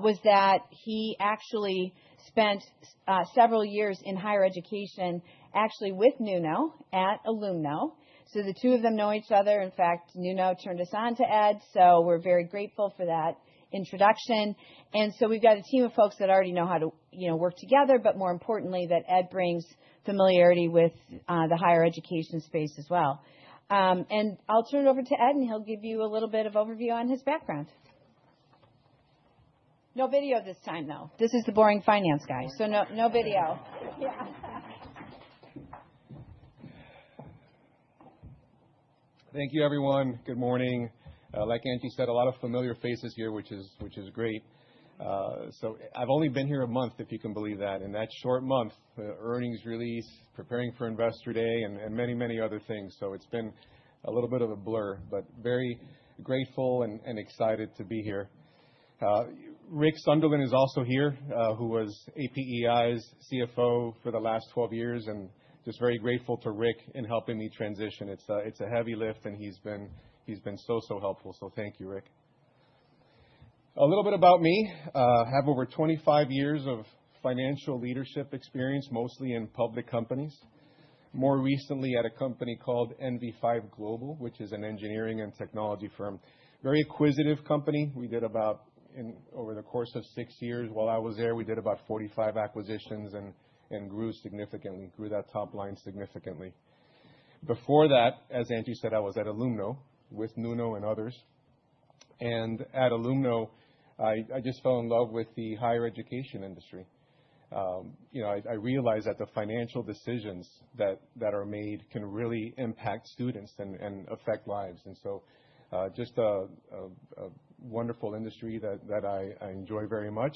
Speaker 1: was that he actually spent several years in higher education, actually with Nuno at Alliant International University. The two of them know each other. In fact, Nuno turned us on to Ed, so we're very grateful for that introduction. We have a team of folks that already know how to work together, but more importantly, Ed brings familiarity with the higher education space as well. I'll turn it over to Ed, and he'll give you a little bit of overview on his background. No video this time, though. This is the boring finance guy, so no video. Yeah.
Speaker 7: Thank you, everyone. Good morning. Like Angela Selden said, a lot of familiar faces here, which is great. I've only been here a month, if you can believe that. In that short month, earnings release, preparing for Investor Day, and many, many other things. It's been a little bit of a blur, but very grateful and excited to be here. Rick Sunderland is also here, who was APEI's CFO for the last 12 years, and just very grateful to Rick in helping me transition. It's a heavy lift, and he's been so, so helpful. Thank you, Rick. A little bit about me: I have over 25 years of financial leadership experience, mostly in public companies, more recently at a company called NV5 Global, which is an engineering and technology firm. Very acquisitive company. We did about, over the course of six years while I was there, we did about 45 acquisitions and grew significantly, grew that top line significantly. Before that, as Angela Selden said, I was at Alliant International University with Nuno and others. At Alliant International University, I just fell in love with the higher education industry. I realized that the financial decisions that are made can really impact students and affect lives. Just a wonderful industry that I enjoy very much.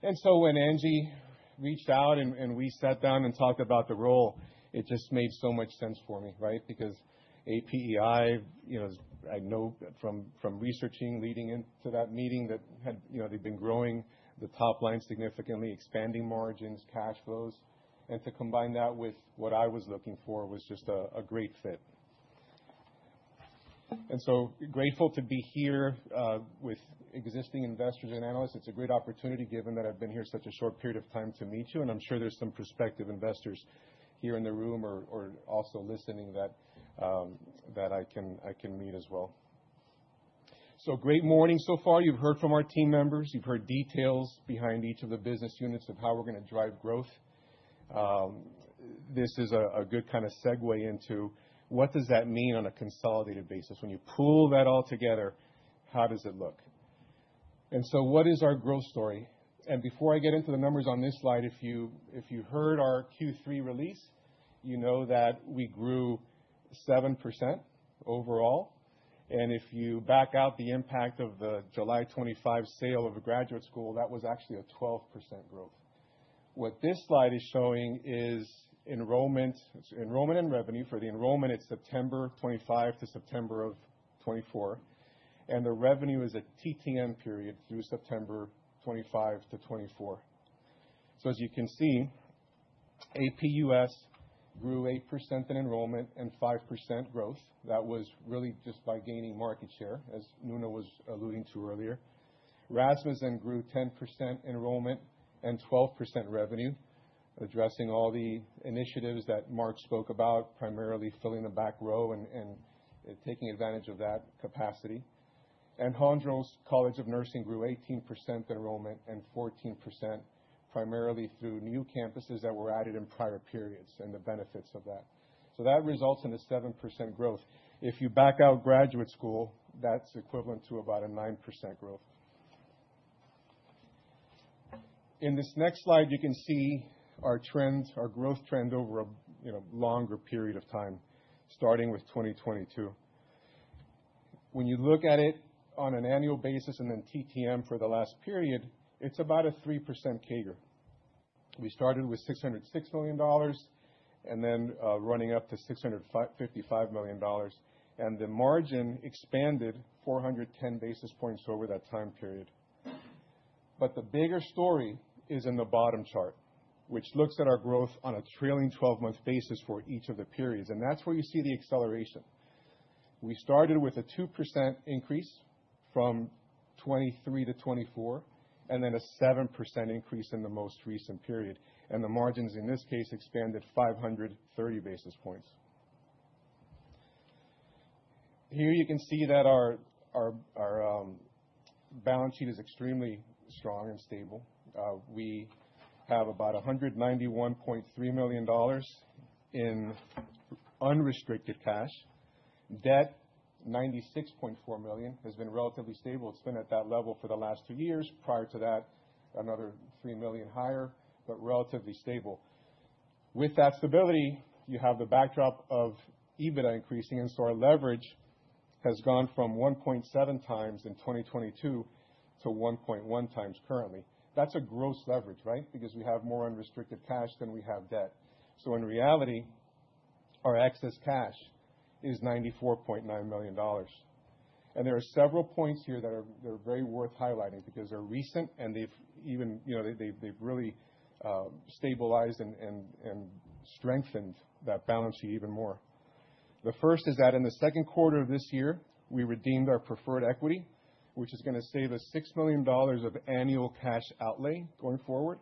Speaker 7: When Angela Selden reached out and we sat down and talked about the role, it just made so much sense for me, right? Because APEI, I know from researching leading into that meeting that they've been growing the top line significantly, expanding margins, cash flows. To combine that with what I was looking for was just a great fit. Grateful to be here with existing investors and analysts. It's a great opportunity, given that I've been here such a short period of time, to meet you. I'm sure there's some prospective investors here in the room or also listening that I can meet as well. Great morning so far. You've heard from our team members. You've heard details behind each of the business units of how we're going to drive growth. This is a good kind of segue into what does that mean on a consolidated basis? When you pull that all together, how does it look? What is our growth story? Before I get into the numbers on this slide, if you heard our Q3 release, you know that we grew 7% overall. If you back out the impact of the July 2025 sale of a graduate school, that was actually a 12% growth. What this slide is showing is enrollment and revenue. For the enrollment, it is September 2023 to September 2024. The revenue is a TTM period through September 2023 to 2024. As you can see, APUS grew 8% in enrollment and 5% growth. That was really just by gaining market share, as Nuno was alluding to earlier. Rasmussen grew 10% enrollment and 12% revenue, addressing all the initiatives that Mark spoke about, primarily filling the back row and taking advantage of that capacity. Hondros College of Nursing grew 18% enrollment and 14%, primarily through new campuses that were added in prior periods and the benefits of that. That results in a 7% growth. If you back out graduate school, that's equivalent to about a 9% growth. In this next slide, you can see our growth trend over a longer period of time, starting with 2022. When you look at it on an annual basis and then TTM for the last period, it's about a 3% CAGR. We started with $606 million and then running up to $655 million. The margin expanded 410 bps over that time period. The bigger story is in the bottom chart, which looks at our growth on a trailing 12-month basis for each of the periods. That is where you see the acceleration. We started with a 2% increase from 2023 to 2024 and then a 7% increase in the most recent period. The margins, in this case, expanded 530 bps. Here you can see that our balance sheet is extremely strong and stable. We have about $191.3 million in unrestricted cash. Debt, $96.4 million, has been relatively stable. It has been at that level for the last two years. Prior to that, another $3 million higher, but relatively stable. With that stability, you have the backdrop of EBITDA increasing, and so our leverage has gone from 1.7 times in 2022 to 1.1 times currently. That is a gross leverage, right? Because we have more unrestricted cash than we have debt. In reality, our excess cash is $94.9 million. There are several points here that are very worth highlighting because they're recent, and they've really stabilized and strengthened that balance sheet even more. The first is that in the second quarter of this year, we redeemed our preferred equity, which is going to save us $6 million of annual cash outlay going forward.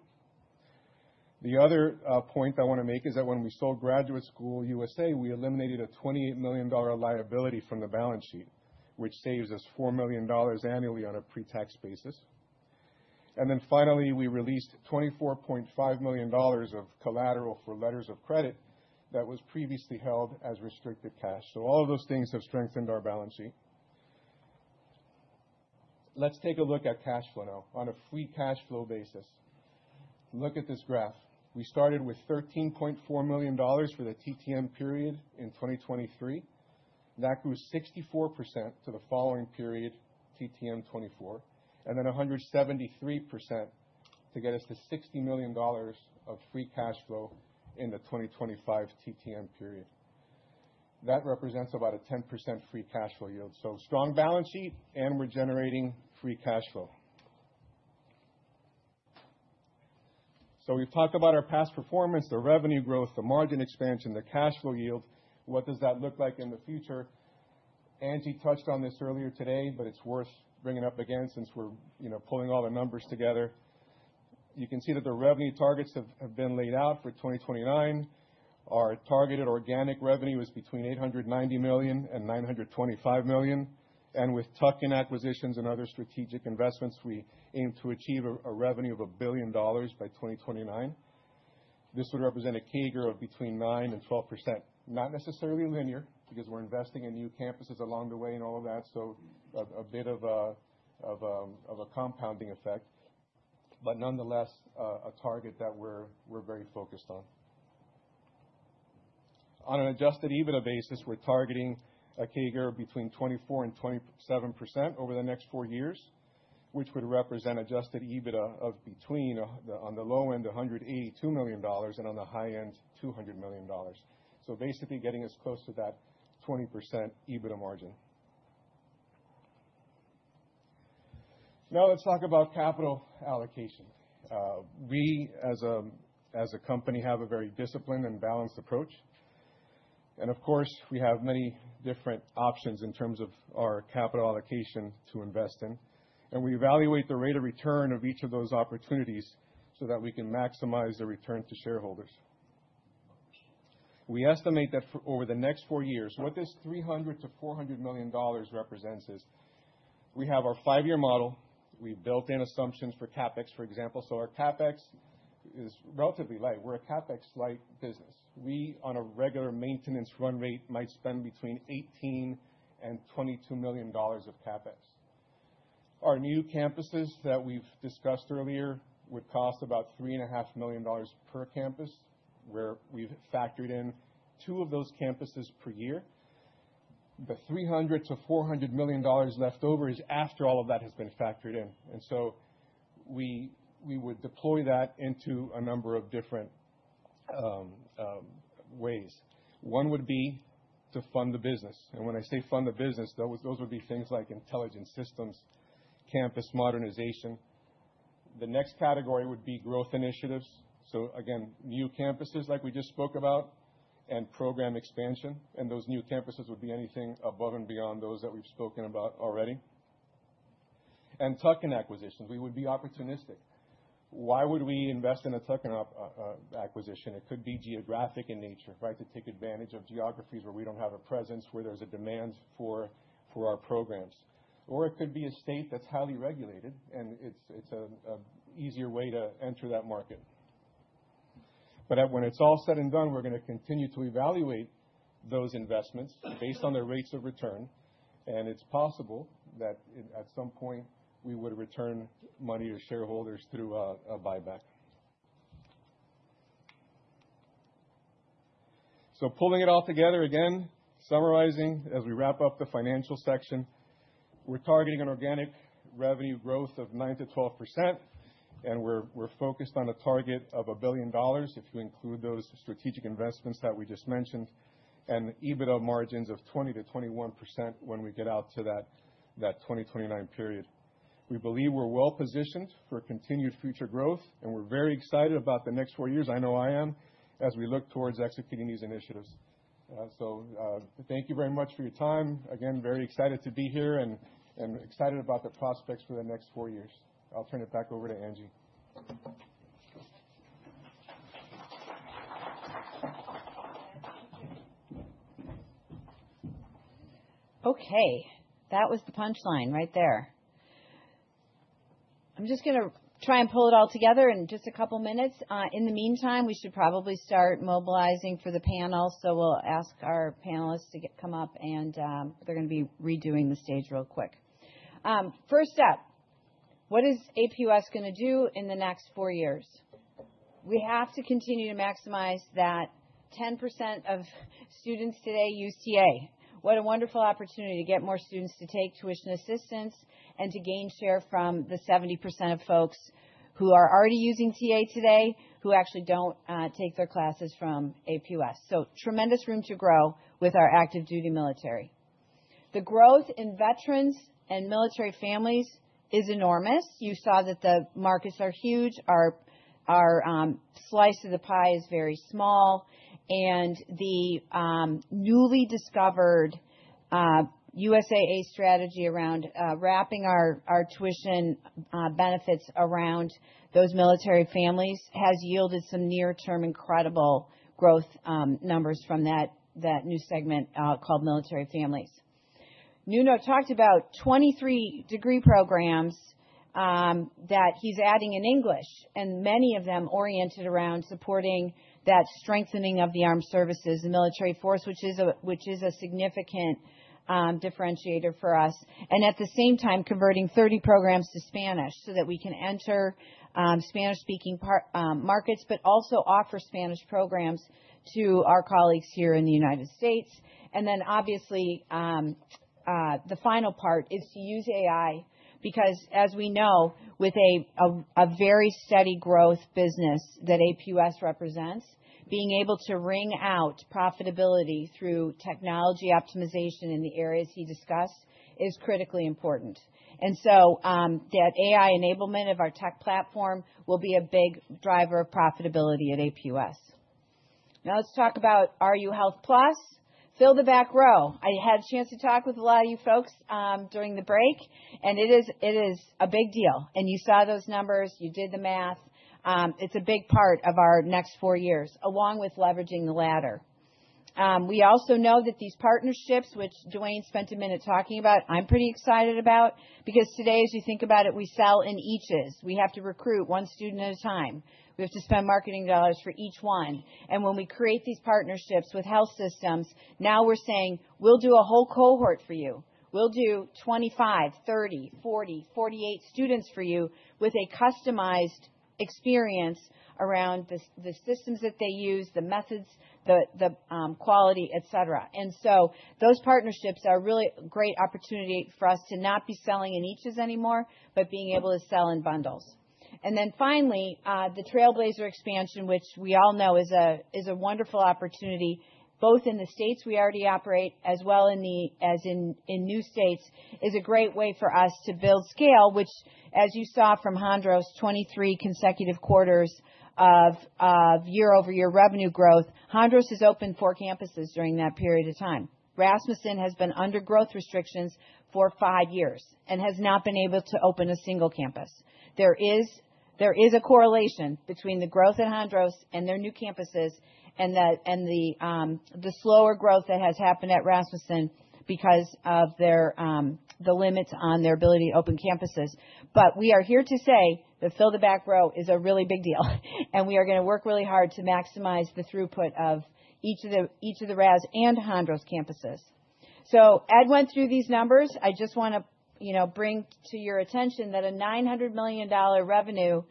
Speaker 7: The other point I want to make is that when we sold Graduate School USA, we eliminated a $28 million liability from the balance sheet, which saves us $4 million annually on a pre-tax basis. Finally, we released $24.5 million of collateral for letters of credit that was previously held as restricted cash. All of those things have strengthened our balance sheet. Let's take a look at cash flow now on a free cash flow basis. Look at this graph. We started with $13.4 million for the TTM period in 2023. That grew 64% to the following period, TTM 2024, and then 173% to get us to $60 million of free cash flow in the 2025 TTM period. That represents about a 10% free cash flow yield. Strong balance sheet, and we're generating free cash flow. We've talked about our past performance, the revenue growth, the margin expansion, the cash flow yield. What does that look like in the future? Angela Selden touched on this earlier today, but it's worth bringing up again since we're pulling all the numbers together. You can see that the revenue targets have been laid out for 2029. Our targeted organic revenue is between $890 million and $925 million. With tuck-in acquisitions and other strategic investments, we aim to achieve a revenue of $1 billion by 2029. This would represent a CAGR of between 9% and 12%. Not necessarily linear because we're investing in new campuses along the way and all of that, so a bit of a compounding effect. Nonetheless, a target that we're very focused on. On an adjusted EBITDA basis, we're targeting a CAGR between 24% and 27% over the next four years, which would represent adjusted EBITDA of, between on the low end, $182 million and on the high end, $200 million. Basically getting as close to that 20% EBITDA margin. Now let's talk about capital allocation. We, as a company, have a very disciplined and balanced approach. Of course, we have many different options in terms of our capital allocation to invest in. We evaluate the rate of return of each of those opportunities so that we can maximize the return to shareholders. We estimate that over the next four years, what this $300 to $400 million represents is we have our five-year model. We've built in assumptions for CapEx, for example. Our CapEx is relatively light. We're a CapEx-light business. We, on a regular maintenance run rate, might spend between $18 and $22 million of CapEx. Our new campuses that we've discussed earlier would cost about $3.5 million per campus, where we've factored in two of those campuses per year. The $300 to $400 million left over is after all of that has been factored in. We would deploy that into a number of different ways. One would be to fund the business. When I say fund the business, those would be things like intelligence systems, campus modernization. The next category would be growth initiatives. New campuses like we just spoke about and program expansion. Those new campuses would be anything above and beyond those that we've spoken about already. Tuck-in acquisitions, we would be opportunistic. Why would we invest in a Tuck-in acquisition? It could be geographic in nature, right? To take advantage of geographies where we don't have a presence, where there's a demand for our programs. It could be a state that's highly regulated, and it's an easier way to enter that market. When it's all said and done, we're going to continue to evaluate those investments based on their rates of return. It's possible that at some point we would return money to shareholders through a buyback. Pulling it all together again, summarizing as we wrap up the financial section, we're targeting an organic revenue growth of 9% to 12%. We're focused on a target of $1 billion if you include those strategic investments that we just mentioned and EBITDA margins of 20% to 21% when we get out to that 2029 period. We believe we're well positioned for continued future growth, and we're very excited about the next four years. I know I am as we look towards executing these initiatives. Thank you very much for your time. Again, very excited to be here and excited about the prospects for the next four years. I'll turn it back over to Angela Selden.
Speaker 1: Okay. That was the punchline right there. I'm just going to try and pull it all together in just a couple of minutes. In the meantime, we should probably start mobilizing for the panel. We will ask our panelists to come up, and they're going to be redoing the stage real quick. First up, what is APUS going to do in the next four years? We have to continue to maximize that 10% of students today use TA. What a wonderful opportunity to get more students to take tuition assistance and to gain share from the 70% of folks who are already using TA today who actually do not take their classes from APUS. Tremendous room to grow with our active duty military. The growth in veterans and military families is enormous. You saw that the markets are huge. Our slice of the pie is very small. The newly discovered USAA strategy around wrapping our tuition benefits around those military families has yielded some near-term incredible growth numbers from that new segment called military families. Nuno talked about 23 degree programs that he's adding in English, and many of them oriented around supporting that strengthening of the armed services and military force, which is a significant differentiator for us. At the same time, converting 30 programs to Spanish so that we can enter Spanish-speaking markets, but also offer Spanish programs to our colleagues here in the United States. Obviously, the final part is to use AI because, as we know, with a very steady growth business that APUS represents, being able to ring out profitability through technology optimization in the areas he discussed is critically important. That AI enablement of our tech platform will be a big driver of profitability at APUS. Now let's talk about RU Health Plus. Fill the back row. I had a chance to talk with a lot of you folks during the break, and it is a big deal. You saw those numbers. You did the math. It's a big part of our next four years, along with leveraging the latter. We also know that these partnerships, which Dwayne spent a minute talking about, I'm pretty excited about because today, as you think about it, we sell in eaches. We have to recruit one student at a time. We have to spend marketing dollars for each one. When we create these partnerships with health systems, now we're saying, "We'll do a whole cohort for you. We'll do 25, 30, 40, 48 students for you with a customized experience around the systems that they use, the methods, the quality, etc. Those partnerships are a really great opportunity for us to not be selling in eaches anymore, but being able to sell in bundles. Finally, the Trailblazer expansion, which we all know is a wonderful opportunity both in the states we already operate as well as in new states, is a great way for us to build scale, which, as you saw from Hondros, 23 consecutive quarters of year-over-year revenue growth, Hondros has opened four campuses during that period of time. Rasmussen has been under growth restrictions for five years and has not been able to open a single campus. There is a correlation between the growth at Hondros and their new campuses and the slower growth that has happened at Rasmussen because of the limits on their ability to open campuses. We are here to say that fill the back row is a really big deal, and we are going to work really hard to maximize the throughput of each of the RAS and Hondros campuses. Ed went through these numbers. I just want to bring to your attention that a $900 million revenue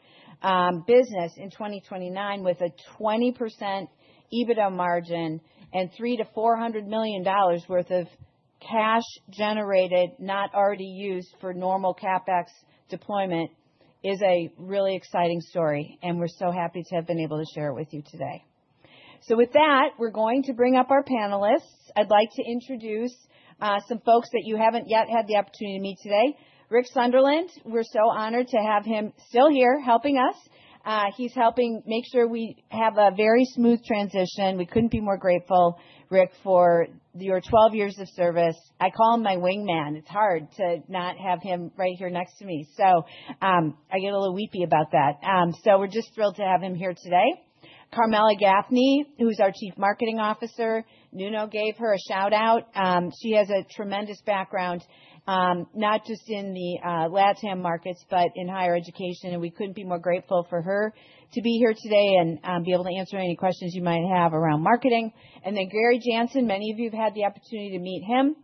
Speaker 1: business in 2029 with a 20% EBITDA margin and $300 to $400 million worth of cash generated not already used for normal CapEx deployment is a really exciting story, and we're so happy to have been able to share it with you today. With that, we're going to bring up our panelists. I'd like to introduce some folks that you haven't yet had the opportunity to meet today. Rick Sunderland, we're so honored to have him still here helping us. He's helping make sure we have a very smooth transition. We couldn't be more grateful, Rick, for your 12 years of service. I call him my wingman. It's hard to not have him right here next to me. I get a little weepy about that. We're just thrilled to have him here today. Karmela Gaffney, who's our Chief Marketing Officer, Nuno gave her a shout-out. She has a tremendous background not just in the LATAM markets, but in higher education. We couldn't be more grateful for her to be here today and be able to answer any questions you might have around marketing. Gary Janssen, many of you have had the opportunity to meet him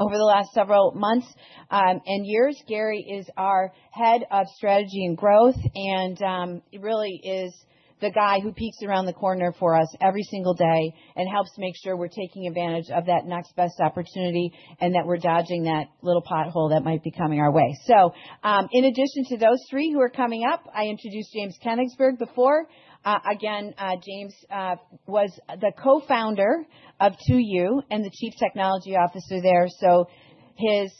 Speaker 1: over the last several months and years. Gary is our Head of Strategy and Growth, and he really is the guy who peeks around the corner for us every single day and helps make sure we are taking advantage of that next best opportunity and that we are dodging that little pothole that might be coming our way. In addition to those three who are coming up, I introduced James Kenigsberg before. Again, James was the co-founder of 2U and the Chief Technology Officer there. His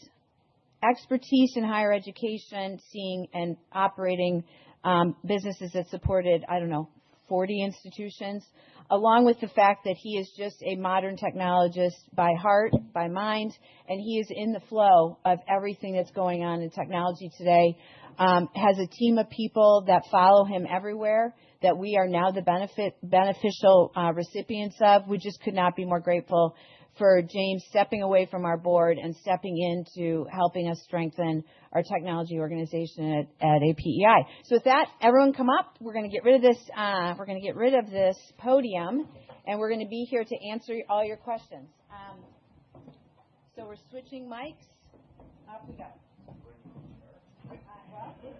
Speaker 1: expertise in higher education, seeing and operating businesses that supported, I don't know, 40 institutions, along with the fact that he is just a modern technologist by heart, by mind, and he is in the flow of everything that's going on in technology today, has a team of people that follow him everywhere that we are now the beneficial recipients of. We just could not be more grateful for James stepping away from our board and stepping into helping us strengthen our technology organization at APEI. With that, everyone come up. We're going to get rid of this. We're going to get rid of this podium, and we're going to be here to answer all your questions. We're switching mics. Off we go. There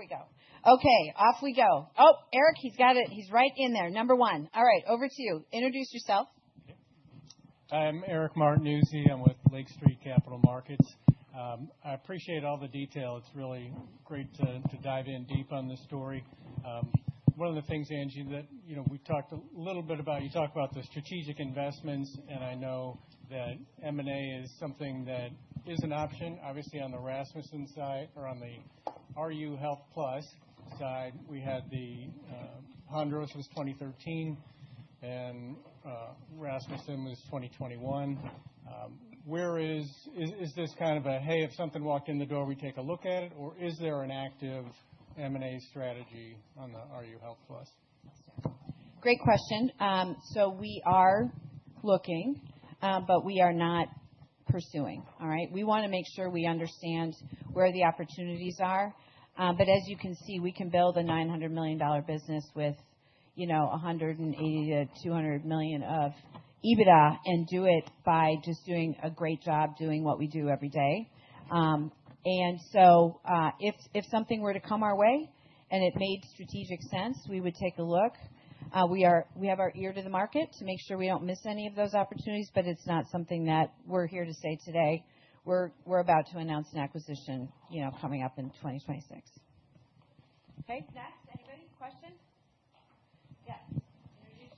Speaker 1: we go. Okay. Off we go. Oh, Eric, he's got it. He's right in there. Number one. All right. Over to you. Introduce yourself.
Speaker 8: I'm Eric Martinuzzi. I'm with Lake Street Capital Markets. I appreciate all the detail. It's really great to dive in deep on the story. One of the things, Angela Selden, that we talked a little bit about, you talked about the strategic investments, and I know that M&A is something that is an option. Obviously, on the Rasmussen side or on the RU Health Plus side, we had the Hondros was 2013 and Rasmussen was 2021. Is this kind of a, "Hey, if something walked in the door, we take a look at it," or is there an active M&A strategy on the RU Health Plus?
Speaker 1: Great question. We are looking, but we are not pursuing. All right? We want to make sure we understand where the opportunities are. As you can see, we can build a $900 million business with $180 million to $200 million of EBITDA and do it by just doing a great job doing what we do every day. If something were to come our way and it made strategic sense, we would take a look. We have our ear to the market to make sure we do not miss any of those opportunities, but it is not something that we are here to say today. We are about to announce an acquisition coming up in 2026. Okay. Next, anybody? Questions? Yes. Introduce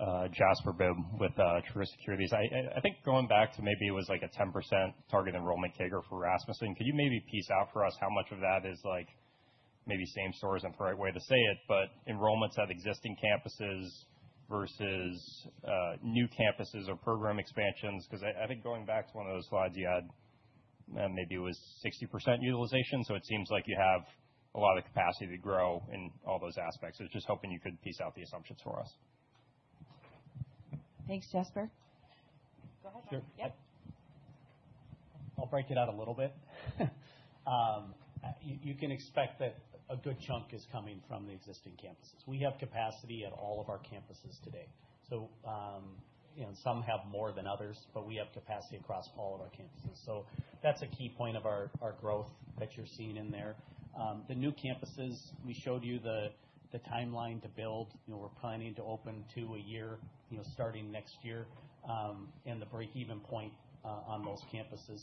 Speaker 1: yourself.
Speaker 9: Jasper Bibb with Truist Securities. I think going back to maybe it was like a 10% target enrollment kicker for Rasmussen. Could you maybe piece out for us how much of that is maybe same story? Isn't the right way to say it, but enrollments at existing campuses versus new campuses or program expansions? Because I think going back to one of those slides, you had maybe it was 60% utilization. It seems like you have a lot of capacity to grow in all those aspects. I was just hoping you could piece out the assumptions for us.
Speaker 1: Thanks, Jasper. Go ahead.
Speaker 6: Sure.
Speaker 1: Yep.
Speaker 6: I'll break it out a little bit. You can expect that a good chunk is coming from the existing campuses. We have capacity at all of our campuses today. Some have more than others, but we have capacity across all of our campuses. That's a key point of our growth that you're seeing in there. The new campuses, we showed you the timeline to build. We're planning to open two a year starting next year and the break-even point on those campuses.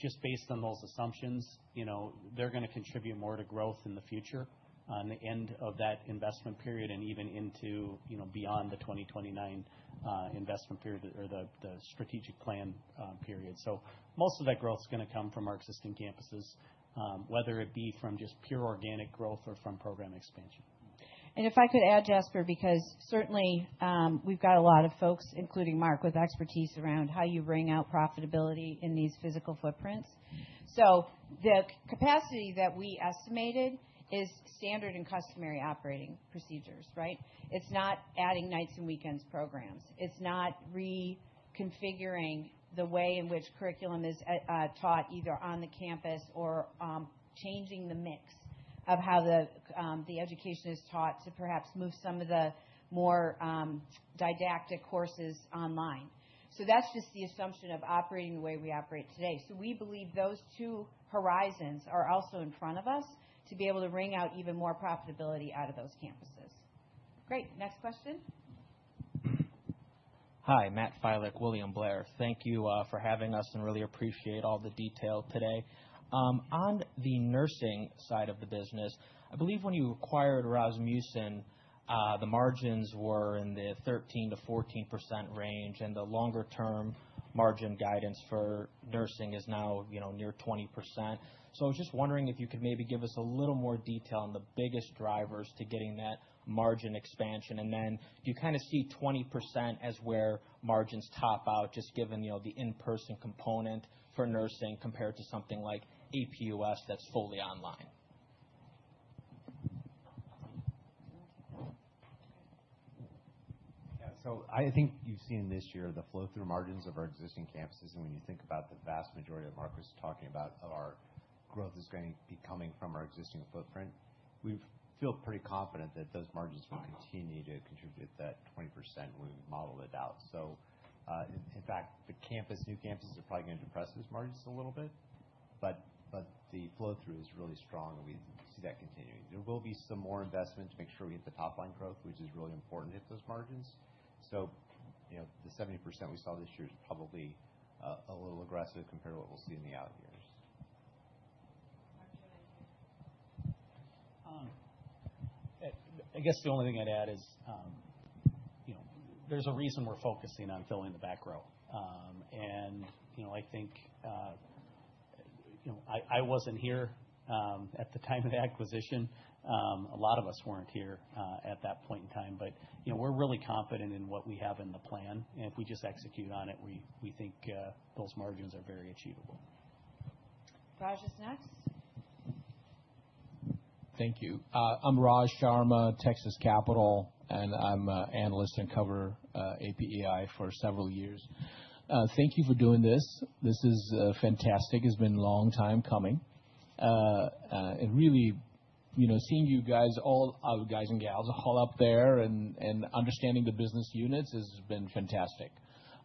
Speaker 6: Just based on those assumptions, they're going to contribute more to growth in the future, the end of that investment period, and even into beyond the 2029 investment period or the strategic plan period. Most of that growth is going to come from our existing campuses, whether it be from just pure organic growth or from program expansion.
Speaker 1: If I could add, Jasper, because certainly we've got a lot of folks, including Mark, with expertise around how you bring out profitability in these physical footprints. The capacity that we estimated is standard and customary operating procedures, right? It's not adding nights and weekends programs. It's not reconfiguring the way in which curriculum is taught either on the campus or changing the mix of how the education is taught to perhaps move some of the more didactic courses online. That's just the assumption of operating the way we operate today. We believe those two horizons are also in front of us to be able to bring out even more profitability out of those campuses. Great. Next question.
Speaker 10: Hi, Matt Finkel, William Blair. Thank you for having us and really appreciate all the detail today. On the nursing side of the business, I believe when you acquired Rasmussen, the margins were in the 13%-14% range, and the longer-term margin guidance for nursing is now near 20%. I was just wondering if you could maybe give us a little more detail on the biggest drivers to getting that margin expansion. Do you kind of see 20% as where margins top out, just given the in-person component for nursing compared to something like APUS that's fully online?
Speaker 6: Yeah. I think you've seen this year the flow-through margins of our existing campuses. When you think about the vast majority of what Mark was talking about, our growth is going to be coming from our existing footprint. We feel pretty confident that those margins will continue to contribute that 20% when we model it out. In fact, the new campuses are probably going to depress those margins a little bit, but the flow-through is really strong, and we see that continuing. There will be some more investment to make sure we hit the top-line growth, which is really important to hit those margins. The 70% we saw this year is probably a little aggressive compared to what we'll see in the out years. I guess the only thing I'd add is there's a reason we're focusing on filling the back row. I think I wasn't here at the time of the acquisition. A lot of us weren't here at that point in time. We're really confident in what we have in the plan. If we just execute on it, we think those margins are very achievable.
Speaker 1: Raj is next.
Speaker 11: Thank you. I'm Raj Sharma, Texas Capital, and I'm an analyst and cover APEI for several years. Thank you for doing this. This is fantastic. It's been a long time coming. Really seeing you guys, all guys and gals, all up there and understanding the business units has been fantastic.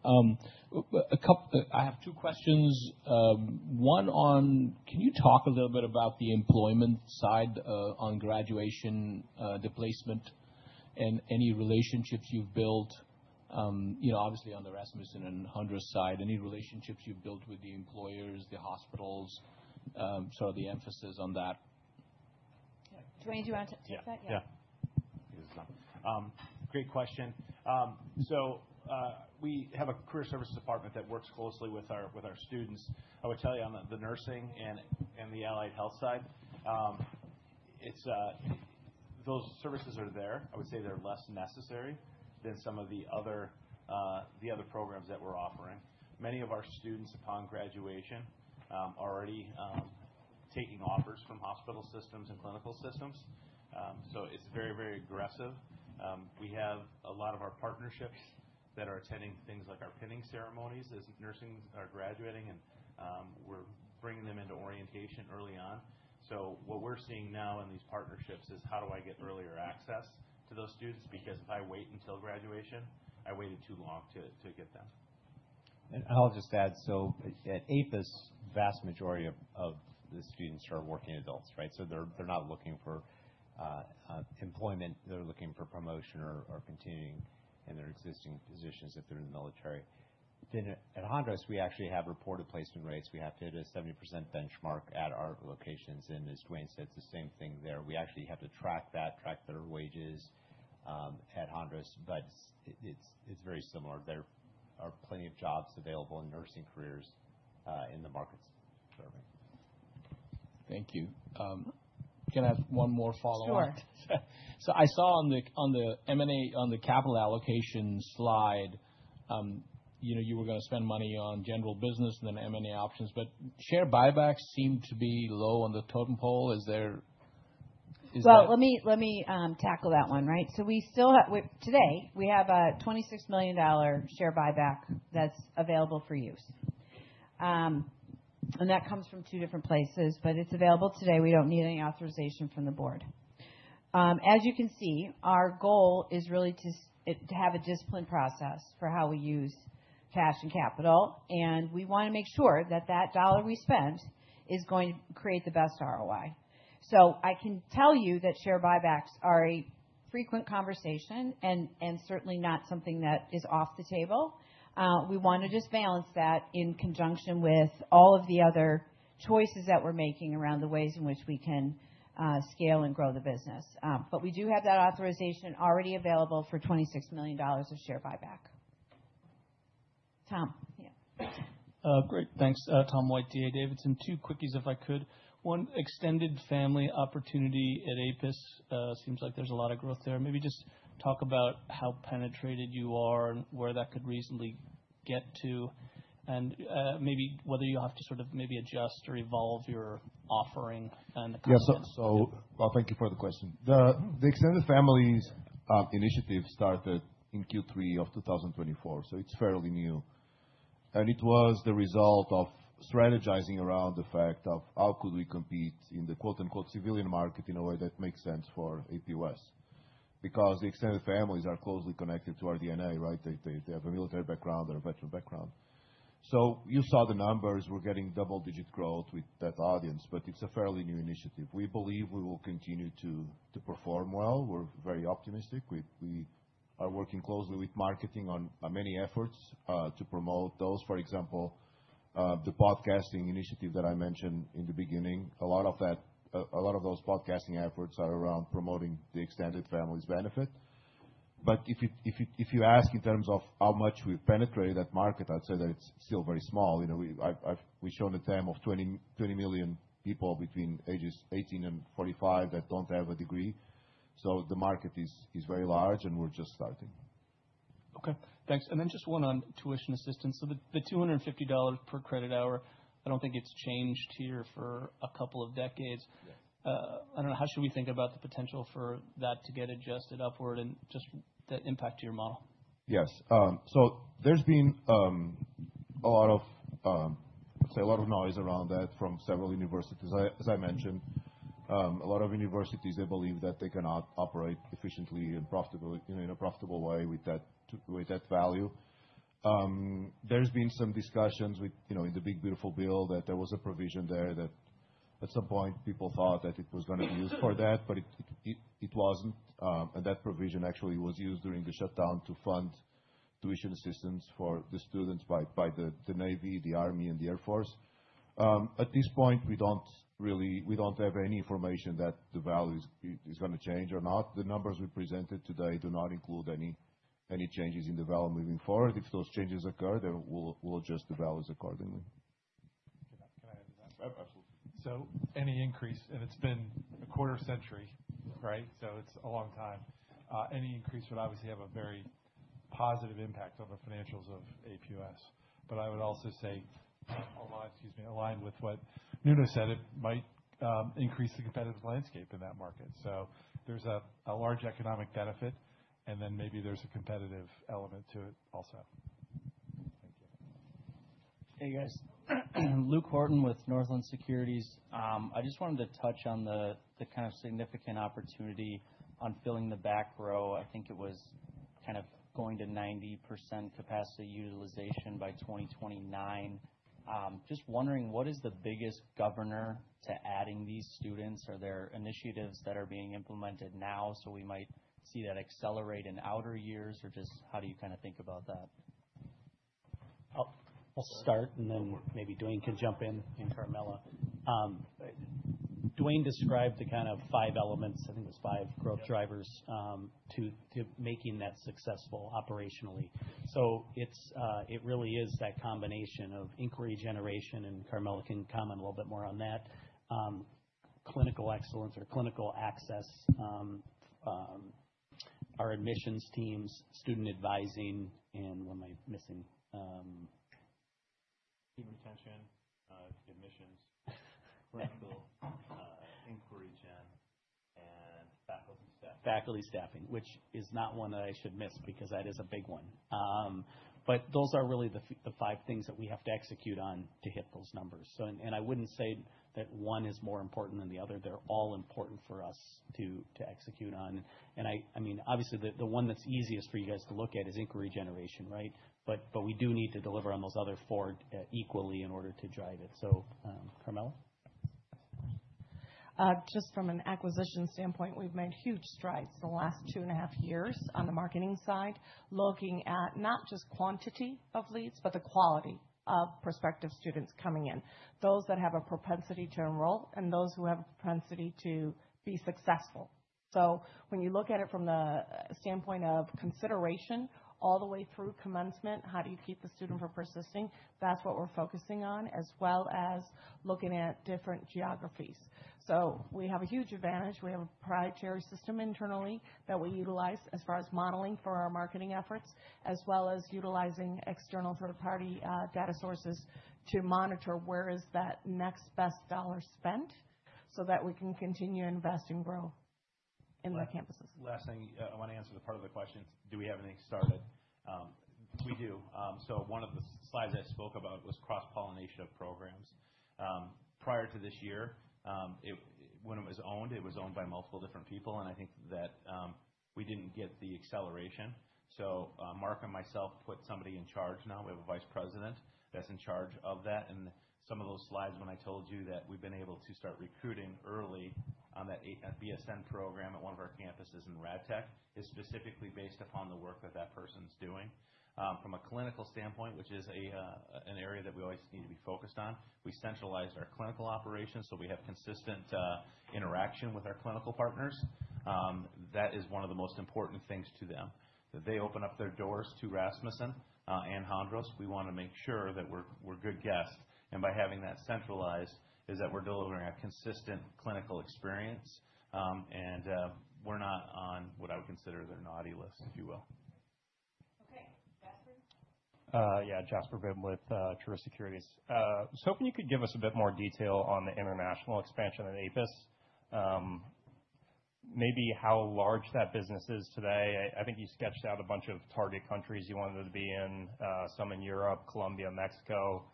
Speaker 11: I have two questions. One on, can you talk a little bit about the employment side on graduation placement and any relationships you've built, obviously on the Rasmussen and Hondros side, any relationships you've built with the employers, the hospitals, sort of the emphasis on that?
Speaker 1: Yeah. Dwayne, do you want to take that? Yeah.
Speaker 6: Yeah. Great question. We have a career services department that works closely with our students. I would tell you on the nursing and the allied health side, those services are there. I would say they're less necessary than some of the other programs that we're offering. Many of our students upon graduation are already taking offers from hospital systems and clinical systems. It is very, very aggressive. We have a lot of our partnerships that are attending things like our pinning ceremonies as nursing are graduating, and we're bringing them into orientation early on. What we're seeing now in these partnerships is, how do I get earlier access to those students? Because if I wait until graduation, I waited too long to get them. I'll just add, at APUS, the vast majority of the students are working adults, right? They're not looking for employment. They're looking for promotion or continuing in their existing positions if they're in the military. At Hondros, we actually have reported placement rates. We have to hit a 70% benchmark at our locations. As Dwayne said, it's the same thing there. We actually have to track that, track their wages at Hondros, but it's very similar. There are plenty of jobs available in nursing careers in the markets serving.
Speaker 11: Thank you. Can I have one more follow-up?
Speaker 1: Sure.
Speaker 11: I saw on the capital allocation slide, you were going to spend money on general business and then M&A options. Share buybacks seem to be low on the totem pole. Is there?
Speaker 1: Let me tackle that one, right? Today, we have a $26 million share buyback that's available for use. That comes from two different places, but it's available today. We don't need any authorization from the board. As you can see, our goal is really to have a discipline process for how we use cash and capital. We want to make sure that that dollar we spend is going to create the best ROI. I can tell you that share buybacks are a frequent conversation and certainly not something that is off the table. We want to just balance that in conjunction with all of the other choices that we're making around the ways in which we can scale and grow the business. We do have that authorization already available for $26 million of share buyback. Tom, yeah.
Speaker 12: Great. Thanks, Tom White, D.A. Davidson. Two quickies, if I could. One, extended family opportunity at APUS. Seems like there's a lot of growth there. Maybe just talk about how penetrated you are and where that could reasonably get to, and maybe whether you'll have to sort of maybe adjust or evolve your offering and the concept.
Speaker 6: Yes. Thank you for the question. The extended families initiative started in Q3 of 2024, so it is fairly new. It was the result of strategizing around the fact of how could we compete in the quote-unquote "civilian market" in a way that makes sense for APUS because the extended families are closely connected to our DNA, right? They have a military background, a veteran background. You saw the numbers. We are getting double-digit growth with that audience, but it is a fairly new initiative. We believe we will continue to perform well. We are very optimistic. We are working closely with marketing on many efforts to promote those. For example, the podcasting initiative that I mentioned in the beginning, a lot of those podcasting efforts are around promoting the extended family's benefit. If you ask in terms of how much we've penetrated that market, I'd say that it's still very small. We've shown a TAM of 20 million people between ages 18 and 45 that don't have a degree. The market is very large, and we're just starting.
Speaker 12: Okay. Thanks. Then just one on tuition assistance. The $250 per credit hour, I do not think it has changed here for a couple of decades. I do not know. How should we think about the potential for that to get adjusted upward and just the impact to your model?
Speaker 6: Yes. There has been a lot of, I'd say, a lot of noise around that from several universities, as I mentioned. A lot of universities believe that they cannot operate efficiently in a profitable way with that value. There have been some discussions in the One Big Beautiful Bill that there was a provision there that at some point, people thought that it was going to be used for that, but it was not. That provision actually was used during the shutdown to fund Tuition Assistance for the students by the Navy, the Army, and the Air Force. At this point, we do not have any information that the value is going to change or not. The numbers we presented today do not include any changes in the value moving forward. If those changes occur, then we will adjust the values accordingly.
Speaker 12: Can I add to that? Absolutely.
Speaker 5: Any increase, and it's been a quarter century, right? It's a long time. Any increase would obviously have a very positive impact on the financials of APUS. I would also say, excuse me, aligned with what Nuno said, it might increase the competitive landscape in that market. There's a large economic benefit, and then maybe there's a competitive element to it also. Thank you.
Speaker 13: Hey, guys. Luke Horton with Northland Securities. I just wanted to touch on the kind of significant opportunity on filling the back row. I think it was kind of going to 90% capacity utilization by 2029. Just wondering, what is the biggest governor to adding these students? Are there initiatives that are being implemented now so we might see that accelerate in outer years, or just how do you kind of think about that?
Speaker 5: I'll start, and then maybe Dwayne can jump in and Karmela. Dwayne described the kind of five elements, I think it was five growth drivers, to making that successful operationally. It really is that combination of inquiry generation, and Karmela can comment a little bit more on that, clinical excellence or clinical access, our admissions teams, student advising, and what am I missing?
Speaker 13: Human attention, admissions, clinical inquiry gen, and faculty staffing.
Speaker 5: Faculty staffing, which is not one that I should miss because that is a big one. Those are really the five things that we have to execute on to hit those numbers. I would not say that one is more important than the other. They are all important for us to execute on. I mean, obviously, the one that is easiest for you guys to look at is inquiry generation, right? We do need to deliver on those other four equally in order to drive it. Karmela?
Speaker 14: Just from an acquisition standpoint, we've made huge strides in the last two and a half years on the marketing side, looking at not just quantity of leads, but the quality of prospective students coming in, those that have a propensity to enroll, and those who have a propensity to be successful. When you look at it from the standpoint of consideration all the way through commencement, how do you keep the student from persisting? That's what we're focusing on, as well as looking at different geographies. We have a huge advantage. We have a proprietary system internally that we utilize as far as modeling for our marketing efforts, as well as utilizing external third-party data sources to monitor where is that next best dollar spent so that we can continue to invest and grow in the campuses.
Speaker 6: Last thing. I want to answer the part of the question. Do we have anything started? We do. One of the slides I spoke about was cross-pollination of programs. Prior to this year, when it was owned, it was owned by multiple different people. I think that we did not get the acceleration. Mark and myself put somebody in charge now. We have a Vice President that is in charge of that. Some of those slides, when I told you that we have been able to start recruiting early on that BSN program at one of our campuses in RadTech, is specifically based upon the work that that person is doing. From a clinical standpoint, which is an area that we always need to be focused on, we centralized our clinical operations so we have consistent interaction with our clinical partners. That is one of the most important things to them. They open up their doors to Rasmussen and Hondros. We want to make sure that we're a good guest. By having that centralized, we're delivering a consistent clinical experience, and we're not on what I would consider their naughty list, if you will.
Speaker 9: Yeah. Jasper Bibb with Truist Securities. If you could give us a bit more detail on the international expansion of APUS, maybe how large that business is today. I think you sketched out a bunch of target countries you wanted to be in, some in Europe, Colombia, Mexico.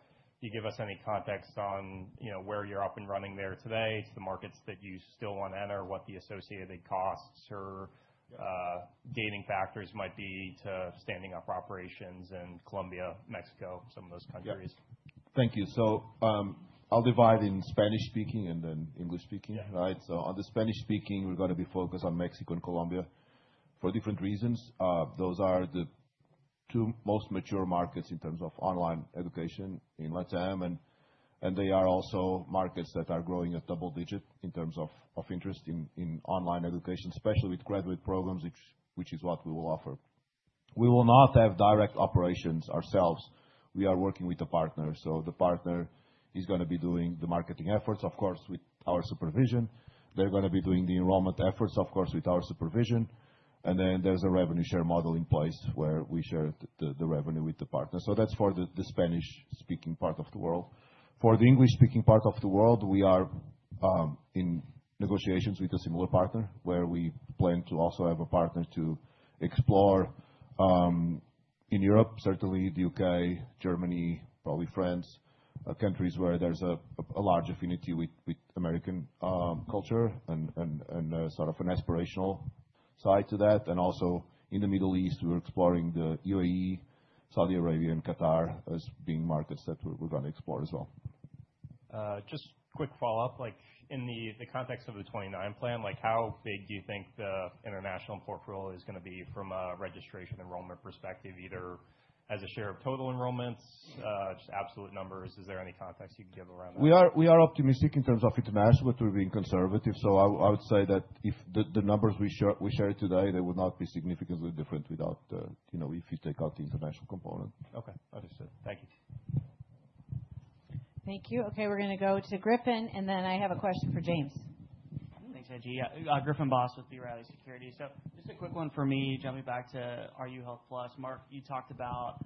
Speaker 9: You give us any context on where you're up and running there today, to the markets that you still want to enter, what the associated costs or gating factors might be to standing up operations in Colombia, Mexico, some of those countries.
Speaker 6: Yeah. Thank you. I'll divide in Spanish-speaking and then English-speaking, right? On the Spanish-speaking, we're going to be focused on Mexico and Colombia for different reasons. Those are the two most mature markets in terms of online education in LatAm. They are also markets that are growing at double digit in terms of interest in online education, especially with graduate programs, which is what we will offer. We will not have direct operations ourselves. We are working with a partner. The partner is going to be doing the marketing efforts, of course, with our supervision. They're going to be doing the enrollment efforts, of course, with our supervision. There is a revenue share model in place where we share the revenue with the partner. That's for the Spanish-speaking part of the world. For the English-speaking part of the world, we are in negotiations with a similar partner where we plan to also have a partner to explore in Europe, certainly the U.K., Germany, probably France, countries where there's a large affinity with American culture and sort of an aspirational side to that. Also in the Middle East, we're exploring the UAE, Saudi Arabia, and Qatar as being markets that we're going to explore as well.
Speaker 9: Just quick follow-up. In the context of the 2029 plan, how big do you think the international portfolio is going to be from a registration enrollment perspective, either as a share of total enrollments, just absolute numbers? Is there any context you can give around that?
Speaker 6: We are optimistic in terms of international, but we're being conservative. I would say that if the numbers we shared today, they would not be significantly different if you take out the international component.
Speaker 9: Okay. Understood. Thank you.
Speaker 1: Thank you. Okay. We're going to go to Griffin, and then I have a question for James.
Speaker 15: Thanks, Angie. Yeah. Griffin Boss with B. Riley Securities. Just a quick one for me. Jumping back to RU Health Plus. Mark, you talked about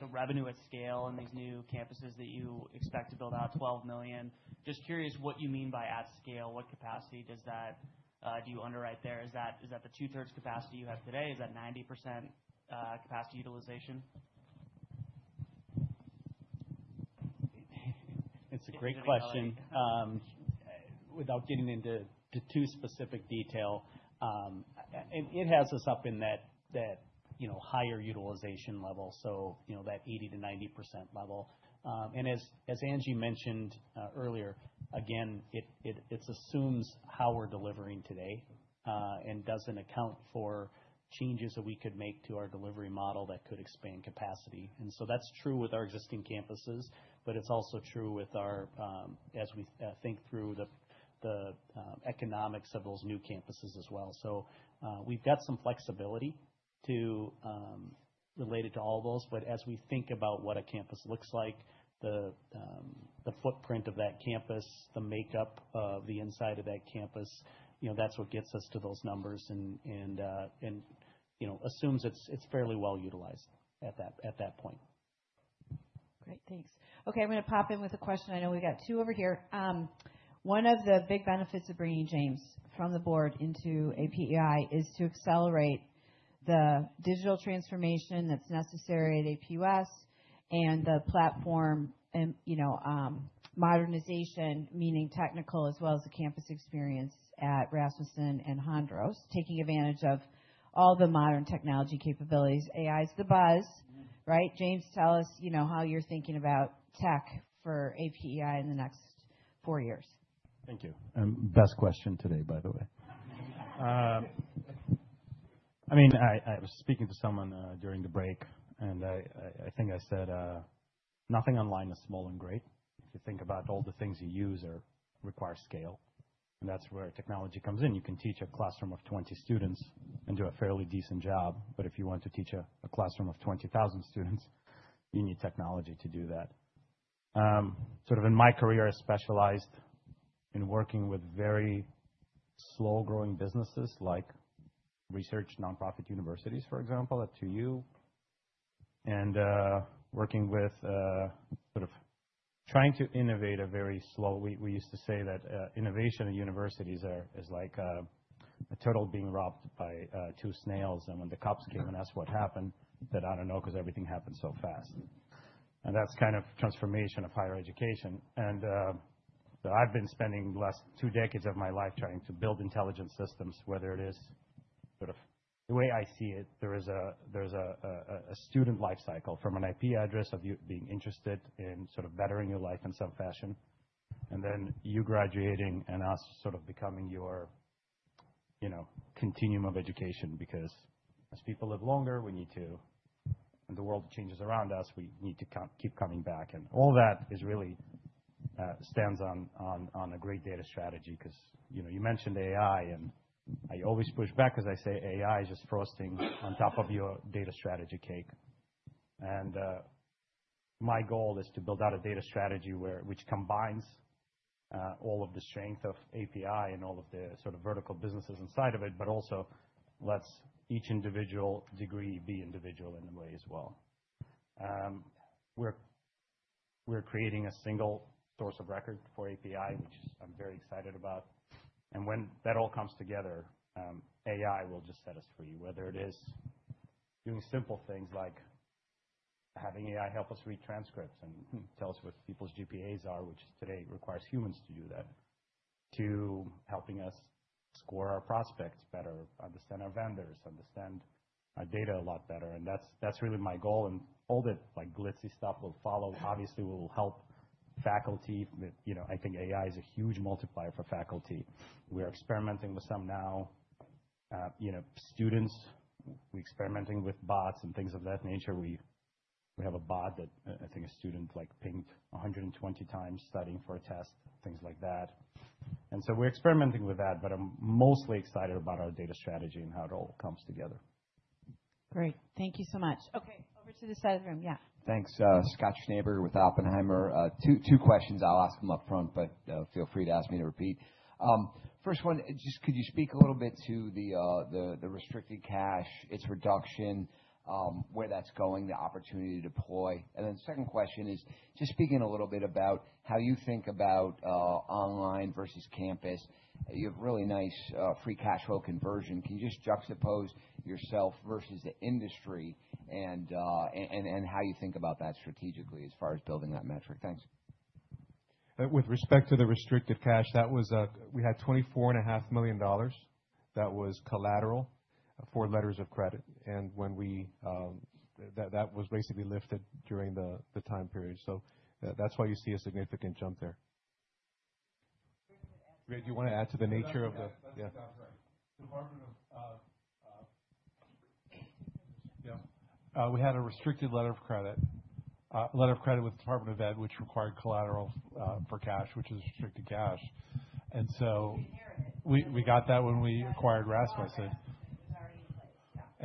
Speaker 15: the revenue at scale and these new campuses that you expect to build out, $12 million. Just curious what you mean by at scale. What capacity do you underwrite there? Is that the two-thirds capacity you have today? Is that 90% capacity utilization?
Speaker 6: It's a great question. Without getting into too specific detail, it has us up in that higher utilization level, so that 80% to 90% level. As Angie mentioned earlier, again, it assumes how we're delivering today and doesn't account for changes that we could make to our delivery model that could expand capacity. That is true with our existing campuses, but it's also true as we think through the economics of those new campuses as well. We've got some flexibility related to all those. As we think about what a campus looks like, the footprint of that campus, the makeup of the inside of that campus, that's what gets us to those numbers and assumes it's fairly well utilized at that point.
Speaker 1: Great. Thanks. Okay. I'm going to pop in with a question. I know we've got two over here. One of the big benefits of bringing James from the board into APEI is to accelerate the digital transformation that's necessary at APUS and the platform modernization, meaning technical as well as the campus experience at Rasmussen and Hondros, taking advantage of all the modern technology capabilities. AI is the buzz, right? James, tell us how you're thinking about tech for APEI in the next four years.
Speaker 6: Thank you. Best question today, by the way. I mean, I was speaking to someone during the break, and I think I said, "Nothing online is small and great. If you think about all the things you use or require scale." That is where technology comes in. You can teach a classroom of 20 students and do a fairly decent job. If you want to teach a classroom of 20,000 students, you need technology to do that. Sort of in my career, I specialized in working with very slow-growing businesses like research nonprofit universities, for example, at 2U, and working with sort of trying to innovate a very slow—we used to say that innovation at universities is like a turtle being robbed by two snails. When the cops came and asked what happened, they said, "I don't know, because everything happened so fast." That is kind of transformation of higher education. I have been spending the last two decades of my life trying to build intelligent systems, whether it is sort of the way I see it, there is a student life cycle from an IP address of you being interested in sort of bettering your life in some fashion, and then you graduating and us sort of becoming your continuum of education because as people live longer, we need to, and the world changes around us, we need to keep coming back. All that really stands on a great data strategy because you mentioned AI, and I always push back because I say AI is just frosting on top of your data strategy cake. My goal is to build out a data strategy which combines all of the strength of APEI and all of the sort of vertical businesses inside of it, but also lets each individual degree be individual in a way as well. We're creating a single source of record for APEI, which I'm very excited about. When that all comes together, AI will just set us free, whether it is doing simple things like having AI help us read transcripts and tell us what people's GPAs are, which today requires humans to do that, to helping us score our prospects better, understand our vendors, understand our data a lot better. That's really my goal. All the glitzy stuff will follow. Obviously, we'll help faculty. I think AI is a huge multiplier for faculty. We're experimenting with some now. Students, we're experimenting with bots and things of that nature. We have a bot that I think a student pinged 120 times studying for a test, things like that. We're experimenting with that, but I'm mostly excited about our data strategy and how it all comes together.
Speaker 1: Great. Thank you so much. Okay. Over to the side of the room. Yeah.
Speaker 16: Thanks. Scott Schnabel with Oppenheimer. Two questions. I'll ask them upfront, but feel free to ask me to repeat. First one, just could you speak a little bit to the restricted cash, its reduction, where that's going, the opportunity to deploy? The second question is just speaking a little bit about how you think about online versus campus. You have really nice free cash flow conversion. Can you just juxtapose yourself versus the industry and how you think about that strategically as far as building that metric? Thanks.
Speaker 5: With respect to the restricted cash, we had $24.5 million that was collateral for letters of credit. That was basically lifted during the time period. That is why you see a significant jump there.
Speaker 16: Do you want to add to the nature of the—
Speaker 5: Yeah. That's right. Department of—yeah. We had a restricted letter of credit with the Department of Ed, which required collateral for cash, which is restricted cash. And so we got that when we acquired Rasmussen.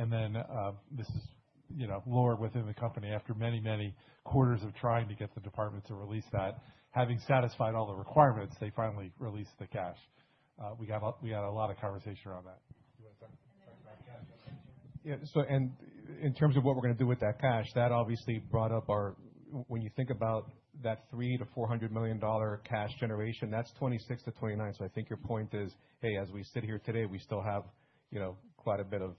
Speaker 5: It was already in place. Yeah. This is lower within the company. After many, many quarters of trying to get the department to release that, having satisfied all the requirements, they finally released the cash. We had a lot of conversation around that.
Speaker 16: Do you want to talk about cash?
Speaker 5: Yeah. In terms of what we're going to do with that cash, that obviously brought up our—when you think about that $300 million to $400 million cash generation, that's 2026 to 2029. I think your point is, "Hey, as we sit here today, we still have quite a bit of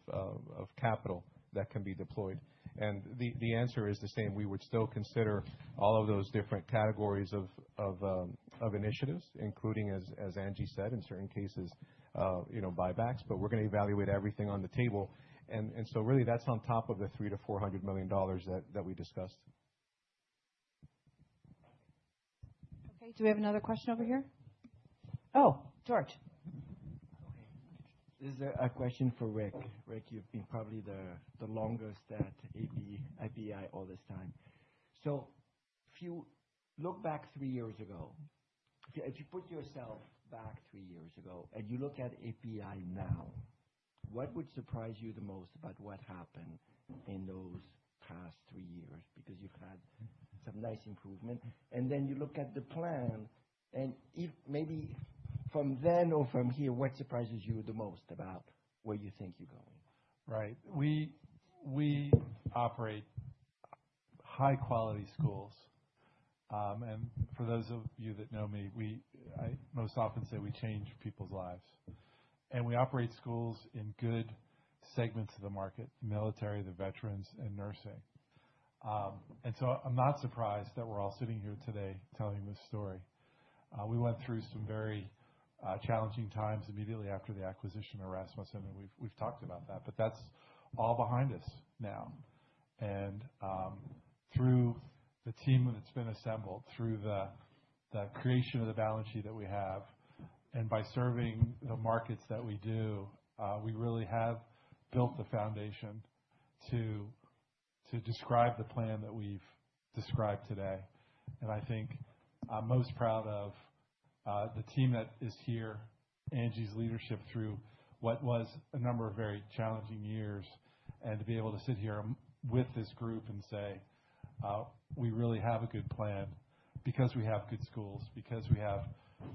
Speaker 5: capital that can be deployed." The answer is the same. We would still consider all of those different categories of initiatives, including, as Angie said, in certain cases, buybacks. We're going to evaluate everything on the table. Really, that's on top of the $300 million to $400 million that we discussed.
Speaker 1: Okay. Do we have another question over here? Oh, George.
Speaker 17: Okay. Is there a question for Rick? Rick, you've been probably the longest at APEI all this time. If you look back three years ago, if you put yourself back three years ago and you look at APEI now, what would surprise you the most about what happened in those past three years? Because you've had some nice improvement. You look at the plan, and maybe from then or from here, what surprises you the most about where you think you're going?
Speaker 5: Right. We operate high-quality schools. And for those of you that know me, I most often say we change people's lives. We operate schools in good segments of the market: the military, the veterans, and nursing. I am not surprised that we're all sitting here today telling this story. We went through some very challenging times immediately after the acquisition of Rasmussen, and we've talked about that. That is all behind us now. Through the team that's been assembled, through the creation of the balance sheet that we have, and by serving the markets that we do, we really have built the foundation to describe the plan that we've described today. I think I'm most proud of the team that is here, Angie's leadership through what was a number of very challenging years, and to be able to sit here with this group and say, "We really have a good plan because we have good schools, because we have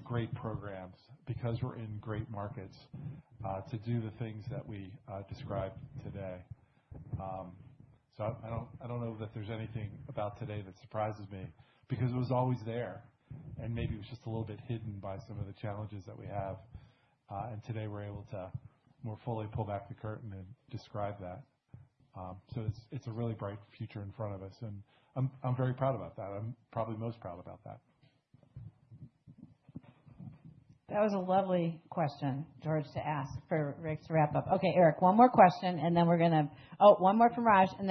Speaker 5: great programs, because we're in great markets to do the things that we described today." I don't know that there's anything about today that surprises me because it was always there, and maybe it was just a little bit hidden by some of the challenges that we have. Today, we're able to more fully pull back the curtain and describe that. It's a really bright future in front of us. I'm very proud about that. I'm probably most proud about that.
Speaker 1: That was a lovely question, George, to ask for Rick to wrap up. Okay. Eric, one more question, and then we are going to—oh, one more from Raj. Then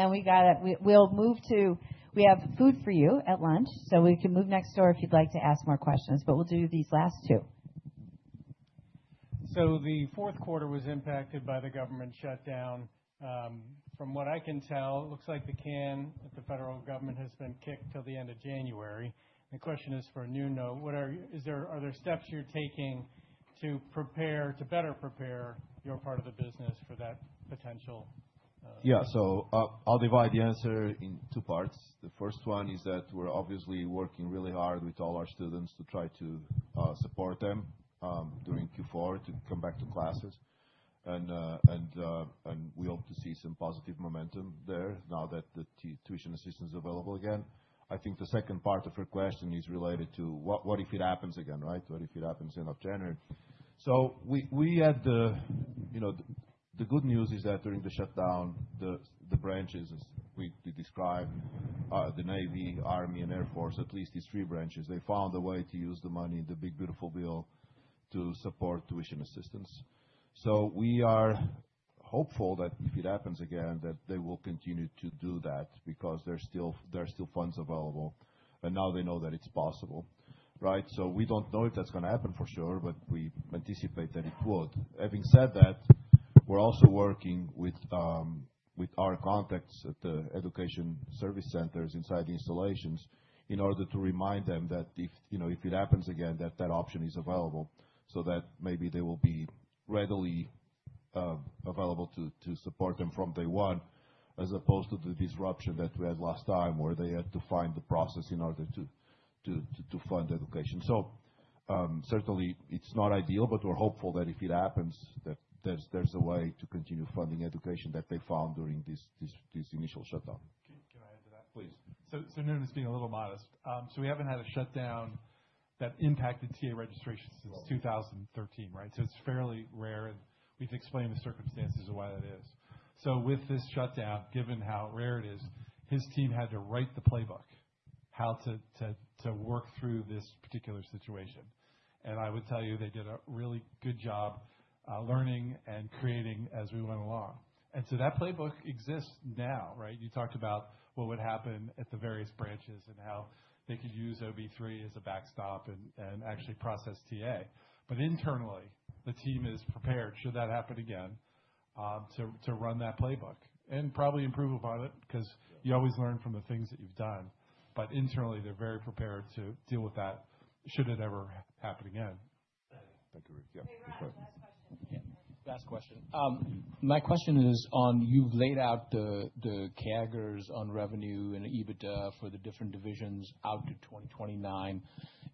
Speaker 1: we will move to—we have food for you at lunch, so we can move next door if you would like to ask more questions. We will do these last two.
Speaker 11: The fourth quarter was impacted by the government shutdown. From what I can tell, it looks like the can at the federal government has been kicked till the end of January. The question is for a new note. Are there steps you're taking to better prepare your part of the business for that potential?
Speaker 4: Yeah. I'll divide the answer in two parts. The first one is that we're obviously working really hard with all our students to try to support them during Q4 to come back to classes. We hope to see some positive momentum there now that the tuition assistance is available again. I think the second part of your question is related to what if it happens again, right? What if it happens end of January? The good news is that during the shutdown, the branches we described, the Navy, Army, and Air Force, at least these three branches, they found a way to use the money, the big, beautiful bill, to support tuition assistance. We are hopeful that if it happens again, they will continue to do that because there are still funds available, and now they know that it's possible, right? We do not know if that is going to happen for sure, but we anticipate that it would. Having said that, we are also working with our contacts at the education service centers inside the installations in order to remind them that if it happens again, that option is available so that maybe they will be readily available to support them from day one, as opposed to the disruption that we had last time where they had to find the process in order to fund education. Certainly, it is not ideal, but we are hopeful that if it happens, there is a way to continue funding education that they found during this initial shutdown.
Speaker 5: Can I add to that? Please. Nuno is being a little modest. We haven't had a shutdown that impacted TA registration since 2013, right? It is fairly rare, and we've explained the circumstances of why that is. With this shutdown, given how rare it is, his team had to write the playbook how to work through this particular situation. I would tell you they did a really good job learning and creating as we went along. That playbook exists now, right? You talked about what would happen at the various branches and how they could use OB3 as a backstop and actually process TA. Internally, the team is prepared, should that happen again, to run that playbook and probably improve upon it because you always learn from the things that you've done. Internally, they're very prepared to deal with that should it ever happen again.
Speaker 4: Thank you, Rick. Yeah.
Speaker 11: Hey, Raj. Last question. Yeah. Last question. My question is on you've laid out the CAGRs on revenue and EBITDA for the different divisions out to 2029.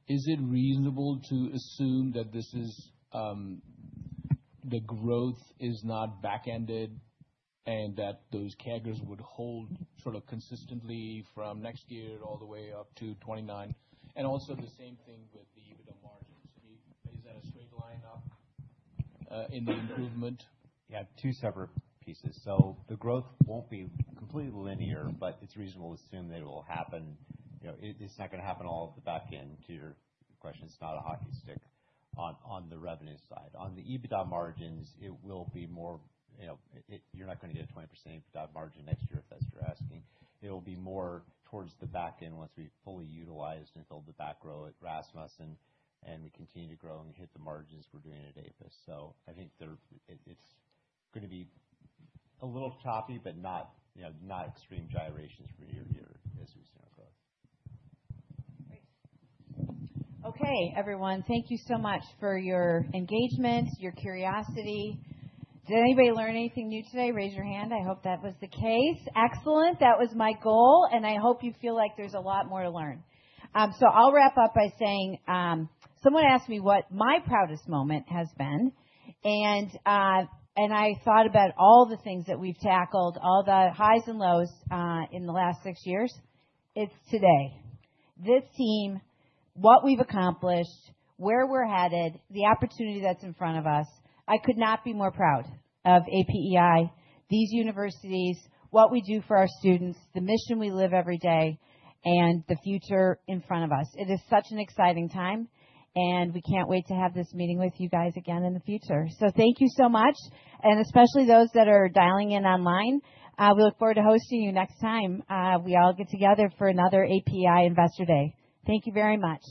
Speaker 11: Is it reasonable to assume that the growth is not back-ended and that those CAGRs would hold sort of consistently from next year all the way up to 2029? Also the same thing with the EBITDA margins. Is that a straight line up in the improvement?
Speaker 4: Yeah. Two separate pieces. The growth won't be completely linear, but it's reasonable to assume that it will happen. It's not going to happen all at the back end, to your question. It's not a hockey stick on the revenue side. On the EBITDA margins, it will be more—you’re not going to get a 20% EBITDA margin next year, if that's what you're asking. It will be more towards the back end once we fully utilize and fill the back row at Rasmussen, and we continue to grow and hit the margins we're doing at APUS. I think it's going to be a little choppy, but not extreme gyrations from year to year as we see our growth.
Speaker 1: Great. Okay, everyone. Thank you so much for your engagement, your curiosity. Did anybody learn anything new today? Raise your hand. I hope that was the case. Excellent. That was my goal, and I hope you feel like there's a lot more to learn. I'll wrap up by saying someone asked me what my proudest moment has been, and I thought about all the things that we've tackled, all the highs and lows in the last six years. It's today. This team, what we've accomplished, where we're headed, the opportunity that's in front of us. I could not be more proud of APEI, these universities, what we do for our students, the mission we live every day, and the future in front of us. It is such an exciting time, and we can't wait to have this meeting with you guys again in the future. Thank you so much, and especially those that are dialing in online. We look forward to hosting you next time we all get together for another APEI Investor Day. Thank you very much.